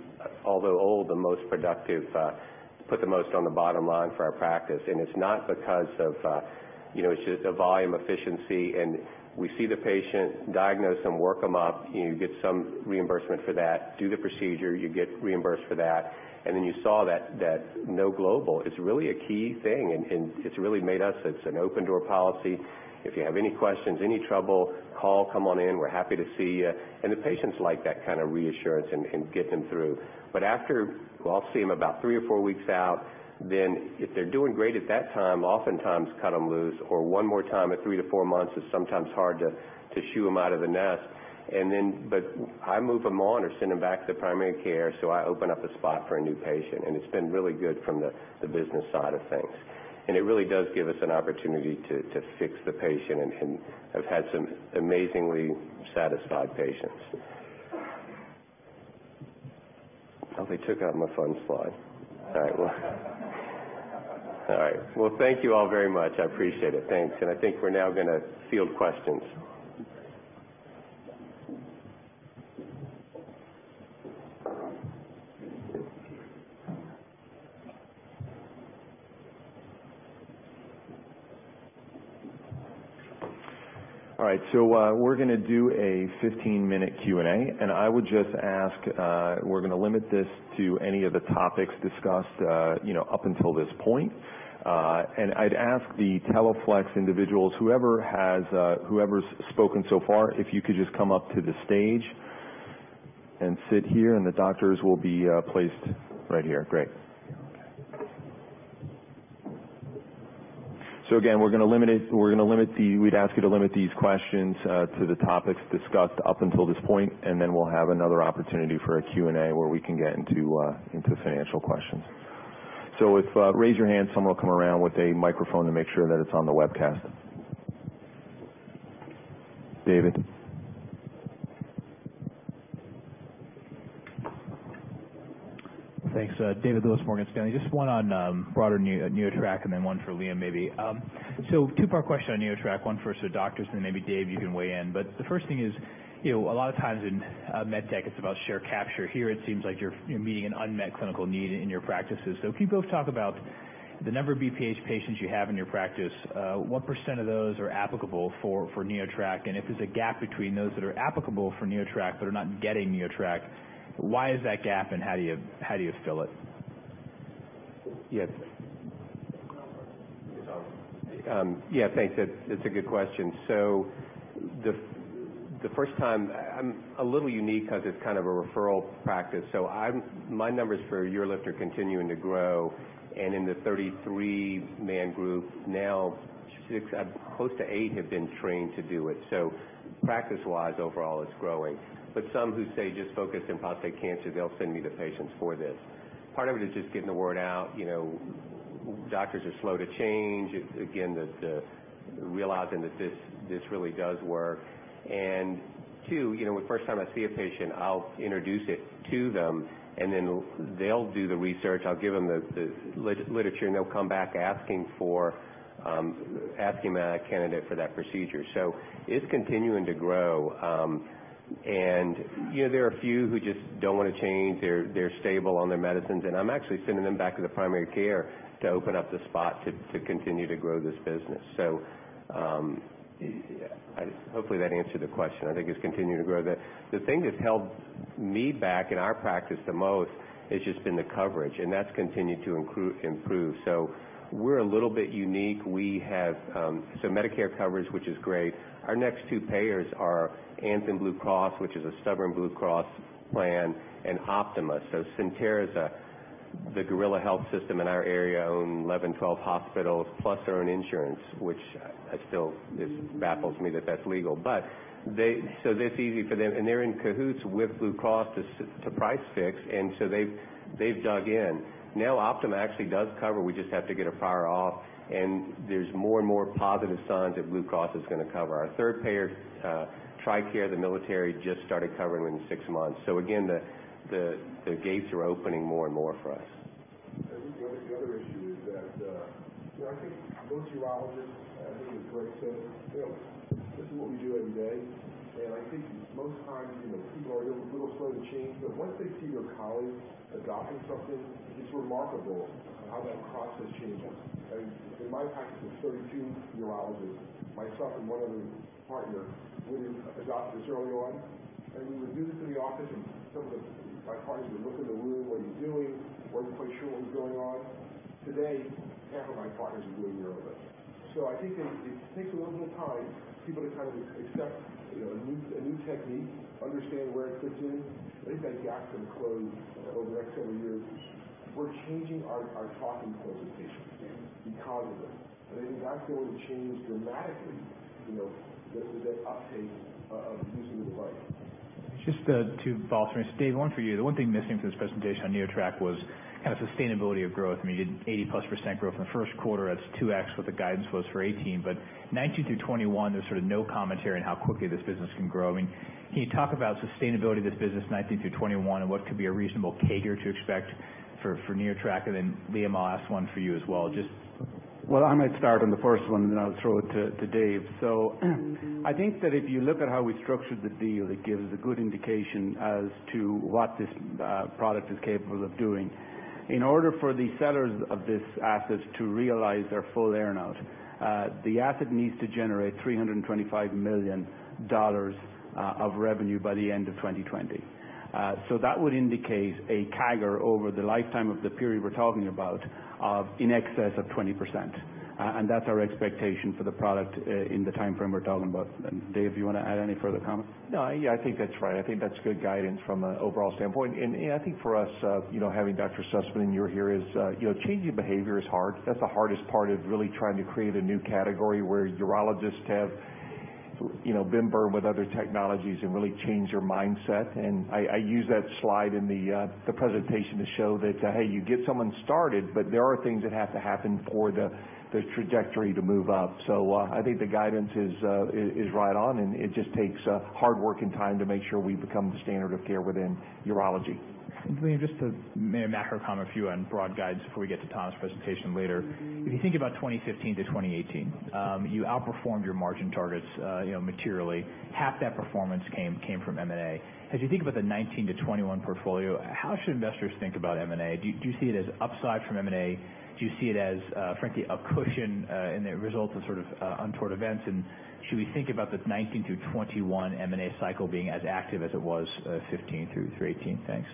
[SPEAKER 9] although old, the most productive, put the most on the bottom line for our practice. It's not because of just a volume efficiency. We see the patient, diagnose them, work them up, you get some reimbursement for that. Do the procedure, you get reimbursed for that. You saw that no global is really a key thing, and it's really made us. It's an open door policy. If you have any questions, any trouble, call, come on in. We're happy to see you. The patients like that kind of reassurance and get them through. After I'll see them about three or four weeks out, then if they're doing great at that time, oftentimes cut them loose or one more time at three to four months. It's sometimes hard to shoo them out of the nest. I move them on or send them back to primary care, so I open up a spot for a new patient, and it's been really good from the business side of things. It really does give us an opportunity to fix the patient and have had some amazingly satisfied patients. Oh, they took out my fun slide. All right. Well, thank you all very much. I appreciate it. Thanks. I think we're now going to field questions.
[SPEAKER 1] All right, we're going to do a 15-minute Q&A. I would just ask, we're going to limit this to any of the topics discussed up until this point. I'd ask the Teleflex individuals, whoever's spoken so far, if you could just come up to the stage and sit here, and the doctors will be placed right here. Great. Again, we'd ask you to limit these questions to the topics discussed up until this point, and then we'll have another opportunity for a Q&A where we can get into financial questions. Raise your hand. Someone will come around with a microphone to make sure that it's on the webcast. David.
[SPEAKER 10] Thanks. David Lewis, Morgan Stanley. Just one on broader NeoTract and then one for Liam, maybe. Two-part question on NeoTract. One first to doctors, then maybe Dave, you can weigh in. The first thing is, a lot of times in medtech, it's about share capture. Here, it seems like you're meeting an unmet clinical need in your practices. If you both talk about the number of BPH patients you have in your practice, what % of those are applicable for NeoTract? If there's a gap between those that are applicable for NeoTract but are not getting NeoTract, why is that gap and how do you fill it?
[SPEAKER 9] Yes. Thanks. That's a good question. The first time, I'm a little unique because it's kind of a referral practice. My numbers for UroLift are continuing to grow, in the 33-man group now, close to eight have been trained to do it. Practice-wise, overall, it's growing. Some who say just focus on prostate cancer, they'll send me the patients for this. Part of it is just getting the word out. Doctors are slow to change. Again, realizing that this really does work. Two, the first time I see a patient, I'll introduce it to them, then they'll do the research. I'll give them the literature, they'll come back asking if I'm a candidate for that procedure. It's continuing to grow. There are a few who just don't want to change. They're stable on their medicines, I'm actually sending them back to the primary care to open up the spot to continue to grow this business. Hopefully that answered the question. I think it's continuing to grow. The thing that's held me back in our practice the most has just been the coverage, that's continued to improve. We're a little bit unique. We have some Medicare coverage, which is great. Our next two payers are Anthem Blue Cross, which is a stubborn Blue Cross plan, Optima. Sentara's the guerrilla health system in our area, own 11, 12 hospitals, plus their own insurance, which it baffles me that that's legal. It's easy for them, they're in cahoots with Blue Cross to price fix, they've dug in. Now, Optima actually does cover, we just have to get a prior off, there's more and more positive signs that Blue Cross is going to cover. Our third payer, TRICARE, the military, just started covering within six months. Again, the gates are opening more and more for us.
[SPEAKER 8] I think the other issue is that, I think most urologists, I think as Gregg said, this is what we do every day. I think most times, people are a little slow to change. Once they see their colleagues adopting something, it's remarkable how that process changes. In my practice of 32 urologists, myself and one other partner, we adopted this early on, and we would do this in the office, and some of my partners would look in the room, "What are you doing?" Weren't quite sure what was going on. Today, half of my partners are doing UroLift. I think it takes a little bit of time for people to kind of accept a new technique, understand where it fits in. I think that gap's going to close over the next several years. We're changing our talking points with patients because of it. I think that's going to change dramatically the uptake of using the device.
[SPEAKER 10] Just to bolster this. Dave, one for you. The one thing missing from this presentation on NeoTract was kind of sustainability of growth. You did 80+% growth in the first quarter. That's 2x what the guidance was for 2018. 2019 through 2021, there's sort of no commentary on how quickly this business can grow. Can you talk about sustainability of this business in 2019 through 2021, and what could be a reasonable CAGR to expect for NeoTract? Liam, I'll ask one for you as well.
[SPEAKER 2] Well, I might start on the first one, and then I'll throw it to Dave. I think that if you look at how we structured the deal, it gives a good indication as to what this product is capable of doing. In order for the sellers of this asset to realize their full earn-out, the asset needs to generate $325 million of revenue by the end of 2020. That would indicate a CAGR over the lifetime of the period we're talking about of in excess of 20%. That's our expectation for the product in the timeframe we're talking about. Dave, you want to add any further comment?
[SPEAKER 7] No. Yeah, I think that's right. I think that's good guidance from an overall standpoint. I think for us, having Dr. Sussman and you here is, changing behavior is hard. That's the hardest part of really trying to create a new category where urologists have been burned with other technologies and really change their mindset. I use that slide in the presentation to show that, hey, you get someone started, but there are things that have to happen for the trajectory to move up. I think the guidance is right on, and it just takes hard work and time to make sure we become the standard of care within urology.
[SPEAKER 10] Liam, just a macro comment for you on broad guides before we get to Tom's presentation later. If you think about 2015-2018, you outperformed your margin targets materially. Half that performance came from M&A. As you think about the 2019-2021 portfolio, how should investors think about M&A? Do you see it as upside from M&A? Do you see it as, frankly, a cushion in the result of sort of untoward events? Should we think about the 2019-2021 M&A cycle being as active as it was 2015-2018? Thanks.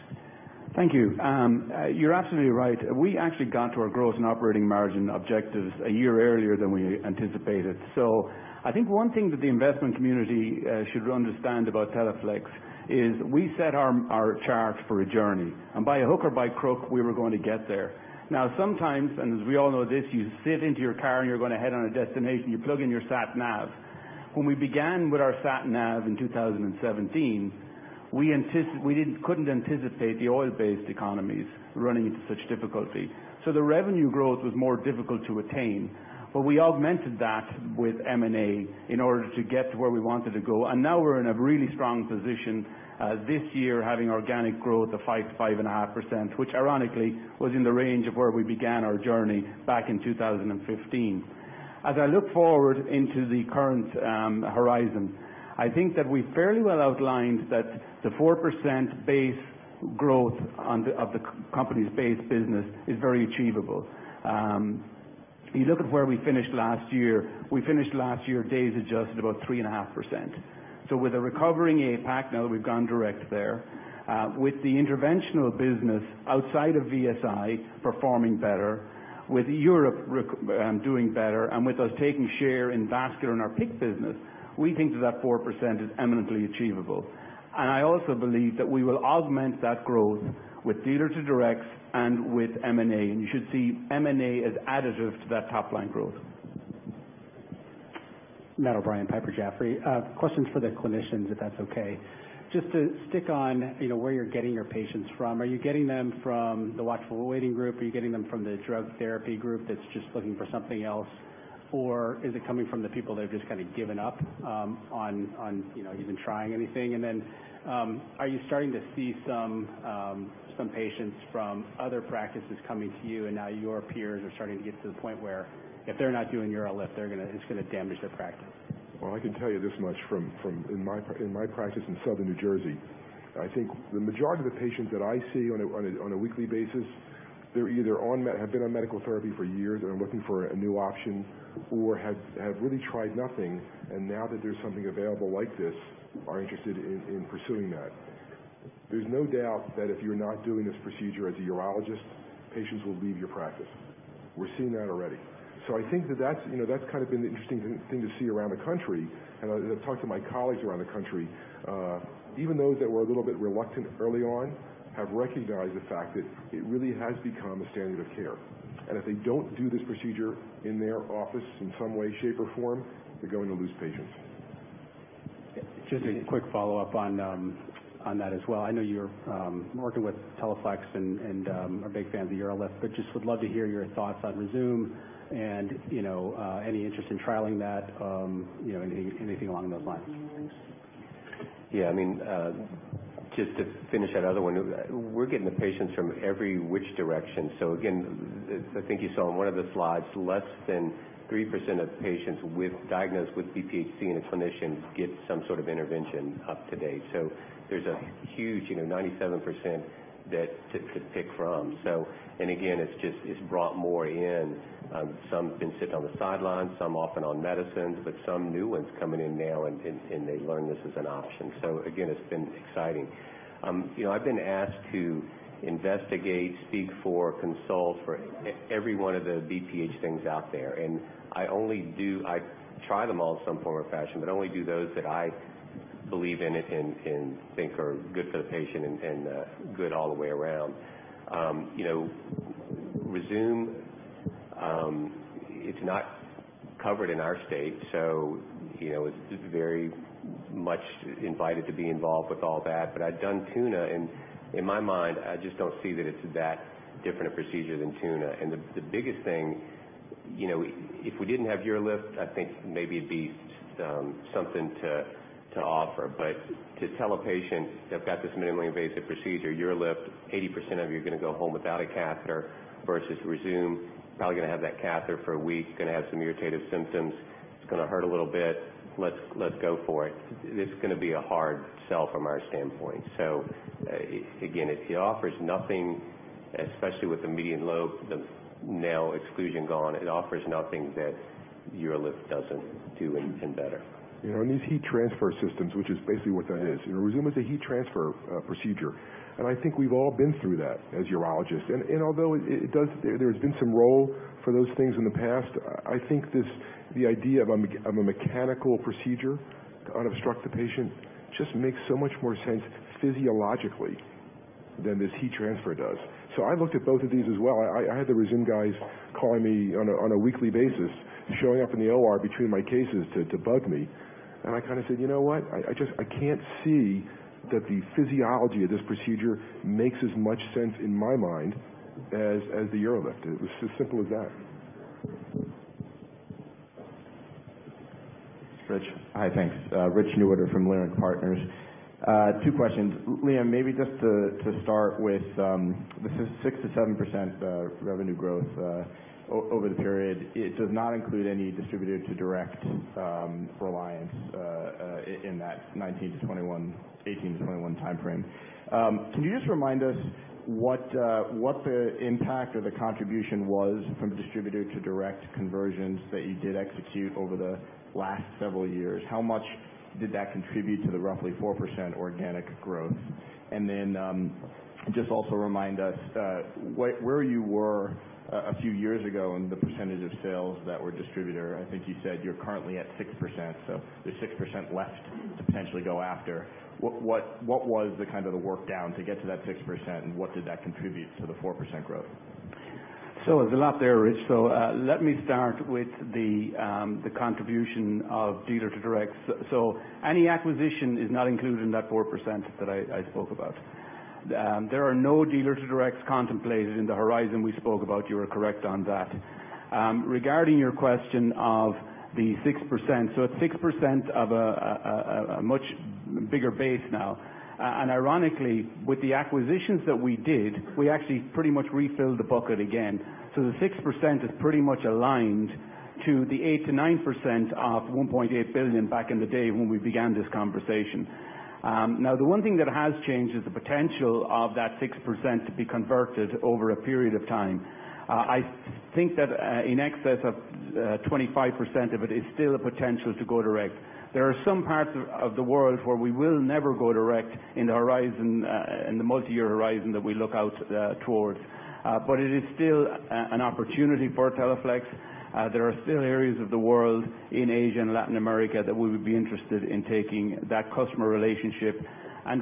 [SPEAKER 2] Thank you. You're absolutely right. We actually got to our growth and operating margin objectives a year earlier than we anticipated. I think one thing that the investment community should understand about Teleflex is we set our charts for a journey, and by hook or by crook, we were going to get there. Sometimes, as we all know this, you sit into your car and you're going to head on a destination, you plug in your sat nav. When we began with our sat nav in 2017- We couldn't anticipate the oil-based economies running into such difficulty. The revenue growth was more difficult to attain. We augmented that with M&A in order to get to where we wanted to go. Now we're in a really strong position this year having organic growth of 5%-5.5%, which ironically was in the range of where we began our journey back in 2015. As I look forward into the current horizon, I think that we fairly well outlined that the 4% base growth of the company's base business is very achievable. You look at where we finished last year, we finished last year days adjusted about 3.5%. With a recovering APAC, now that we've gone direct there, with the interventional business outside of VSI performing better, with Europe doing better, with us taking share in vascular and our PICC business, we think that that 4% is eminently achievable. I also believe that we will augment that growth with dealer to directs and with M&A, you should see M&A as additive to that top-line growth.
[SPEAKER 11] Matthew O'Brien, Piper Jaffray. Questions for the clinicians, if that's okay. Just to stick on where you're getting your patients from, are you getting them from the watchful waiting group? Are you getting them from the drug therapy group that's just looking for something else? Or is it coming from the people that have just kind of given up on even trying anything? Are you starting to see some patients from other practices coming to you and now your peers are starting to get to the point where if they're not doing UroLift, it's going to damage their practice?
[SPEAKER 8] Well, I can tell you this much from in my practice in Southern New Jersey, I think the majority of the patients that I see on a weekly basis, they're either have been on medical therapy for years and are looking for a new option or have really tried nothing, now that there's something available like this, are interested in pursuing that. There's no doubt that if you're not doing this procedure as a urologist, patients will leave your practice. We're seeing that already. I think that that's kind of been the interesting thing to see around the country. I've talked to my colleagues around the country. Even those that were a little bit reluctant early on have recognized the fact that it really has become a standard of care, if they don't do this procedure in their office in some way, shape, or form, they're going to lose patients.
[SPEAKER 11] Just a quick follow-up on that as well. I know you're working with Teleflex and are big fans of UroLift, just would love to hear your thoughts on Rezūm and any interest in trialing that, anything along those lines. Thanks.
[SPEAKER 9] Yeah, just to finish that other one, we're getting the patients from every which direction. Again, I think you saw on one of the slides, less than 3% of patients diagnosed with BPH seeing a clinician get some sort of intervention up to date. There's a huge 97% to pick from. And again, it's brought more in. Some have been sitting on the sidelines, some often on medicines, new ones coming in now, and they learn this as an option. Again, it's been exciting. I've been asked to investigate, speak for, consult for every one of the BPH things out there, and I try them all in some form or fashion, I only do those that I believe in and think are good for the patient and good all the way around. Rezūm, it's not covered in our state, it's very much invited to be involved with all that. I've done TUNA, in my mind, I just don't see that it's that different a procedure than TUNA. The biggest thing, if we didn't have UroLift, I think maybe it'd be something to offer. To tell a patient they've got this minimally invasive procedure, UroLift, 80% of you are going to go home without a catheter versus Rezūm, probably going to have that catheter for a week, going to have some irritative symptoms. It's going to hurt a little bit. Let's go for it. It's going to be a hard sell from our standpoint. Again, it offers nothing, especially with the median lobe, the nail exclusion gone, it offers nothing that UroLift doesn't do and better.
[SPEAKER 8] These heat transfer systems, which is basically what that is. Rezūm is a heat transfer procedure. I think we've all been through that as urologists. Although there's been some role for those things in the past, I think the idea of a mechanical procedure to unobstruct the patient just makes so much more sense physiologically than this heat transfer does. I looked at both of these as well. I had the Rezūm guys calling me on a weekly basis, showing up in the OR between my cases to bug me. I kind of said, "You know what? I can't see that the physiology of this procedure makes as much sense in my mind as the UroLift." It was just as simple as that.
[SPEAKER 1] Rich.
[SPEAKER 12] Hi, thanks. Rich Newitter from Leerink Partners. Two questions. Liam, maybe just to start with, this is 6%-7% revenue growth over the period. It does not include any distributor to direct reliance in that 2018-2021 time frame. Can you just remind us what the impact or the contribution was from distributor to direct conversions that you did execute over the last several years? How much did that contribute to the roughly 4% organic growth? Also remind us where you were a few years ago and the percentage of sales that were distributor. I think you said you're currently at 6%, so there's 6% left to potentially go after. What was the kind of the work down to get to that 6%, and what did that contribute to the 4% growth?
[SPEAKER 2] There's a lot there, Rich. Let me start with the contribution of dealer to direct. Any acquisition is not included in that 4% that I spoke about. There are no dealer to directs contemplated in the horizon we spoke about, you are correct on that. Regarding your question of the 6%, it's 6% of a much bigger base now. Ironically, with the acquisitions that we did, we actually pretty much refilled the bucket again. The 6% is pretty much aligned to the 8%-9% of $1.8 billion back in the day when we began this conversation. The one thing that has changed is the potential of that 6% to be converted over a period of time. I think that in excess of 25% of it is still a potential to go direct. There are some parts of the world where we will never go direct in the multi-year horizon that we look out towards. It is still an opportunity for Teleflex. There are still areas of the world in Asia and Latin America that we would be interested in taking that customer relationship.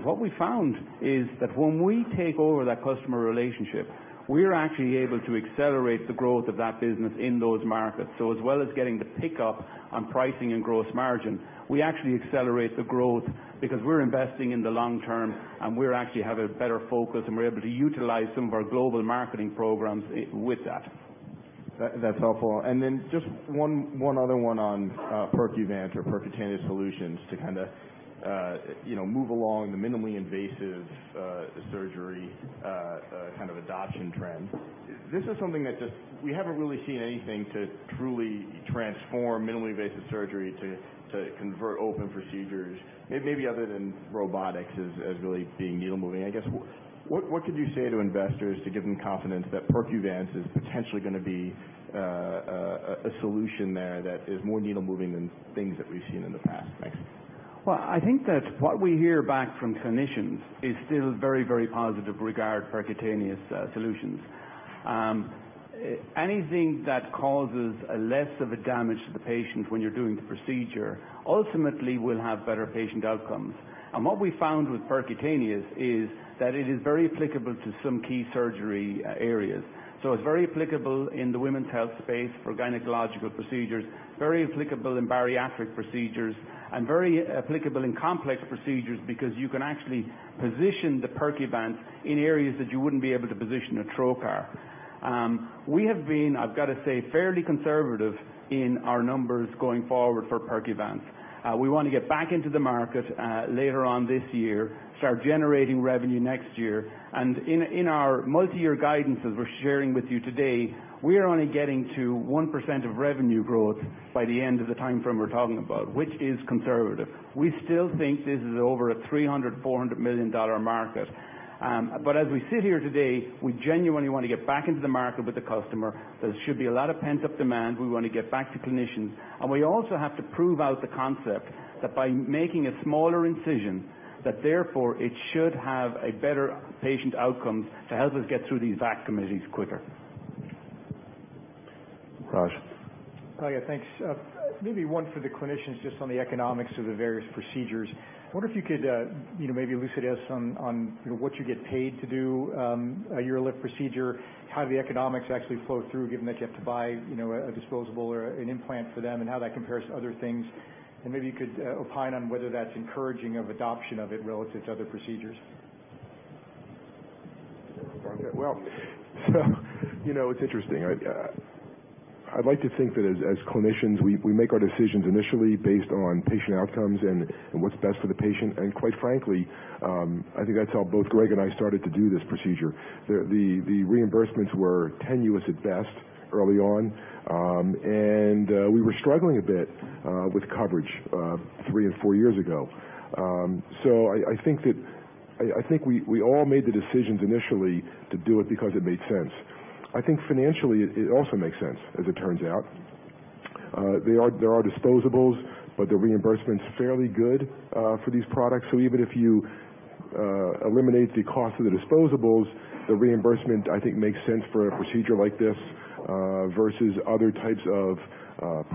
[SPEAKER 2] What we found is that when we take over that customer relationship, we're actually able to accelerate the growth of that business in those markets. As well as getting the pickup on pricing and gross margin, we actually accelerate the growth because we're investing in the long term, and we actually have a better focus, and we're able to utilize some of our global marketing programs with that.
[SPEAKER 12] That's helpful. Just one other one on Percuvance or percutaneous solutions to kind of move along the minimally invasive surgery kind of adoption trend. This is something that we haven't really seen anything to truly transform minimally invasive surgery to convert open procedures, maybe other than robotics as really being needle moving. I guess, what could you say to investors to give them confidence that Percuvance is potentially going to be a solution there that is more needle moving than things that we've seen in the past? Thanks.
[SPEAKER 2] Well, I think that what we hear back from clinicians is still very, very positive regarding percutaneous solutions. Anything that causes less of a damage to the patient when you're doing the procedure ultimately will have better patient outcomes. What we found with percutaneous is that it is very applicable to some key surgery areas. It's very applicable in the women's health space for gynecological procedures, very applicable in bariatric procedures, and very applicable in complex procedures because you can actually position the Percuvance in areas that you wouldn't be able to position a trocar. We have been, I've got to say, fairly conservative in our numbers going forward for Percuvance. We want to get back into the market later on this year, start generating revenue next year. In our multi-year guidances we're sharing with you today, we are only getting to 1% of revenue growth by the end of the timeframe we're talking about, which is conservative. We still think this is over a $300, $400 million market. As we sit here today, we genuinely want to get back into the market with the customer. There should be a lot of pent-up demand. We want to get back to clinicians. We also have to prove out the concept that by making a smaller incision, that therefore it should have a better patient outcome to help us get through these VAC committees quicker.
[SPEAKER 1] Raj.
[SPEAKER 13] Hi, yeah, thanks. Maybe one for the clinicians, just on the economics of the various procedures. I wonder if you could maybe elucidate us on what you get paid to do a UroLift procedure, how the economics actually flow through, given that you have to buy a disposable or an implant for them, and how that compares to other things. Maybe you could opine on whether that's encouraging of adoption of it relative to other procedures.
[SPEAKER 8] Okay. Well, it's interesting. I'd like to think that as clinicians, we make our decisions initially based on patient outcomes and what's best for the patient, and quite frankly, I think that's how both Gregg and I started to do this procedure. The reimbursements were tenuous at best early on, we were struggling a bit with coverage three and four years ago. I think we all made the decisions initially to do it because it made sense. I think financially, it also makes sense, as it turns out. There are disposables, the reimbursement's fairly good for these products. Even if you eliminate the cost of the disposables, the reimbursement, I think, makes sense for a procedure like this versus other types of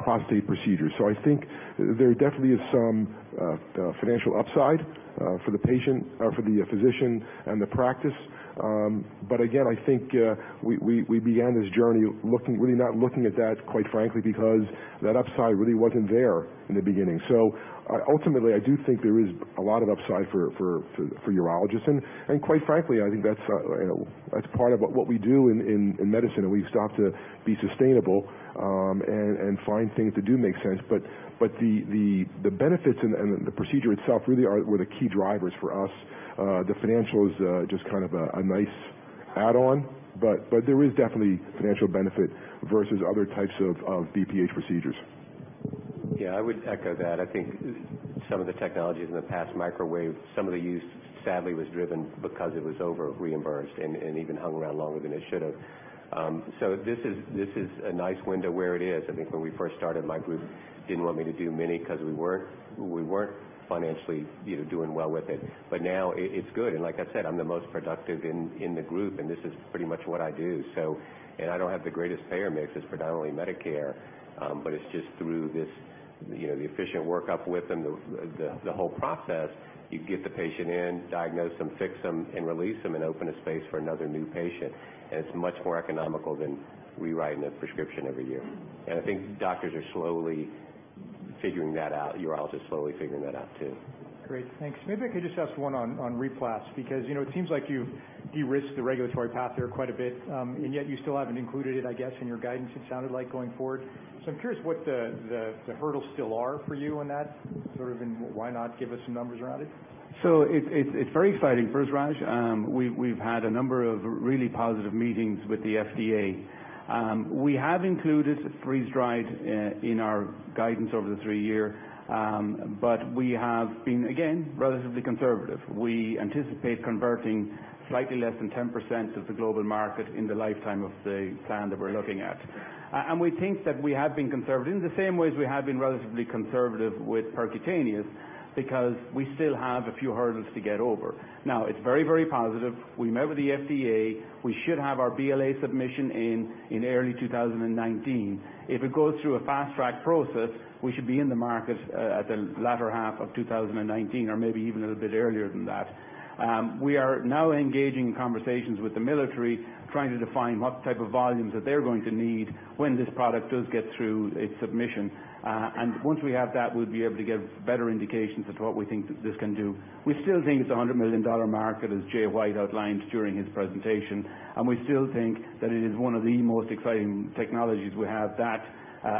[SPEAKER 8] prostate procedures. I think there definitely is some financial upside for the physician and the practice. Again, I think we began this journey really not looking at that, quite frankly, because that upside really wasn't there in the beginning. Ultimately, I do think there is a lot of upside for urologists. Quite frankly, I think that's part of what we do in medicine, and we stop to be sustainable and find things that do make sense. The benefits and the procedure itself really were the key drivers for us. The financial is just kind of a nice add-on, but there is definitely financial benefit versus other types of BPH procedures.
[SPEAKER 9] Yeah, I would echo that. I think some of the technologies in the past microwave, some of the use sadly was driven because it was over-reimbursed and even hung around longer than it should have. This is a nice window where it is. I think when we first started, my group didn't want me to do many because we weren't financially doing well with it. Now it's good, and like I said, I'm the most productive in the group, and this is pretty much what I do. I don't have the greatest payer mix. It's predominantly Medicare. It's just through the efficient workup with them, the whole process. You get the patient in, diagnose them, fix them, and release them, and open a space for another new patient, and it's much more economical than rewriting a prescription every year. I think doctors are slowly figuring that out. Urology is slowly figuring that out too.
[SPEAKER 13] Great. Thanks. Maybe I could just ask one on RePlas, because it seems like you've de-risked the regulatory path there quite a bit, and yet you still haven't included it, I guess, in your guidance, it sounded like going forward. I'm curious what the hurdles still are for you on that, sort of, and why not give us some numbers around it?
[SPEAKER 2] It's very exciting for us, Raj. We've had a number of really positive meetings with the FDA. We have included freeze-dried in our guidance over the 3-year, but we have been, again, relatively conservative. We anticipate converting slightly less than 10% of the global market in the lifetime of the plan that we're looking at. We think that we have been conservative, in the same ways we have been relatively conservative with percutaneous, because we still have a few hurdles to get over. Now, it's very, very positive. We met with the FDA. We should have our BLA submission in early 2019. If it goes through a fast-track process, we should be in the market at the latter half of 2019 or maybe even a little bit earlier than that. We are now engaging in conversations with the military, trying to define what type of volumes that they're going to need when this product does get through its submission. Once we have that, we'll be able to give better indications as to what we think this can do. We still think it's a $100 million market, as Jay White outlined during his presentation, and we still think that it is one of the most exciting technologies we have that,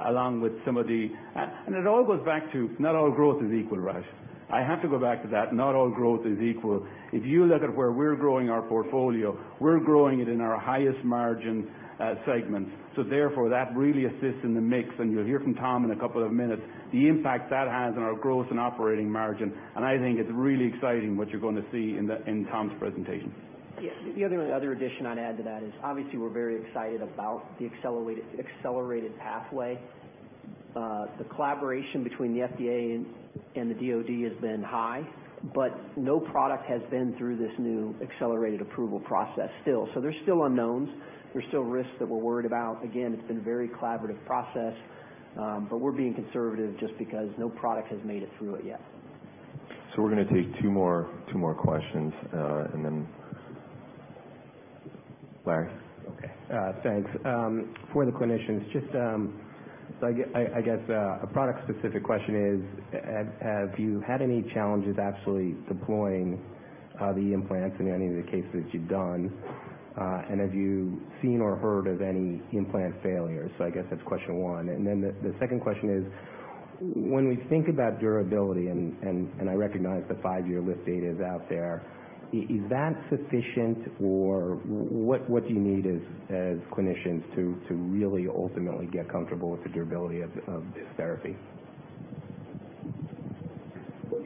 [SPEAKER 2] along with some of the. It all goes back to not all growth is equal, Raj. I have to go back to that. Not all growth is equal. If you look at where we're growing our portfolio, we're growing it in our highest margin segment. Therefore, that really assists in the mix, and you'll hear from Tom in a couple of minutes, the impact that has on our gross and operating margin, and I think it's really exciting what you're going to see in Tom's presentation.
[SPEAKER 3] The only other addition I'd add to that is obviously we're very excited about the accelerated pathway. The collaboration between the FDA and the DoD has been high, but no product has been through this new accelerated approval process still. There's still unknowns. There's still risks that we're worried about. Again, it's been a very collaborative process, but we're being conservative just because no product has made it through it yet.
[SPEAKER 1] We're going to take two more questions, and then Larry?
[SPEAKER 14] Okay. Thanks. For the clinicians, just, I guess a product specific question is, have you had any challenges absolutely deploying the implants in any of the cases you've done? Have you seen or heard of any implant failures? I guess that's question one. The second question is, when we think about durability, and I recognize the five-year lift data is out there, is that sufficient or what do you need as clinicians to really ultimately get comfortable with the durability of this therapy?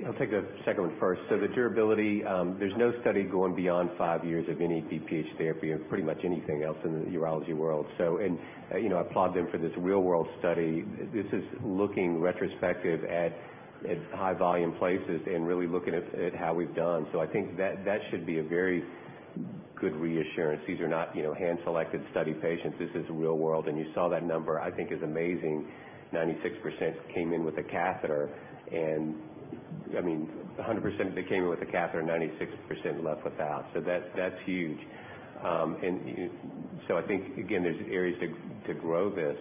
[SPEAKER 9] I'll take the second one first. The durability, there's no study going beyond five years of any BPH therapy or pretty much anything else in the urology world. I applaud them for this real-world study. This is looking retrospective at high volume places and really looking at how we've done. I think that should be a very good reassurance. These are not hand-selected study patients. This is the real world, and you saw that number, I think is amazing. 96% came in with a catheter and, I mean, 100% of them came in with a catheter, 96% left without. That's huge. I think, again, there's areas to grow this.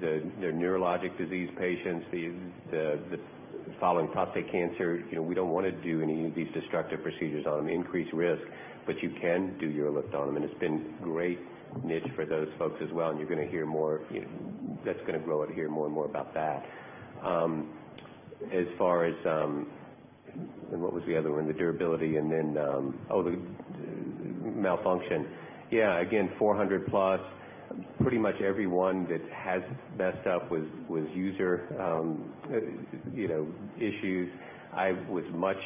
[SPEAKER 9] The neurologic disease patients, the fallen prostate cancer, we don't want to do any of these destructive procedures on them, increase risk, but you can do UroLift on them, and it's been great niche for those folks as well, and you're going to hear more. That's going to grow and hear more and more about that. As far as, what was the other one? The durability and then, oh, the malfunction. Yeah, again, 400 plus. Pretty much every one that has messed up was user issues. I was much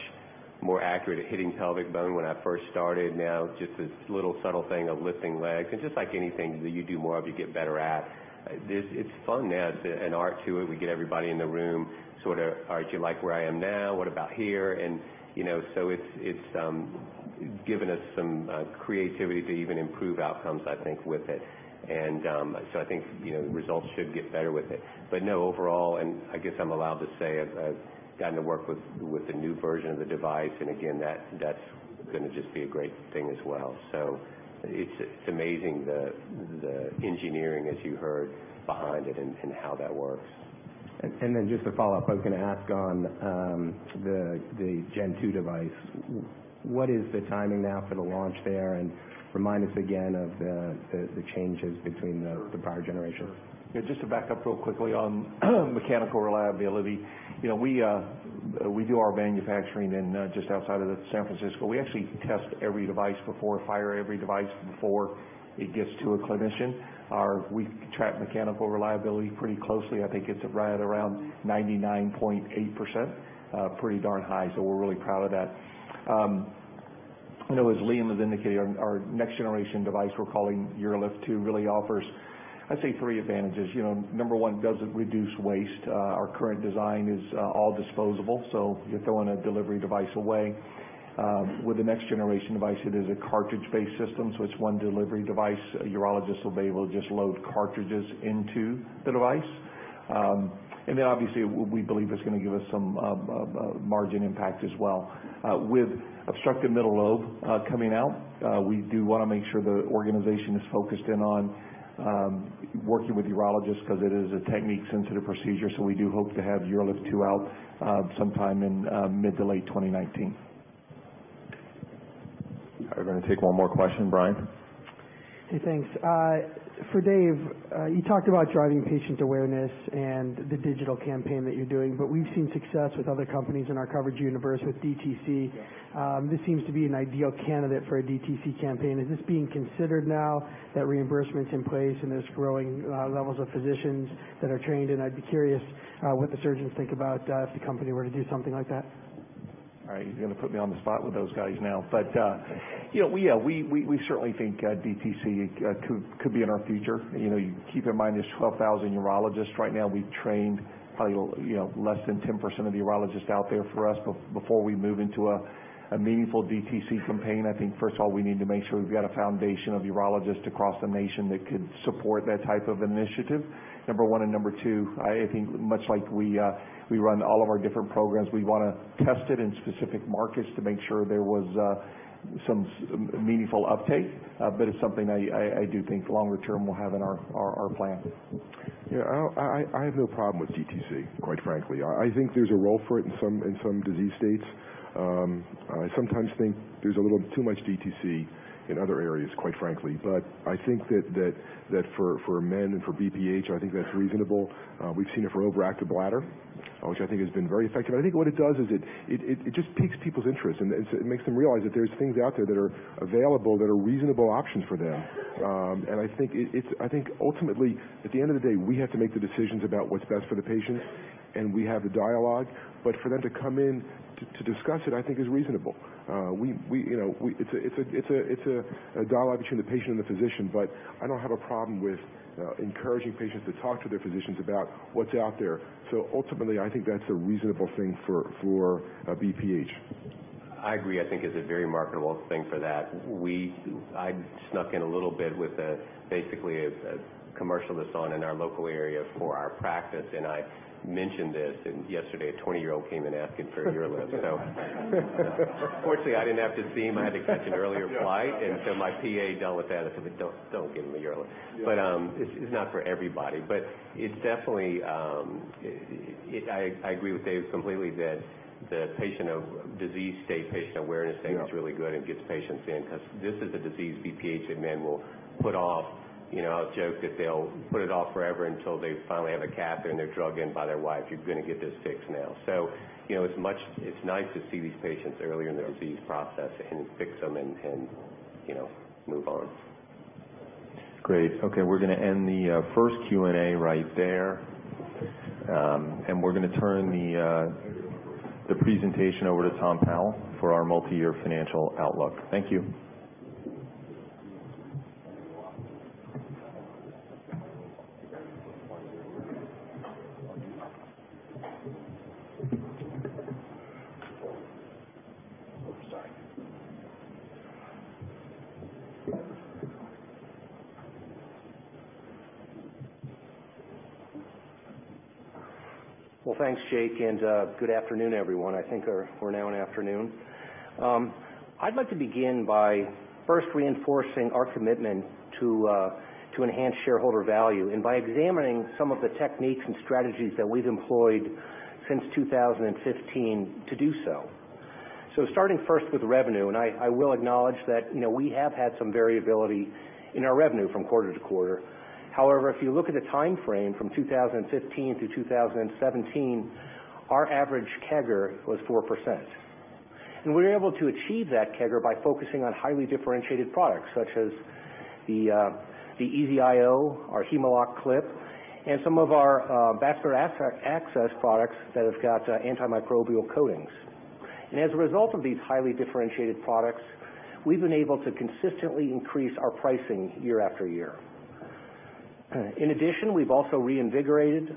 [SPEAKER 9] more accurate at hitting pelvic bone when I first started. Now it's just this little subtle thing of lifting legs, and just like anything that you do more of, you get better at. It's fun now. There's an art to it. We get everybody in the room sort of, "All right, do you like where I am now? What about here?" It's given us some creativity to even improve outcomes, I think, with it. I think results should get better with it. No, overall, and I guess I'm allowed to say I've gotten to work with the new version of the device, and again, that's going to just be a great thing as well. It's amazing the engineering, as you heard, behind it and how that works.
[SPEAKER 14] Just to follow up, I was going to ask on the Gen2 device, what is the timing now for the launch there? Remind us again of the changes between the prior generation.
[SPEAKER 7] Sure. Just to back up real quickly on mechanical reliability. We do our manufacturing in just outside of San Francisco. We actually test every device before, fire every device before it gets to a clinician. We track mechanical reliability pretty closely. I think it's right around 99.8%, pretty darn high, so we're really proud of that. As Liam has indicated, our next generation device we're calling UroLift 2 really offers, I'd say three advantages. Number one, doesn't reduce waste. Our current design is all disposable, so you're throwing a delivery device away. With the next generation device, it is a cartridge-based system, so it's one delivery device. A urologist will be able to just load cartridges into the device. Obviously, we believe it's going to give us some margin impact as well. With obstructive median lobe coming out, we do want to make sure the organization is focused in on working with urologists, because it is a technique-sensitive procedure. We do hope to have UroLift 2 out sometime in mid to late 2019.
[SPEAKER 1] All right, we're going to take one more question. Brian?
[SPEAKER 15] Hey, thanks. For Dave, you talked about driving patient awareness and the digital campaign that you're doing, but we've seen success with other companies in our coverage universe with DTC.
[SPEAKER 7] Yeah.
[SPEAKER 15] This seems to be an ideal candidate for a DTC campaign. Is this being considered now that reimbursement's in place and there's growing levels of physicians that are trained? I'd be curious what the surgeons think about if the company were to do something like that.
[SPEAKER 7] All right, you're going to put me on the spot with those guys now. We certainly think DTC could be in our future. Keep in mind, there's 12,000 urologists right now. We've trained probably less than 10% of the urologists out there for us. Before we move into a meaningful DTC campaign, I think, first of all, we need to make sure we've got a foundation of urologists across the nation that could support that type of initiative, number one. Number two, I think much like we run all of our different programs, we want to test it in specific markets to make sure there was some meaningful uptake. It's something I do think longer term we'll have in our plan.
[SPEAKER 8] I have no problem with DTC, quite frankly. I think there's a role for it in some disease states. I sometimes think there's a little too much DTC in other areas, quite frankly. I think that for men and for BPH, I think that's reasonable. We've seen it for overactive bladder, which I think has been very effective. I think what it does is it just piques people's interest, and it makes them realize that there's things out there that are available that are reasonable options for them. I think ultimately, at the end of the day, we have to make the decisions about what's best for the patient, and we have the dialogue. For them to come in to discuss it, I think is reasonable. It's a dialogue between the patient and the physician, but I don't have a problem with encouraging patients to talk to their physicians about what's out there. Ultimately, I think that's a reasonable thing for BPH.
[SPEAKER 9] I agree. I think it's a very marketable thing for that. I snuck in a little bit with basically a commercial that's on in our local area for our practice, and I mentioned this, and yesterday, a 20-year-old came in asking for UroLift, so fortunately, I didn't have to see him. I had to catch an earlier flight, my PA dealt with that. I said, "Don't give him the UroLift.
[SPEAKER 8] Yeah.
[SPEAKER 9] It's not for everybody, but it's definitely I agree with Dave completely that the disease state patient awareness thing is really good and gets patients in, because this is a disease BPH that men will put off. I'll joke that they'll put it off forever until they finally have a cath, and they're dragged in by their wives, "You're going to get this fixed now." It's nice to see these patients earlier in their disease process and fix them and move on.
[SPEAKER 1] Great. Okay, we're going to end the first Q&A right there. We're going to turn the presentation over to Thomas Powell for our multi-year financial outlook. Thank you.
[SPEAKER 16] Well, thanks, Jake, and good afternoon, everyone. I think we're now in the afternoon. I'd like to begin by first reinforcing our commitment to enhance shareholder value and by examining some of the techniques and strategies that we've employed since 2015 to do so. Starting first with revenue, I will acknowledge that we have had some variability in our revenue from quarter to quarter. However, if you look at the time frame from 2015 to 2017, our average CAGR was 4%. We were able to achieve that CAGR by focusing on highly differentiated products, such as the EZ-IO, our Hem-o-lok clip, and some of our vascular access products that have got antimicrobial coatings. As a result of these highly differentiated products, we've been able to consistently increase our pricing year after year. In addition, we've also reinvigorated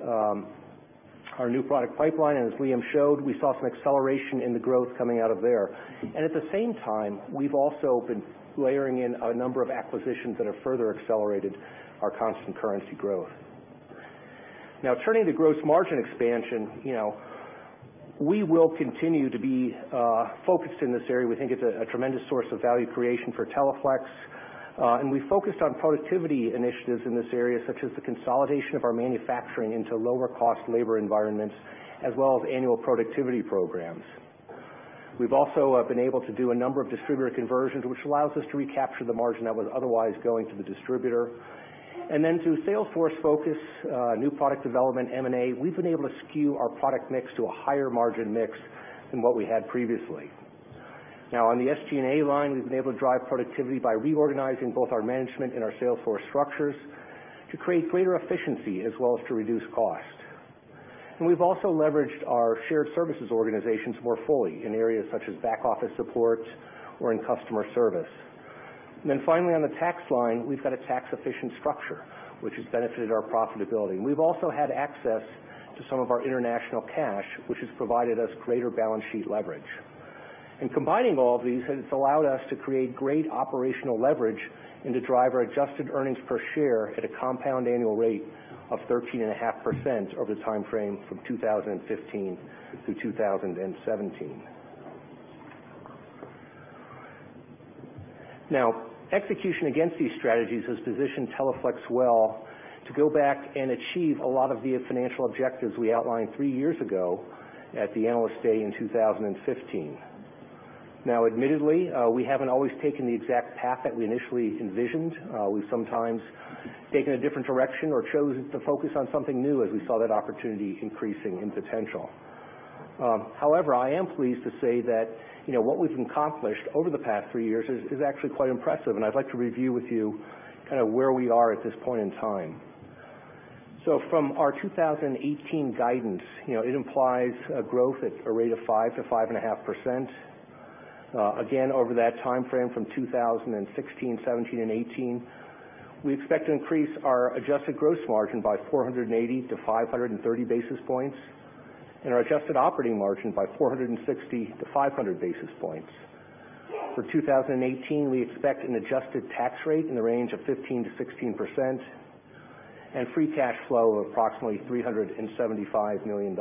[SPEAKER 16] our new product pipeline, and as Liam showed, we saw some acceleration in the growth coming out of there. At the same time, we've also been layering in a number of acquisitions that have further accelerated our constant currency growth. Now turning to gross margin expansion, we will continue to be focused in this area. We think it's a tremendous source of value creation for Teleflex. We focused on productivity initiatives in this area, such as the consolidation of our manufacturing into lower-cost labor environments as well as annual productivity programs. We've also been able to do a number of distributor conversions, which allows us to recapture the margin that was otherwise going to the distributor. Through sales force focus, new product development, M&A, we've been able to skew our product mix to a higher margin mix than what we had previously. Now on the SG&A line, we've been able to drive productivity by reorganizing both our management and our sales force structures to create greater efficiency as well as to reduce cost. We've also leveraged our shared services organizations more fully in areas such as back office support or in customer service. Finally, on the tax line, we've got a tax-efficient structure, which has benefited our profitability. We've also had access to some of our international cash, which has provided us greater balance sheet leverage. Combining all of these has allowed us to create great operational leverage and to drive our adjusted earnings per share at a compound annual rate of 13.5% over the timeframe from 2015 through 2017. Execution against these strategies has positioned Teleflex well to go back and achieve a lot of the financial objectives we outlined three years ago at the Analyst Day in 2015. Admittedly, we haven't always taken the exact path that we initially envisioned. We've sometimes taken a different direction or chosen to focus on something new as we saw that opportunity increasing in potential. However, I am pleased to say that what we've accomplished over the past three years is actually quite impressive, and I'd like to review with you where we are at this point in time. From our 2018 guidance, it implies a growth at a rate of 5%-5.5%. Again, over that timeframe from 2016, 2017, and 2018, we expect to increase our adjusted gross margin by 480 to 530 basis points and our adjusted operating margin by 460 to 500 basis points. For 2018, we expect an adjusted tax rate in the range of 15%-16% and free cash flow of approximately $375 million.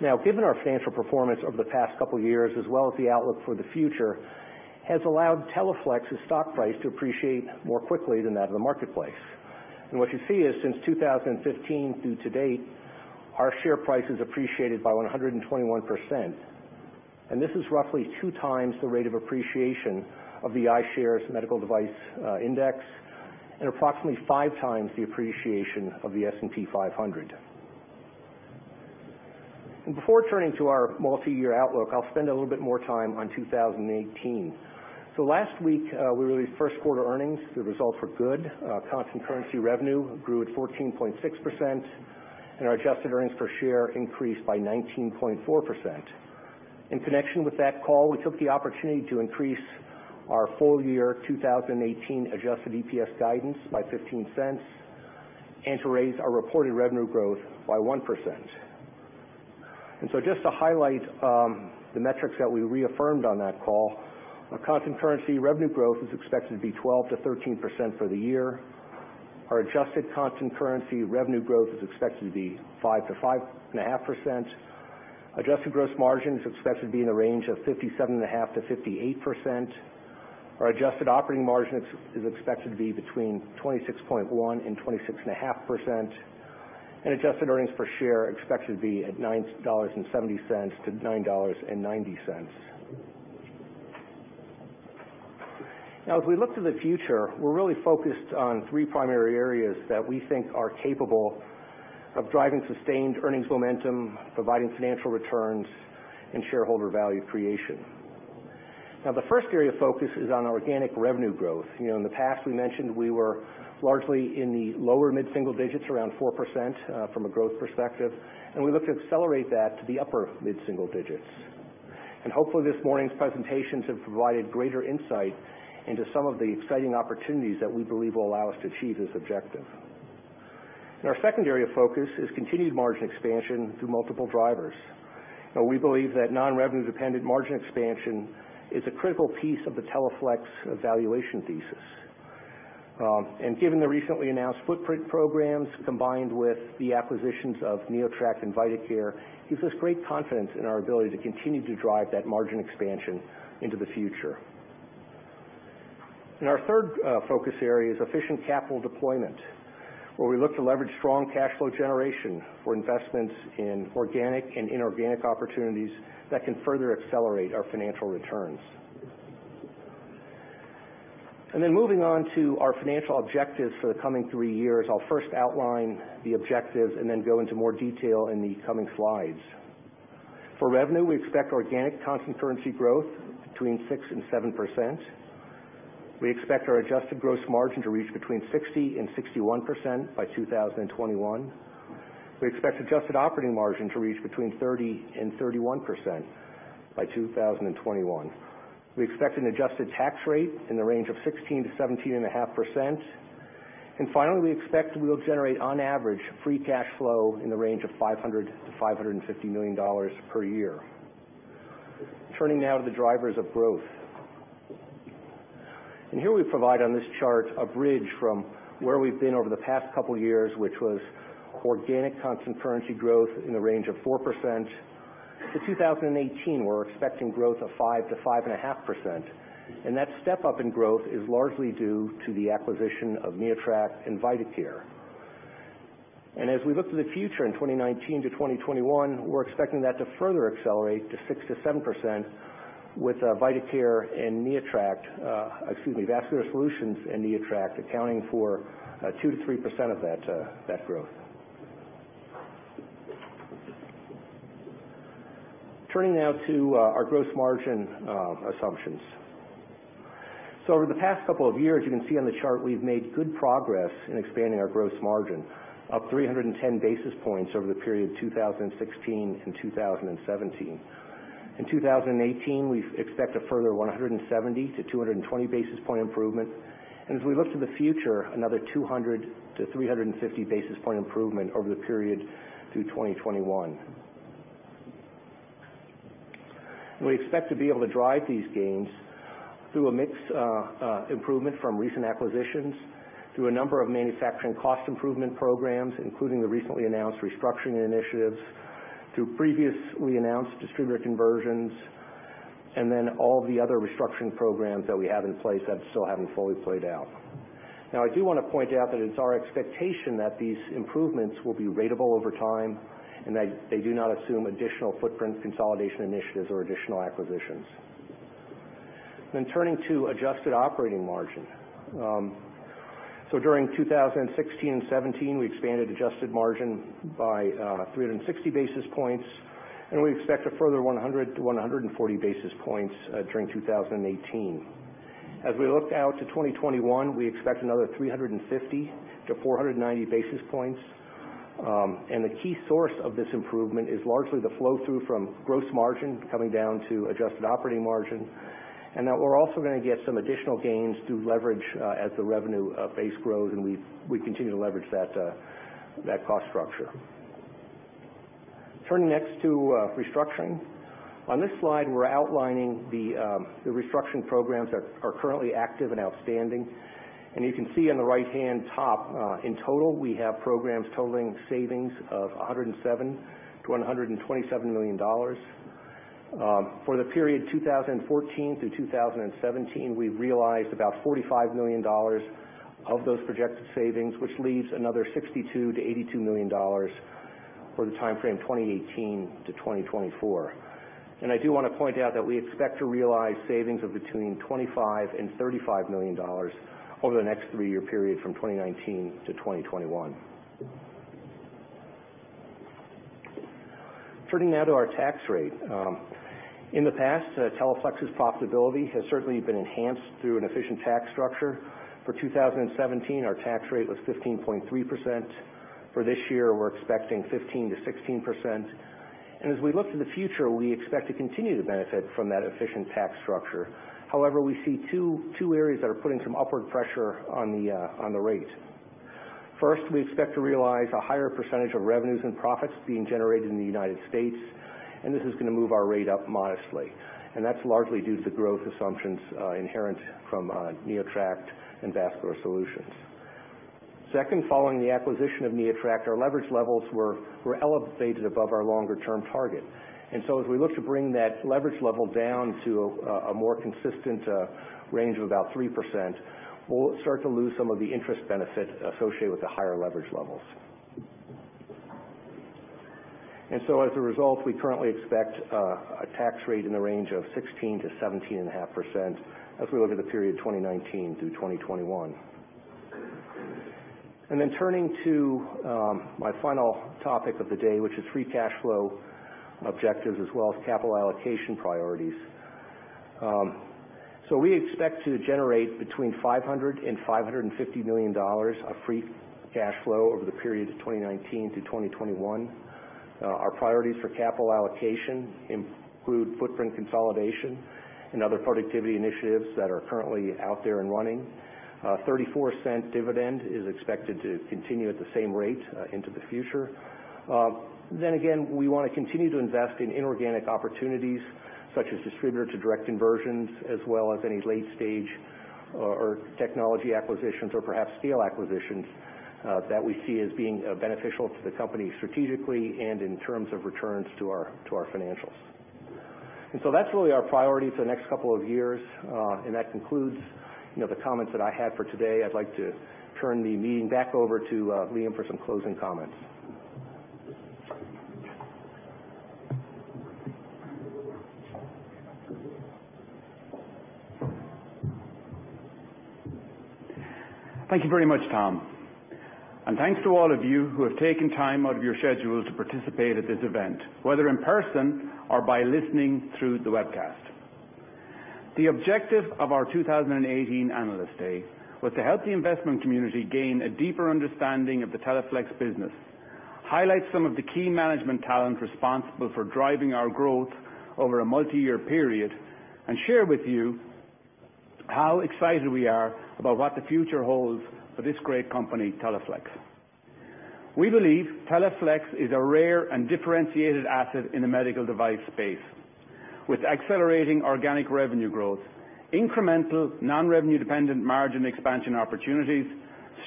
[SPEAKER 16] Given our financial performance over the past couple of years, as well as the outlook for the future, has allowed Teleflex's stock price to appreciate more quickly than that of the marketplace. What you see is, since 2015 through to date, our share price has appreciated by 121%. This is roughly two times the rate of appreciation of the iShares U.S. Medical Devices ETF and approximately five times the appreciation of the S&P 500. Before turning to our multi-year outlook, I'll spend a little bit more time on 2018. Last week, we released first quarter earnings. The results were good. Constant currency revenue grew at 14.6%, and our adjusted earnings per share increased by 19.4%. In connection with that call, we took the opportunity to increase our full year 2018 adjusted EPS guidance by $0.15 and to raise our reported revenue growth by 1%. Just to highlight the metrics that we reaffirmed on that call, our constant currency revenue growth is expected to be 12%-13% for the year. Our adjusted constant currency revenue growth is expected to be 5%-5.5%. Adjusted gross margin is expected to be in the range of 57.5%-58%. Our adjusted operating margin is expected to be between 26.1% and 26.5%. Adjusted earnings per share are expected to be at $9.70-$9.90. As we look to the future, we're really focused on three primary areas that we think are capable of driving sustained earnings momentum, providing financial returns, and shareholder value creation. The first area of focus is on organic revenue growth. In the past, we mentioned we were largely in the lower mid-single digits, around 4%, from a growth perspective, and we look to accelerate that to the upper mid-single digits. Hopefully this morning's presentations have provided greater insight into some of the exciting opportunities that we believe will allow us to achieve this objective. Our second area of focus is continued margin expansion through multiple drivers. Now, we believe that non-revenue-dependent margin expansion is a critical piece of the Teleflex valuation thesis. Given the recently announced footprint programs, combined with the acquisitions of NeoTract and Vidacare, gives us great confidence in our ability to continue to drive that margin expansion into the future. Our third focus area is efficient capital deployment, where we look to leverage strong cash flow generation for investments in organic and inorganic opportunities that can further accelerate our financial returns. Moving on to our financial objectives for the coming three years. I'll first outline the objectives and then go into more detail in the coming slides. For revenue, we expect organic constant currency growth between 6% and 7%. We expect our adjusted gross margin to reach between 60% and 61% by 2021. We expect adjusted operating margin to reach between 30% and 31% by 2021. We expect an adjusted tax rate in the range of 16%-17.5%. Finally, we expect we will generate on average, free cash flow in the range of $500 million-$550 million per year. Turning now to the drivers of growth. Here we provide on this chart a bridge from where we've been over the past couple of years, which was organic constant currency growth in the range of 4%. To 2018, we're expecting growth of 5%-5.5%, and that step-up in growth is largely due to the acquisition of NeoTract and Vidacare. As we look to the future in 2019-2021, we're expecting that to further accelerate to 6%-7% with Vidacare and NeoTract, excuse me, Vascular Solutions and NeoTract accounting for 2%-3% of that growth. Turning now to our gross margin assumptions. Over the past couple of years, you can see on the chart we've made good progress in expanding our gross margin, up 310 basis points over the period 2016 and 2017. In 2018, we expect a further 170-220 basis point improvement. As we look to the future, another 200-350 basis point improvement over the period through 2021. We expect to be able to drive these gains through a mix improvement from recent acquisitions, through a number of manufacturing cost improvement programs, including the recently announced restructuring initiatives, through previously announced distributor conversions, all the other restructuring programs that we have in place that still haven't fully played out. Now I do want to point out that it's our expectation that these improvements will be ratable over time and that they do not assume additional footprint consolidation initiatives or additional acquisitions. Turning to adjusted operating margin. During 2016 and 2017, we expanded adjusted margin by 360 basis points, and we expect a further 100-140 basis points during 2018. As we look out to 2021, we expect another 350-490 basis points. The key source of this improvement is largely the flow-through from gross margin coming down to adjusted operating margin, we're also going to get some additional gains through leverage as the revenue base grows, we continue to leverage that cost structure. Turning next to restructuring. On this slide, we're outlining the restructuring programs that are currently active and outstanding. You can see on the right-hand top, in total, we have programs totaling savings of $107 million-$127 million. For the period 2014 through 2017, we realized about $45 million of those projected savings, which leaves another $62 million-$82 million for the timeframe 2018 to 2024. I do want to point out that we expect to realize savings of between $25 million and $35 million over the next three-year period from 2019 to 2021. Turning now to our tax rate. In the past, Teleflex's profitability has certainly been enhanced through an efficient tax structure. For 2017, our tax rate was 15.3%. For this year, we're expecting 15%-16%. As we look to the future, we expect to continue to benefit from that efficient tax structure. However, we see two areas that are putting some upward pressure on the rate. First, we expect to realize a higher percentage of revenues and profits being generated in the U.S., this is going to move our rate up modestly. That's largely due to the growth assumptions inherent from NeoTract and Vascular Solutions. Second, following the acquisition of NeoTract, our leverage levels were elevated above our longer-term target. As we look to bring that leverage level down to a more consistent range of about 3%, we'll start to lose some of the interest benefit associated with the higher leverage levels. As a result, we currently expect a tax rate in the range of 16%-17.5% as we look at the period 2019 through 2021. Turning to my final topic of the day, which is free cash flow objectives as well as capital allocation priorities. We expect to generate between $500 million and $550 million of free cash flow over the period of 2019 to 2021. Our priorities for capital allocation include footprint consolidation and other productivity initiatives that are currently out there and running. A $0.34 dividend is expected to continue at the same rate into the future. Again, we want to continue to invest in inorganic opportunities, such as distributor-to-direct conversions, as well as any late-stage or technology acquisitions or perhaps steel acquisitions that we see as being beneficial to the company strategically and in terms of returns to our financials. That's really our priority for the next couple of years. That concludes the comments that I had for today. I'd like to turn the meeting back over to Liam for some closing comments.
[SPEAKER 2] Thank you very much, Tom. Thanks to all of you who have taken time out of your schedule to participate at this event, whether in person or by listening through the webcast. The objective of our 2018 Analyst Day was to help the investment community gain a deeper understanding of the Teleflex business, highlight some of the key management talent responsible for driving our growth over a multi-year period, share with you how excited we are about what the future holds for this great company, Teleflex. We believe Teleflex is a rare and differentiated asset in the medical device space with accelerating organic revenue growth, incremental non-revenue-dependent margin expansion opportunities,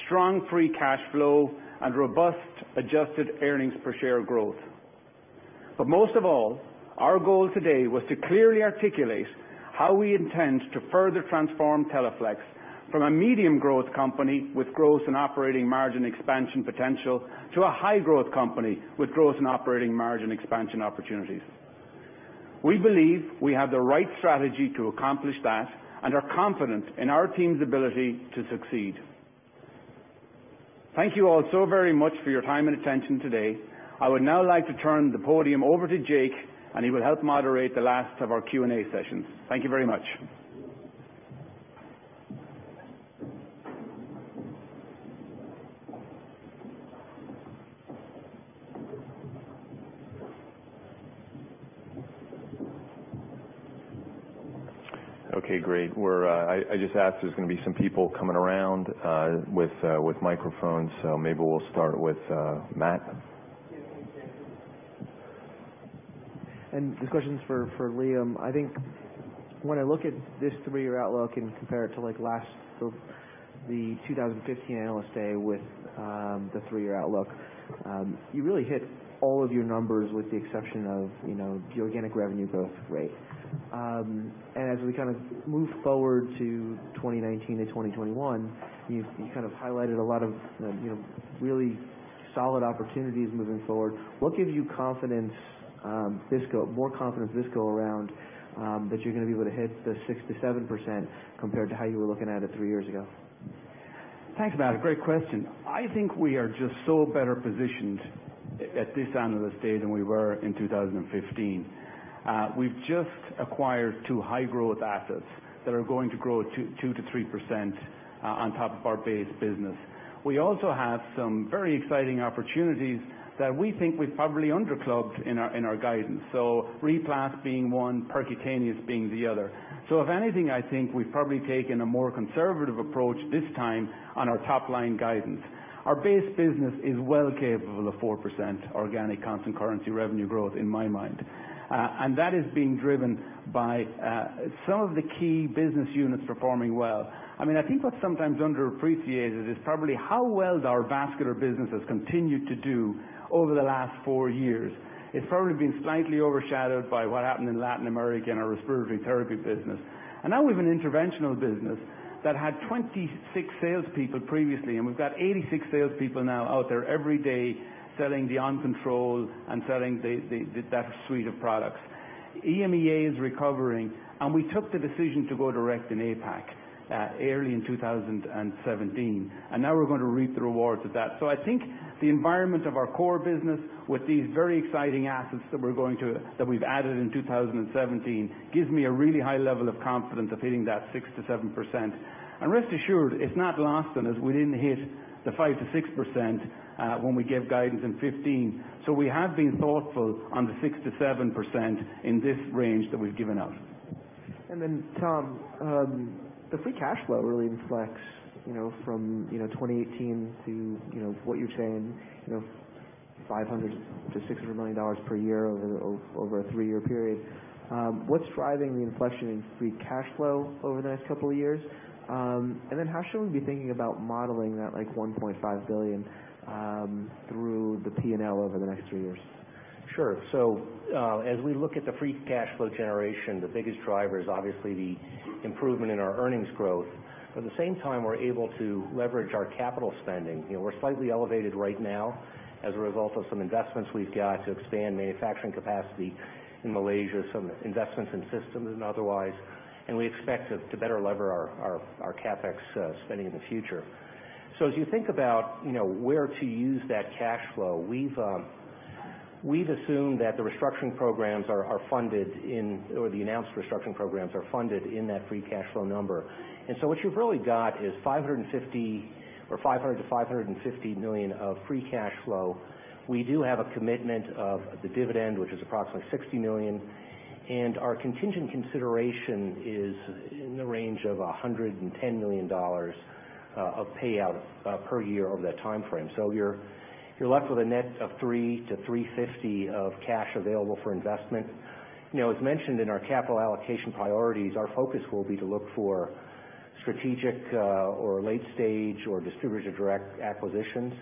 [SPEAKER 2] strong free cash flow, and robust adjusted earnings per share growth. Most of all, our goal today was to clearly articulate how we intend to further transform Teleflex from a medium growth company with growth and operating margin expansion potential to a high growth company with growth and operating margin expansion opportunities. We believe we have the right strategy to accomplish that and are confident in our team's ability to succeed. Thank you all so very much for your time and attention today. I would now like to turn the podium over to Jake, and he will help moderate the last of our Q&A sessions. Thank you very much.
[SPEAKER 1] Okay, great. I just asked, there's going to be some people coming around with microphones, so maybe we'll start with Matt.
[SPEAKER 11] This question's for Liam. I think when I look at this three-year outlook and compare it to the 2015 Analyst Day with the three-year outlook, you really hit all of your numbers with the exception of the organic revenue growth rate. As we move forward to 2019 to 2021, you've highlighted a lot of really solid opportunities moving forward. What gives you more confidence this go around that you're going to be able to hit the 6%-7% compared to how you were looking at it three years ago?
[SPEAKER 2] Thanks, Matt. Great question. I think we are just so better positioned at this Analyst Day than we were in 2015. We've just acquired two high-growth assets that are going to grow 2%-3% on top of our base business. We also have some very exciting opportunities that we think we've probably under-clubbed in our guidance. RePlas being one, Percuvance being the other. If anything, I think we've probably taken a more conservative approach this time on our top-line guidance. Our base business is well capable of 4% organic constant currency revenue growth, in my mind. That is being driven by some of the key business units performing well. I think what's sometimes underappreciated is probably how well our vascular business has continued to do over the last four years. It's probably been slightly overshadowed by what happened in Latin America in our respiratory therapy business. We've an interventional business that had 26 salespeople previously, we've got 86 salespeople now out there every day selling the OnControl and selling that suite of products. EMEA is recovering, we took the decision to go direct in APAC early in 2017, now we're going to reap the rewards of that. I think the environment of our core business with these very exciting assets that we've added in 2017 gives me a really high level of confidence of hitting that 6%-7%. Rest assured, it's not lost on us. We didn't hit the 5%-6% when we gave guidance in 2015. We have been thoughtful on the 6%-7% in this range that we've given out.
[SPEAKER 11] Tom, the free cash flow really inflects from 2018 to what you're saying, $500 million-$600 million per year over a three-year period. What's driving the inflection in free cash flow over the next couple of years? How should we be thinking about modeling that like $1.5 billion through the P&L over the next few years?
[SPEAKER 16] Sure. As we look at the free cash flow generation, the biggest driver is obviously the improvement in our earnings growth. At the same time, we're able to leverage our capital spending. We're slightly elevated right now as a result of some investments we've got to expand manufacturing capacity in Malaysia, some investments in systems and otherwise, we expect to better lever our CapEx spending in the future. As you think about where to use that cash flow, we've assumed that the restructuring programs are funded in-- or the announced restructuring programs are funded in that free cash flow number. What you've really got is $500 million-$550 million of free cash flow. We do have a commitment of the dividend, which is approximately $60 million, and our contingent consideration is in the range of $110 million of payout per year over that timeframe. You're left with a net of $300 million-$350 million of cash available for investment. As mentioned in our capital allocation priorities, our focus will be to look for strategic or late-stage or distributor direct acquisitions.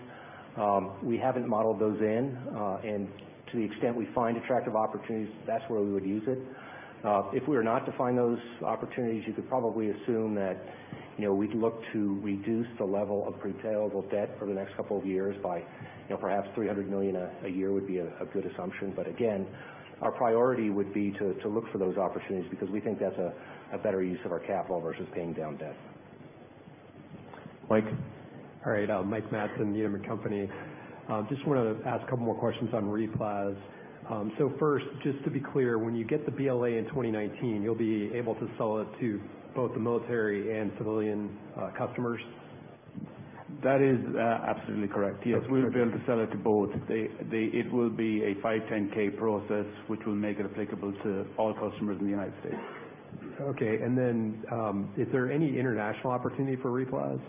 [SPEAKER 16] We haven't modeled those in, to the extent we find attractive opportunities, that's where we would use it. If we were not to find those opportunities, you could probably assume that we'd look to reduce the level of pre-payable debt over the next couple of years by perhaps $300 million a year would be a good assumption. Again, our priority would be to look for those opportunities because we think that's a better use of our capital versus paying down debt.
[SPEAKER 1] Mike.
[SPEAKER 17] All right. Mike Matson, Needham & Company. Just want to ask a couple more questions on RePlas. First, just to be clear, when you get the BLA in 2019, you'll be able to sell it to both the military and civilian customers?
[SPEAKER 2] That is absolutely correct. Yes.
[SPEAKER 17] Okay.
[SPEAKER 2] We'll be able to sell it to both. It will be a 510(k) process, which will make it applicable to all customers in the United States.
[SPEAKER 17] Okay. Then, is there any international opportunity for RePlas?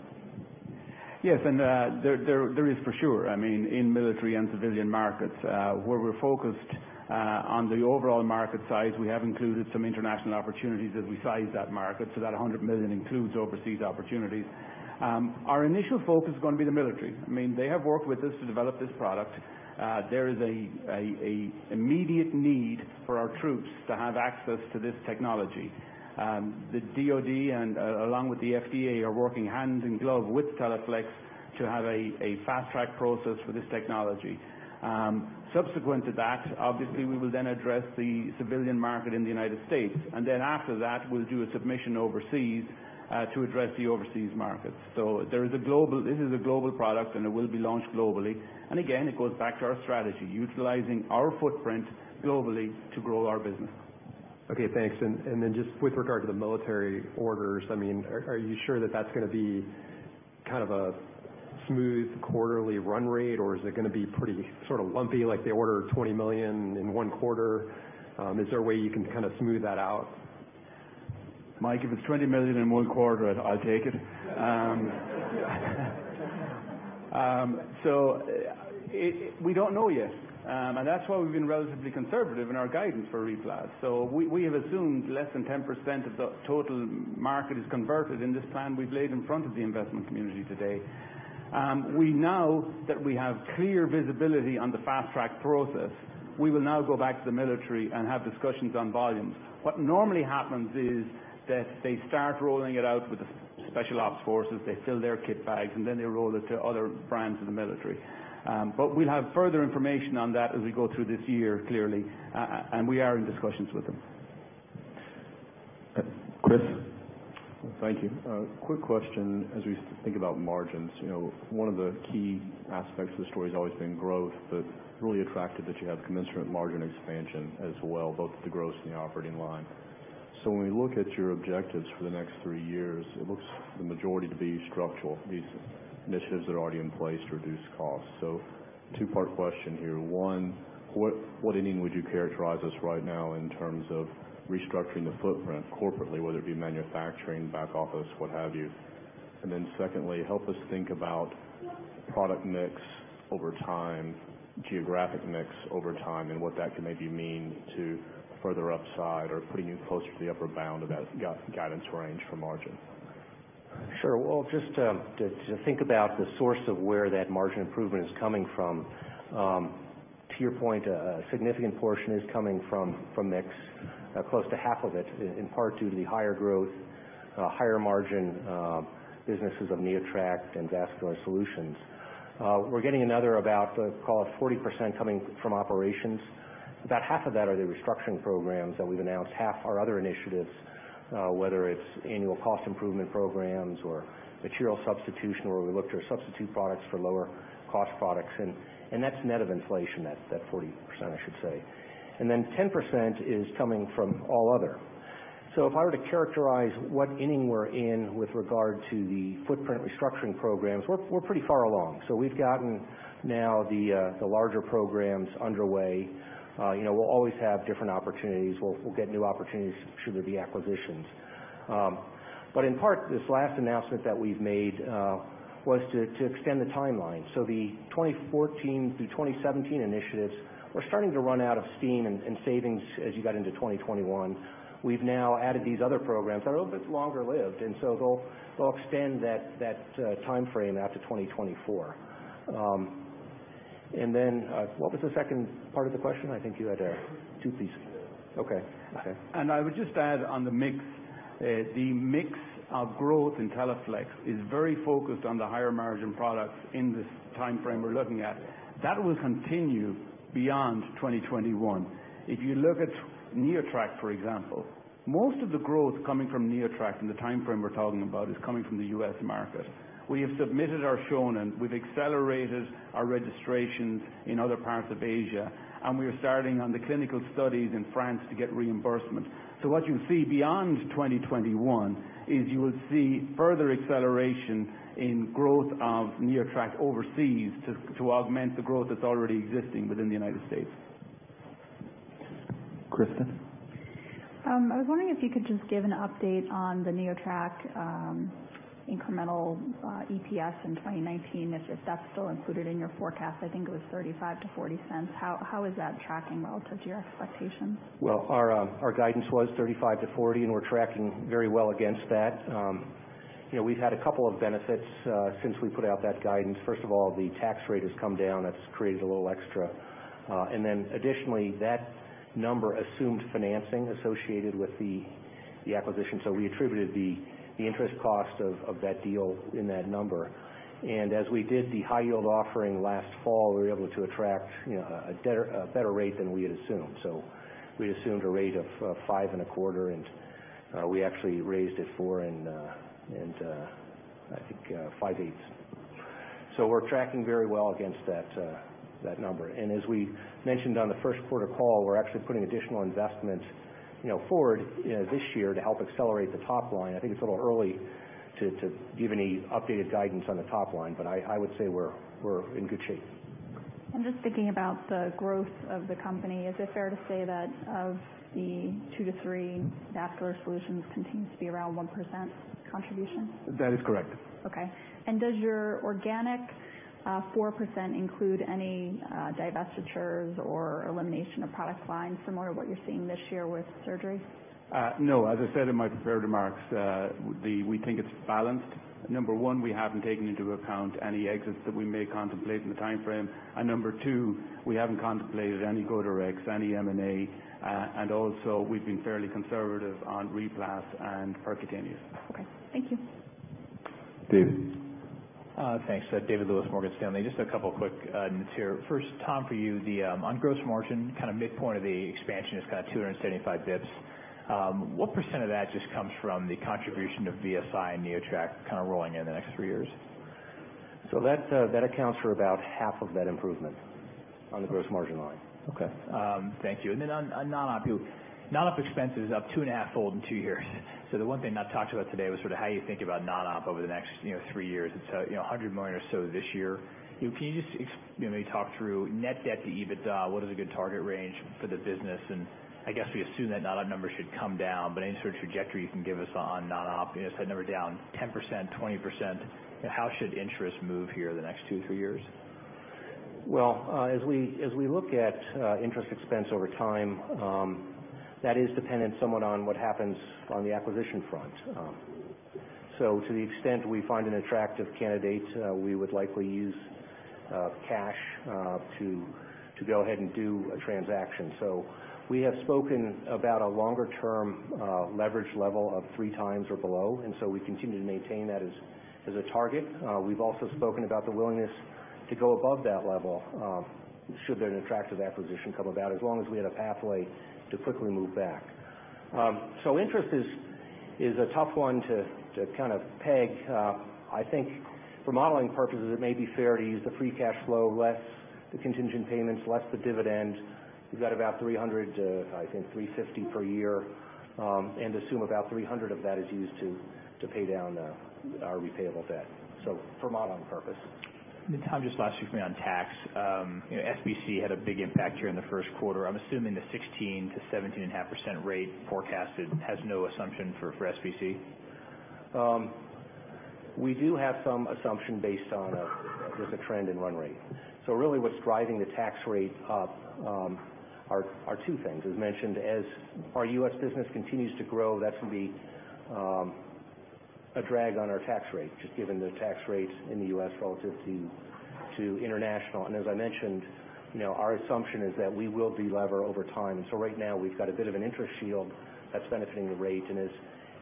[SPEAKER 2] Yes. There is for sure, in military and civilian markets. Where we're focused on the overall market size, we have included some international opportunities as we size that market. That $100 million includes overseas opportunities. Our initial focus is going to be the military. They have worked with us to develop this product. There is an immediate need for our troops to have access to this technology. The DoD and along with the FDA are working hand in glove with Teleflex to have a fast-track process for this technology. Subsequent to that, obviously, we will then address the civilian market in the U.S. After that, we'll do a submission overseas to address the overseas markets. This is a global product, and it will be launched globally. Again, it goes back to our strategy, utilizing our footprint globally to grow our business.
[SPEAKER 17] Okay, thanks. Just with regard to the military orders, are you sure that's going to be a smooth quarterly run rate, or is it going to be pretty lumpy, like they order $20 million in one quarter? Is there a way you can smooth that out?
[SPEAKER 2] Mike, if it's $20 million in one quarter, I'll take it. We don't know yet. That's why we've been relatively conservative in our guidance for RePlas. We have assumed less than 10% of the total market is converted in this plan we've laid in front of the investment community today. We know that we have clear visibility on the fast-track process. We will now go back to the military and have discussions on volumes. What normally happens is that they start rolling it out with the special ops forces, they fill their kit bags, and then they roll it to other brands in the military. We'll have further information on that as we go through this year, clearly, and we are in discussions with them. Chris?
[SPEAKER 13] Thank you. A quick question as we think about margins. One of the key aspects of the story has always been growth, but really attractive that you have commensurate margin expansion as well, both at the gross and the operating line. When we look at your objectives for the next three years, it looks the majority to be structural. These initiatives that are already in place to reduce costs. Two-part question here. One, what inning would you characterize us right now in terms of restructuring the footprint corporately, whether it be manufacturing, back office, what have you? Secondly, help us think about product mix over time, geographic mix over time, and what that could maybe mean to further upside or putting you closer to the upper bound of that guidance range for margin.
[SPEAKER 16] Sure. Well, just to think about the source of where that margin improvement is coming from. To your point, a significant portion is coming from mix, close to half of it, in part due to the higher growth, higher-margin businesses of NeoTract and Vascular Solutions. We're getting another about, call it 40% coming from operations. About half of that are the restructuring programs that we've announced, half are other initiatives, whether it's annual cost improvement programs or material substitution, where we looked to substitute products for lower-cost products. That's net of inflation, that 40%, I should say. Then 10% is coming from all other. If I were to characterize what inning we're in with regard to the footprint restructuring programs, we're pretty far along. We've gotten now the larger programs underway. We'll always have different opportunities. We'll get new opportunities should there be acquisitions. In part, this last announcement that we've made was to extend the timeline. The 2014 through 2017 initiatives were starting to run out of steam and savings as you got into 2021. We've now added these other programs that are a little bit longer-lived, they'll extend that timeframe out to 2024. What was the second part of the question? I think you had two pieces.
[SPEAKER 13] Yeah. Okay.
[SPEAKER 2] I would just add on the mix. The mix of growth in Teleflex is very focused on the higher-margin products in this timeframe we're looking at. That will continue beyond 2021. If you look at NeoTract, for example, most of the growth coming from NeoTract in the timeframe we're talking about is coming from the U.S. market. We have submitted our Shonin, we've accelerated our registrations in other parts of Asia, we are starting on the clinical studies in France to get reimbursement. What you'll see beyond 2021 is you will see further acceleration in growth of NeoTract overseas to augment the growth that's already existing within the United States.
[SPEAKER 16] Kristen?
[SPEAKER 13] I was wondering if you could just give an update on the NeoTract incremental EPS in 2019, if that's still included in your forecast. I think it was $0.35 to $0.40. How is that tracking relative to your expectations?
[SPEAKER 16] Well, our guidance was $0.35 to $0.40, and we're tracking very well against that. We've had a couple of benefits since we put out that guidance. First of all, the tax rate has come down. That's created a little extra. Additionally, that number assumed financing associated with the acquisition. We attributed the interest cost of that deal in that number. As we did the high-yield offering last fall, we were able to attract a better rate than we had assumed. We'd assumed a rate of 5.25%, and we actually raised it 4.625%. We're tracking very well against that number. As we mentioned on the first quarter call, we're actually putting additional investments forward this year to help accelerate the top line. I think it's a little early to give any updated guidance on the top line. I would say we're in good shape.
[SPEAKER 13] Just thinking about the growth of the company, is it fair to say that of the 2%-3%, Vascular Solutions continues to be around 1% contribution?
[SPEAKER 2] That is correct.
[SPEAKER 13] Okay. Does your organic 4% include any divestitures or elimination of product lines similar to what you're seeing this year with surgery?
[SPEAKER 2] No. As I said in my prepared remarks, we think it's balanced. Number one, we haven't taken into account any exits that we may contemplate in the timeframe. Number two, we haven't contemplated any go-directs, any M&A, and also, we've been fairly conservative on RePlas and Percuvance.
[SPEAKER 13] Okay. Thank you.
[SPEAKER 1] David.
[SPEAKER 10] Thanks. David Lewis, Morgan Stanley. Just a couple quick notes here. First, Tom, for you, on gross margin, midpoint of the expansion is 275 basis points. What % of that just comes from the contribution of VSI and NeoTract rolling in the next three years?
[SPEAKER 16] That accounts for about half of that improvement on the gross margin line.
[SPEAKER 10] Okay. Thank you. On non-op, non-op expense is up two and a half fold in two years. The one thing not talked about today was how you think about non-op over the next three years. It's $100 million or so this year. Can you just maybe talk through net debt to EBITDA, what is a good target range for the business? I guess we assume that non-op numbers should come down, but any sort of trajectory you can give us on non-op? Is that number down 10%-20%? How should interest move here the next two, three years?
[SPEAKER 16] Well, as we look at interest expense over time, that is dependent somewhat on what happens on the acquisition front. To the extent we find an attractive candidate, we would likely use cash to go ahead and do a transaction. We have spoken about a longer-term leverage level of three times or below, we continue to maintain that as a target. We've also spoken about the willingness to go above that level should an attractive acquisition come about, as long as we had a pathway to quickly move back. Interest is a tough one to peg. I think for modeling purposes, it may be fair to use the free cash flow, less the contingent payments, less the dividend. We've got about $300 to, I think, $350 per year, and assume about $300 of that is used to pay down our prepayable debt.. For modeling purpose.
[SPEAKER 10] Tom, just lastly for me on tax. SBC had a big impact here in the first quarter. I'm assuming the 16%-17.5% rate forecasted has no assumption for SBC?
[SPEAKER 16] We do have some assumption based on there's a trend in run rate. Really what's driving the tax rate up are two things. As mentioned, as our U.S. business continues to grow, that's going to be a drag on our tax rate, just given the tax rates in the U.S. relative to international. As I mentioned, our assumption is that we will delever over time. Right now we've got a bit of an interest shield that's benefiting the rate.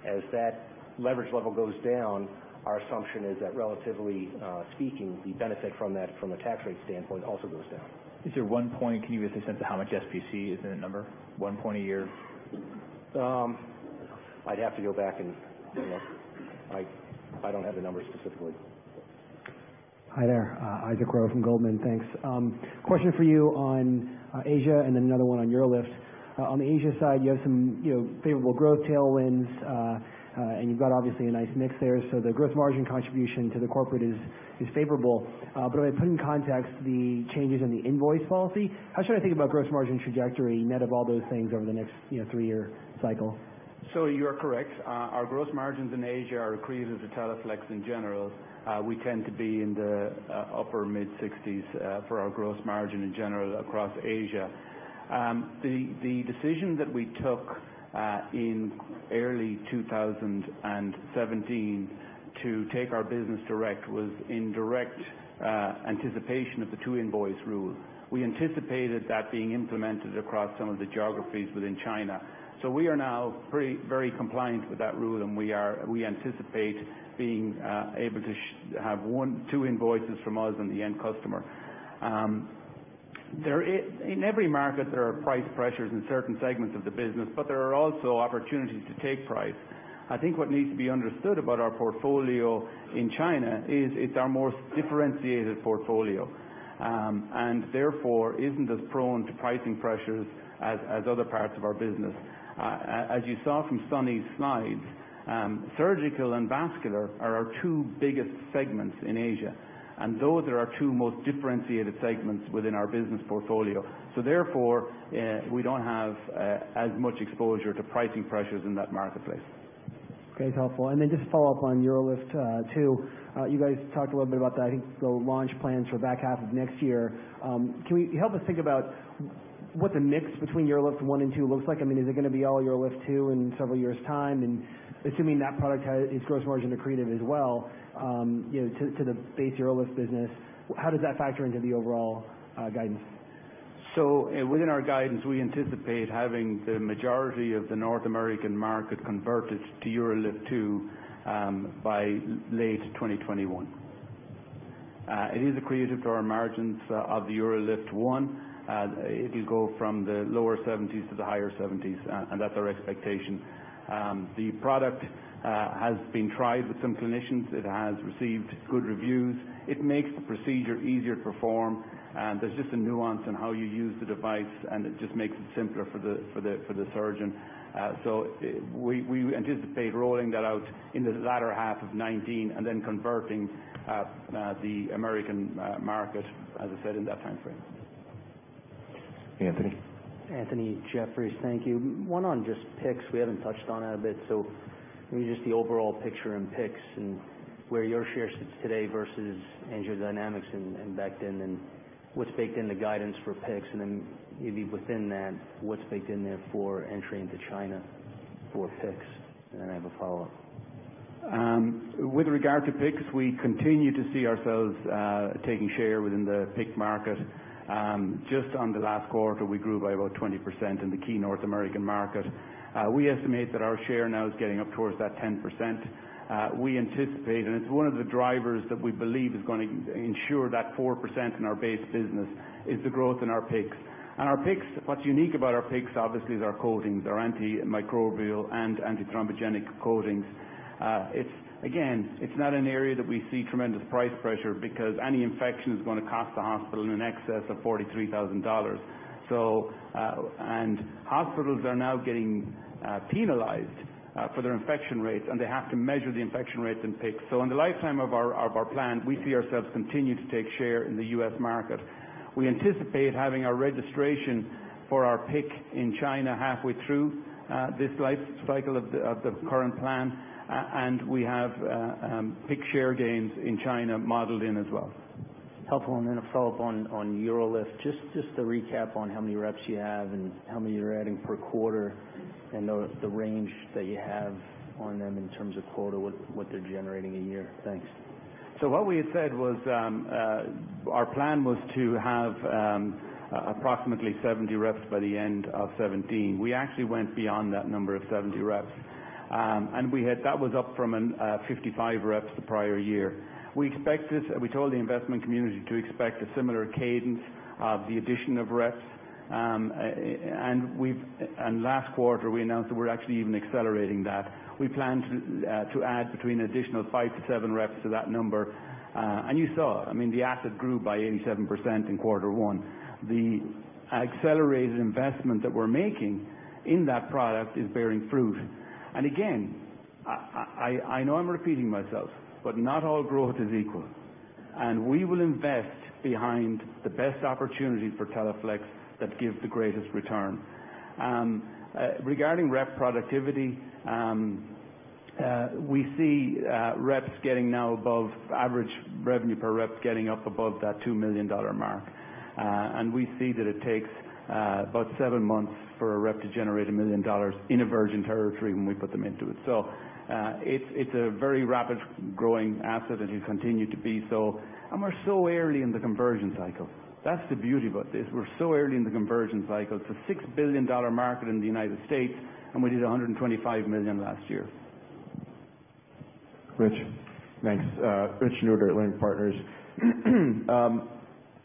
[SPEAKER 16] As that leverage level goes down, our assumption is that relatively speaking, the benefit from that from a tax rate standpoint also goes down.
[SPEAKER 10] Is there one point, can you give us a sense of how much SBC? Is there a number? One point a year?
[SPEAKER 16] I'd have to go back and take a look. I don't have the numbers specifically.
[SPEAKER 10] Sure.
[SPEAKER 18] Hi there, Isaac Crowell from Goldman. Thanks. Question for you on Asia and another one on UroLift. On the Asia side, you have some favorable growth tailwinds, and you've got obviously a nice mix there. The gross margin contribution to the corporate is favorable. I put in context the changes in the invoice policy. How should I think about gross margin trajectory net of all those things over the next three-year cycle?
[SPEAKER 16] You are correct. Our gross margins in Asia are accretive to Teleflex in general. We tend to be in the upper mid-60s for our gross margin in general across Asia. The decision that we took in early 2017 to take our business direct was in direct anticipation of the two invoice rule. We anticipated that being implemented across some of the geographies within China. We are now very compliant with that rule, and we anticipate being able to have two invoices from us and the end customer. In every market, there are price pressures in certain segments of the business, but there are also opportunities to take price. I think what needs to be understood about our portfolio in China is it's our most differentiated portfolio, and therefore isn't as prone to pricing pressures as other parts of our business. As you saw from Sunny's slides, surgical and vascular are our two biggest segments in Asia, and those are our two most differentiated segments within our business portfolio. Therefore, we don't have as much exposure to pricing pressures in that marketplace.
[SPEAKER 18] Okay. Helpful. Just follow up on UroLift, too. You guys talked a little bit about that, I think the launch plans for the back half of next year. Can you help us think about what the mix between UroLift one and two looks like? Is it going to be all UroLift two in several years' time? Assuming that product is gross margin accretive as well to the base UroLift business, how does that factor into the overall guidance?
[SPEAKER 2] Within our guidance, we anticipate having the majority of the North American market converted to UroLift 2 by late 2021. It is accretive to our margins of the UroLift 1. It will go from the lower 70s to the higher 70s, and that's our expectation. The product has been tried with some clinicians. It has received good reviews. It makes the procedure easier to perform. There's just a nuance in how you use the device, and it just makes it simpler for the surgeon. We anticipate rolling that out in the latter half of 2019 and then converting the American market, as I said, in that timeframe.
[SPEAKER 1] Anthony.
[SPEAKER 19] Anthony Jefferies. Thank you. One on just PICC. We haven't touched on that a bit, maybe just the overall picture in PICC and where your share sits today versus AngioDynamics and Becton, and what's baked in the guidance for PYX? Maybe within that, what's baked in there for entry into China for PICC? I have a follow-up.
[SPEAKER 2] With regard to PICCs, we continue to see ourselves taking share within the PICC market. Just on the last quarter, we grew by about 20% in the key North American market. We estimate that our share now is getting up towards that 10%. We anticipate, and it's one of the drivers that we believe is going to ensure that 4% in our base business, is the growth in our PICCs. Our PICCs, what's unique about our PICCs, obviously, is our coatings. They're antimicrobial and antithrombogenic coatings. Again, it's not an area that we see tremendous price pressure because any infection is going to cost the hospital in excess of $43,000. Hospitals are now getting penalized for their infection rates, and they have to measure the infection rates in PICCs. In the lifetime of our plan, we see ourselves continue to take share in the U.S. market. We anticipate having our registration for our PICC in China halfway through this life cycle of the current plan. We have PICC share gains in China modeled in as well.
[SPEAKER 19] Helpful. A follow-up on UroLift. Just a recap on how many reps you have and how many you're adding per quarter, and the range that you have on them in terms of quota, what they're generating a year. Thanks.
[SPEAKER 2] What we had said was our plan was to have approximately 70 reps by the end of 2017. We actually went beyond that number of 70 reps. That was up from 55 reps the prior year. We told the investment community to expect a similar cadence of the addition of reps. Last quarter, we announced that we're actually even accelerating that. We plan to add between additional five to seven reps to that number. You saw, the asset grew by 87% in quarter one. The accelerated investment that we're making in that product is bearing fruit. Again, I know I'm repeating myself, but not all growth is equal, and we will invest behind the best opportunities for Teleflex that give the greatest return. Regarding rep productivity, we see average revenue per rep getting up above that $2 million mark. We see that it takes about seven months for a rep to generate $1 million in a virgin territory when we put them into it. It's a very rapid growing asset and will continue to be so. We're so early in the conversion cycle. That's the beauty about this. We're so early in the conversion cycle. It's a $6 billion market in the United States, and we did $125 million last year.
[SPEAKER 1] Rich.
[SPEAKER 12] Thanks. Rich Newitter at Leerink Partners.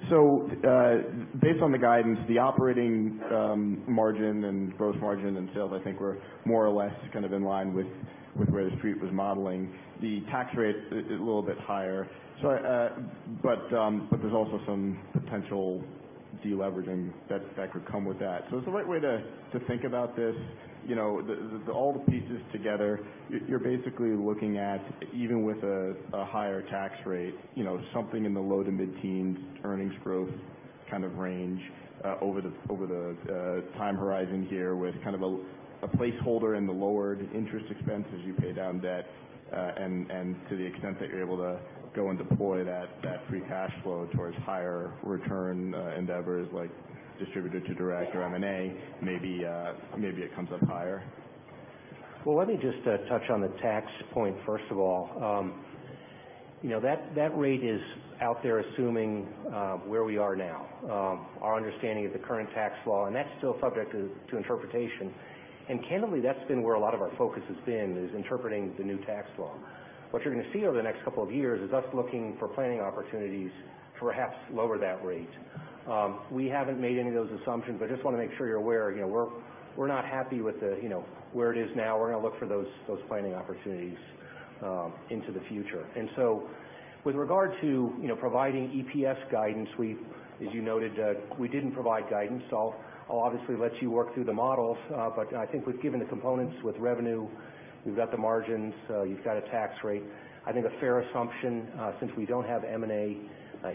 [SPEAKER 12] Based on the guidance, the operating margin and gross margin and sales, I think were more or less kind of in line with where the street was modeling. The tax rate is a little bit higher. There's also some potential de-leveraging that could come with that. Is the right way to think about this, all the pieces together, you're basically looking at, even with a higher tax rate, something in the low to mid-teens earnings growth kind of range over the time horizon here with kind of a placeholder in the lowered interest expense as you pay down debt, and to the extent that you're able to go and deploy that free cash flow towards higher return endeavors like distributor to direct or M&A, maybe it comes up higher?
[SPEAKER 16] Well, let me just touch on the tax point, first of all. That rate is out there assuming where we are now. Our understanding of the current tax law, and that's still subject to interpretation. Candidly, that's been where a lot of our focus has been, is interpreting the new tax law. What you're going to see over the next couple of years is us looking for planning opportunities to perhaps lower that rate. We haven't made any of those assumptions, but I just want to make sure you're aware. We're not happy with where it is now. We're going to look for those planning opportunities into the future. With regard to providing EPS guidance, as you noted, we didn't provide guidance. I'll obviously let you work through the models. I think we've given the components with revenue. We've got the margins. You've got a tax rate. I think a fair assumption, since we don't have M&A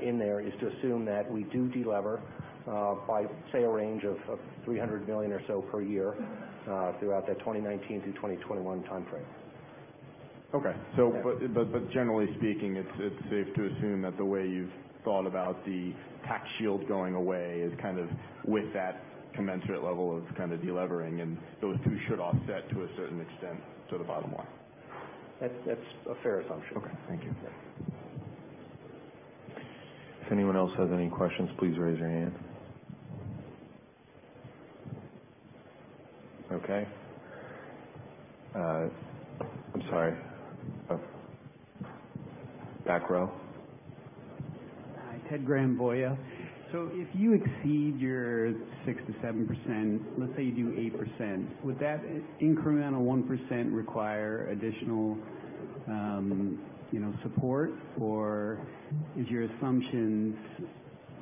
[SPEAKER 16] in there, is to assume that we do de-lever by, say, a range of $300 million or so per year throughout that 2019 through 2021 time frame.
[SPEAKER 12] Okay. Generally speaking, it's safe to assume that the way you've thought about the tax shield going away is kind of with that commensurate level of kind of de-levering, and those two should offset to a certain extent to the bottom line?
[SPEAKER 16] That's a fair assumption.
[SPEAKER 12] Okay. Thank you.
[SPEAKER 1] If anyone else has any questions, please raise your hand. Okay. I'm sorry. Back row.
[SPEAKER 20] Hi. Ted Graham, Voya. If you exceed your 6%-7%, let's say you do 8%, would that incremental 1% require additional support? Or is your assumptions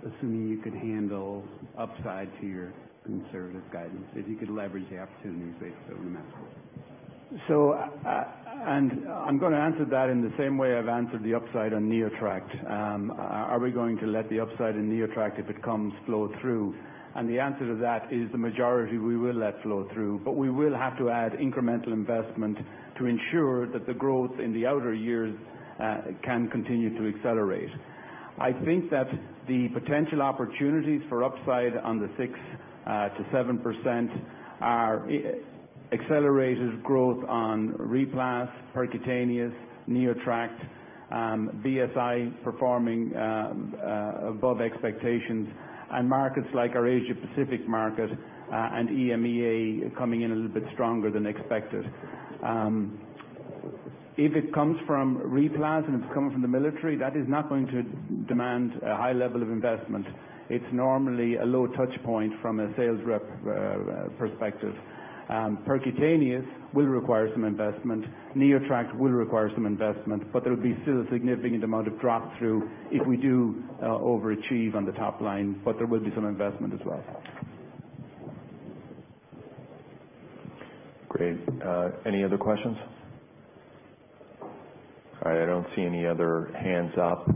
[SPEAKER 20] assuming you could handle upside to your conservative guidance, that you could leverage the opportunities based over mass?
[SPEAKER 2] I'm going to answer that in the same way I've answered the upside on NeoTract. Are we going to let the upside in NeoTract, if it comes, flow through? The answer to that is the majority we will let flow through. We will have to add incremental investment to ensure that the growth in the outer years can continue to accelerate. I think that the potential opportunities for upside on the 6%-7% are accelerated growth on RePlas, Percuvance, NeoTract, VSI performing above expectations, and markets like our Asia-Pacific market and EMEA coming in a little bit stronger than expected. If it comes from RePlas and it's coming from the military, that is not going to demand a high level of investment. It's normally a low touch point from a sales rep perspective. Percuvance will require some investment. NeoTract will require some investment. There'll be still a significant amount of drop-through if we do overachieve on the top line, but there will be some investment as well.
[SPEAKER 1] Great. Any other questions? All right. I don't see any other hands up.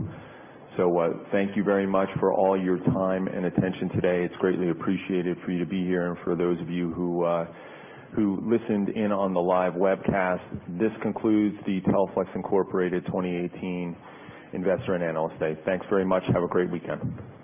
[SPEAKER 1] Thank you very much for all your time and attention today. It's greatly appreciated for you to be here and for those of you who listened in on the live webcast. This concludes the Teleflex Incorporated 2018 Investor and Analyst Day. Thanks very much. Have a great weekend.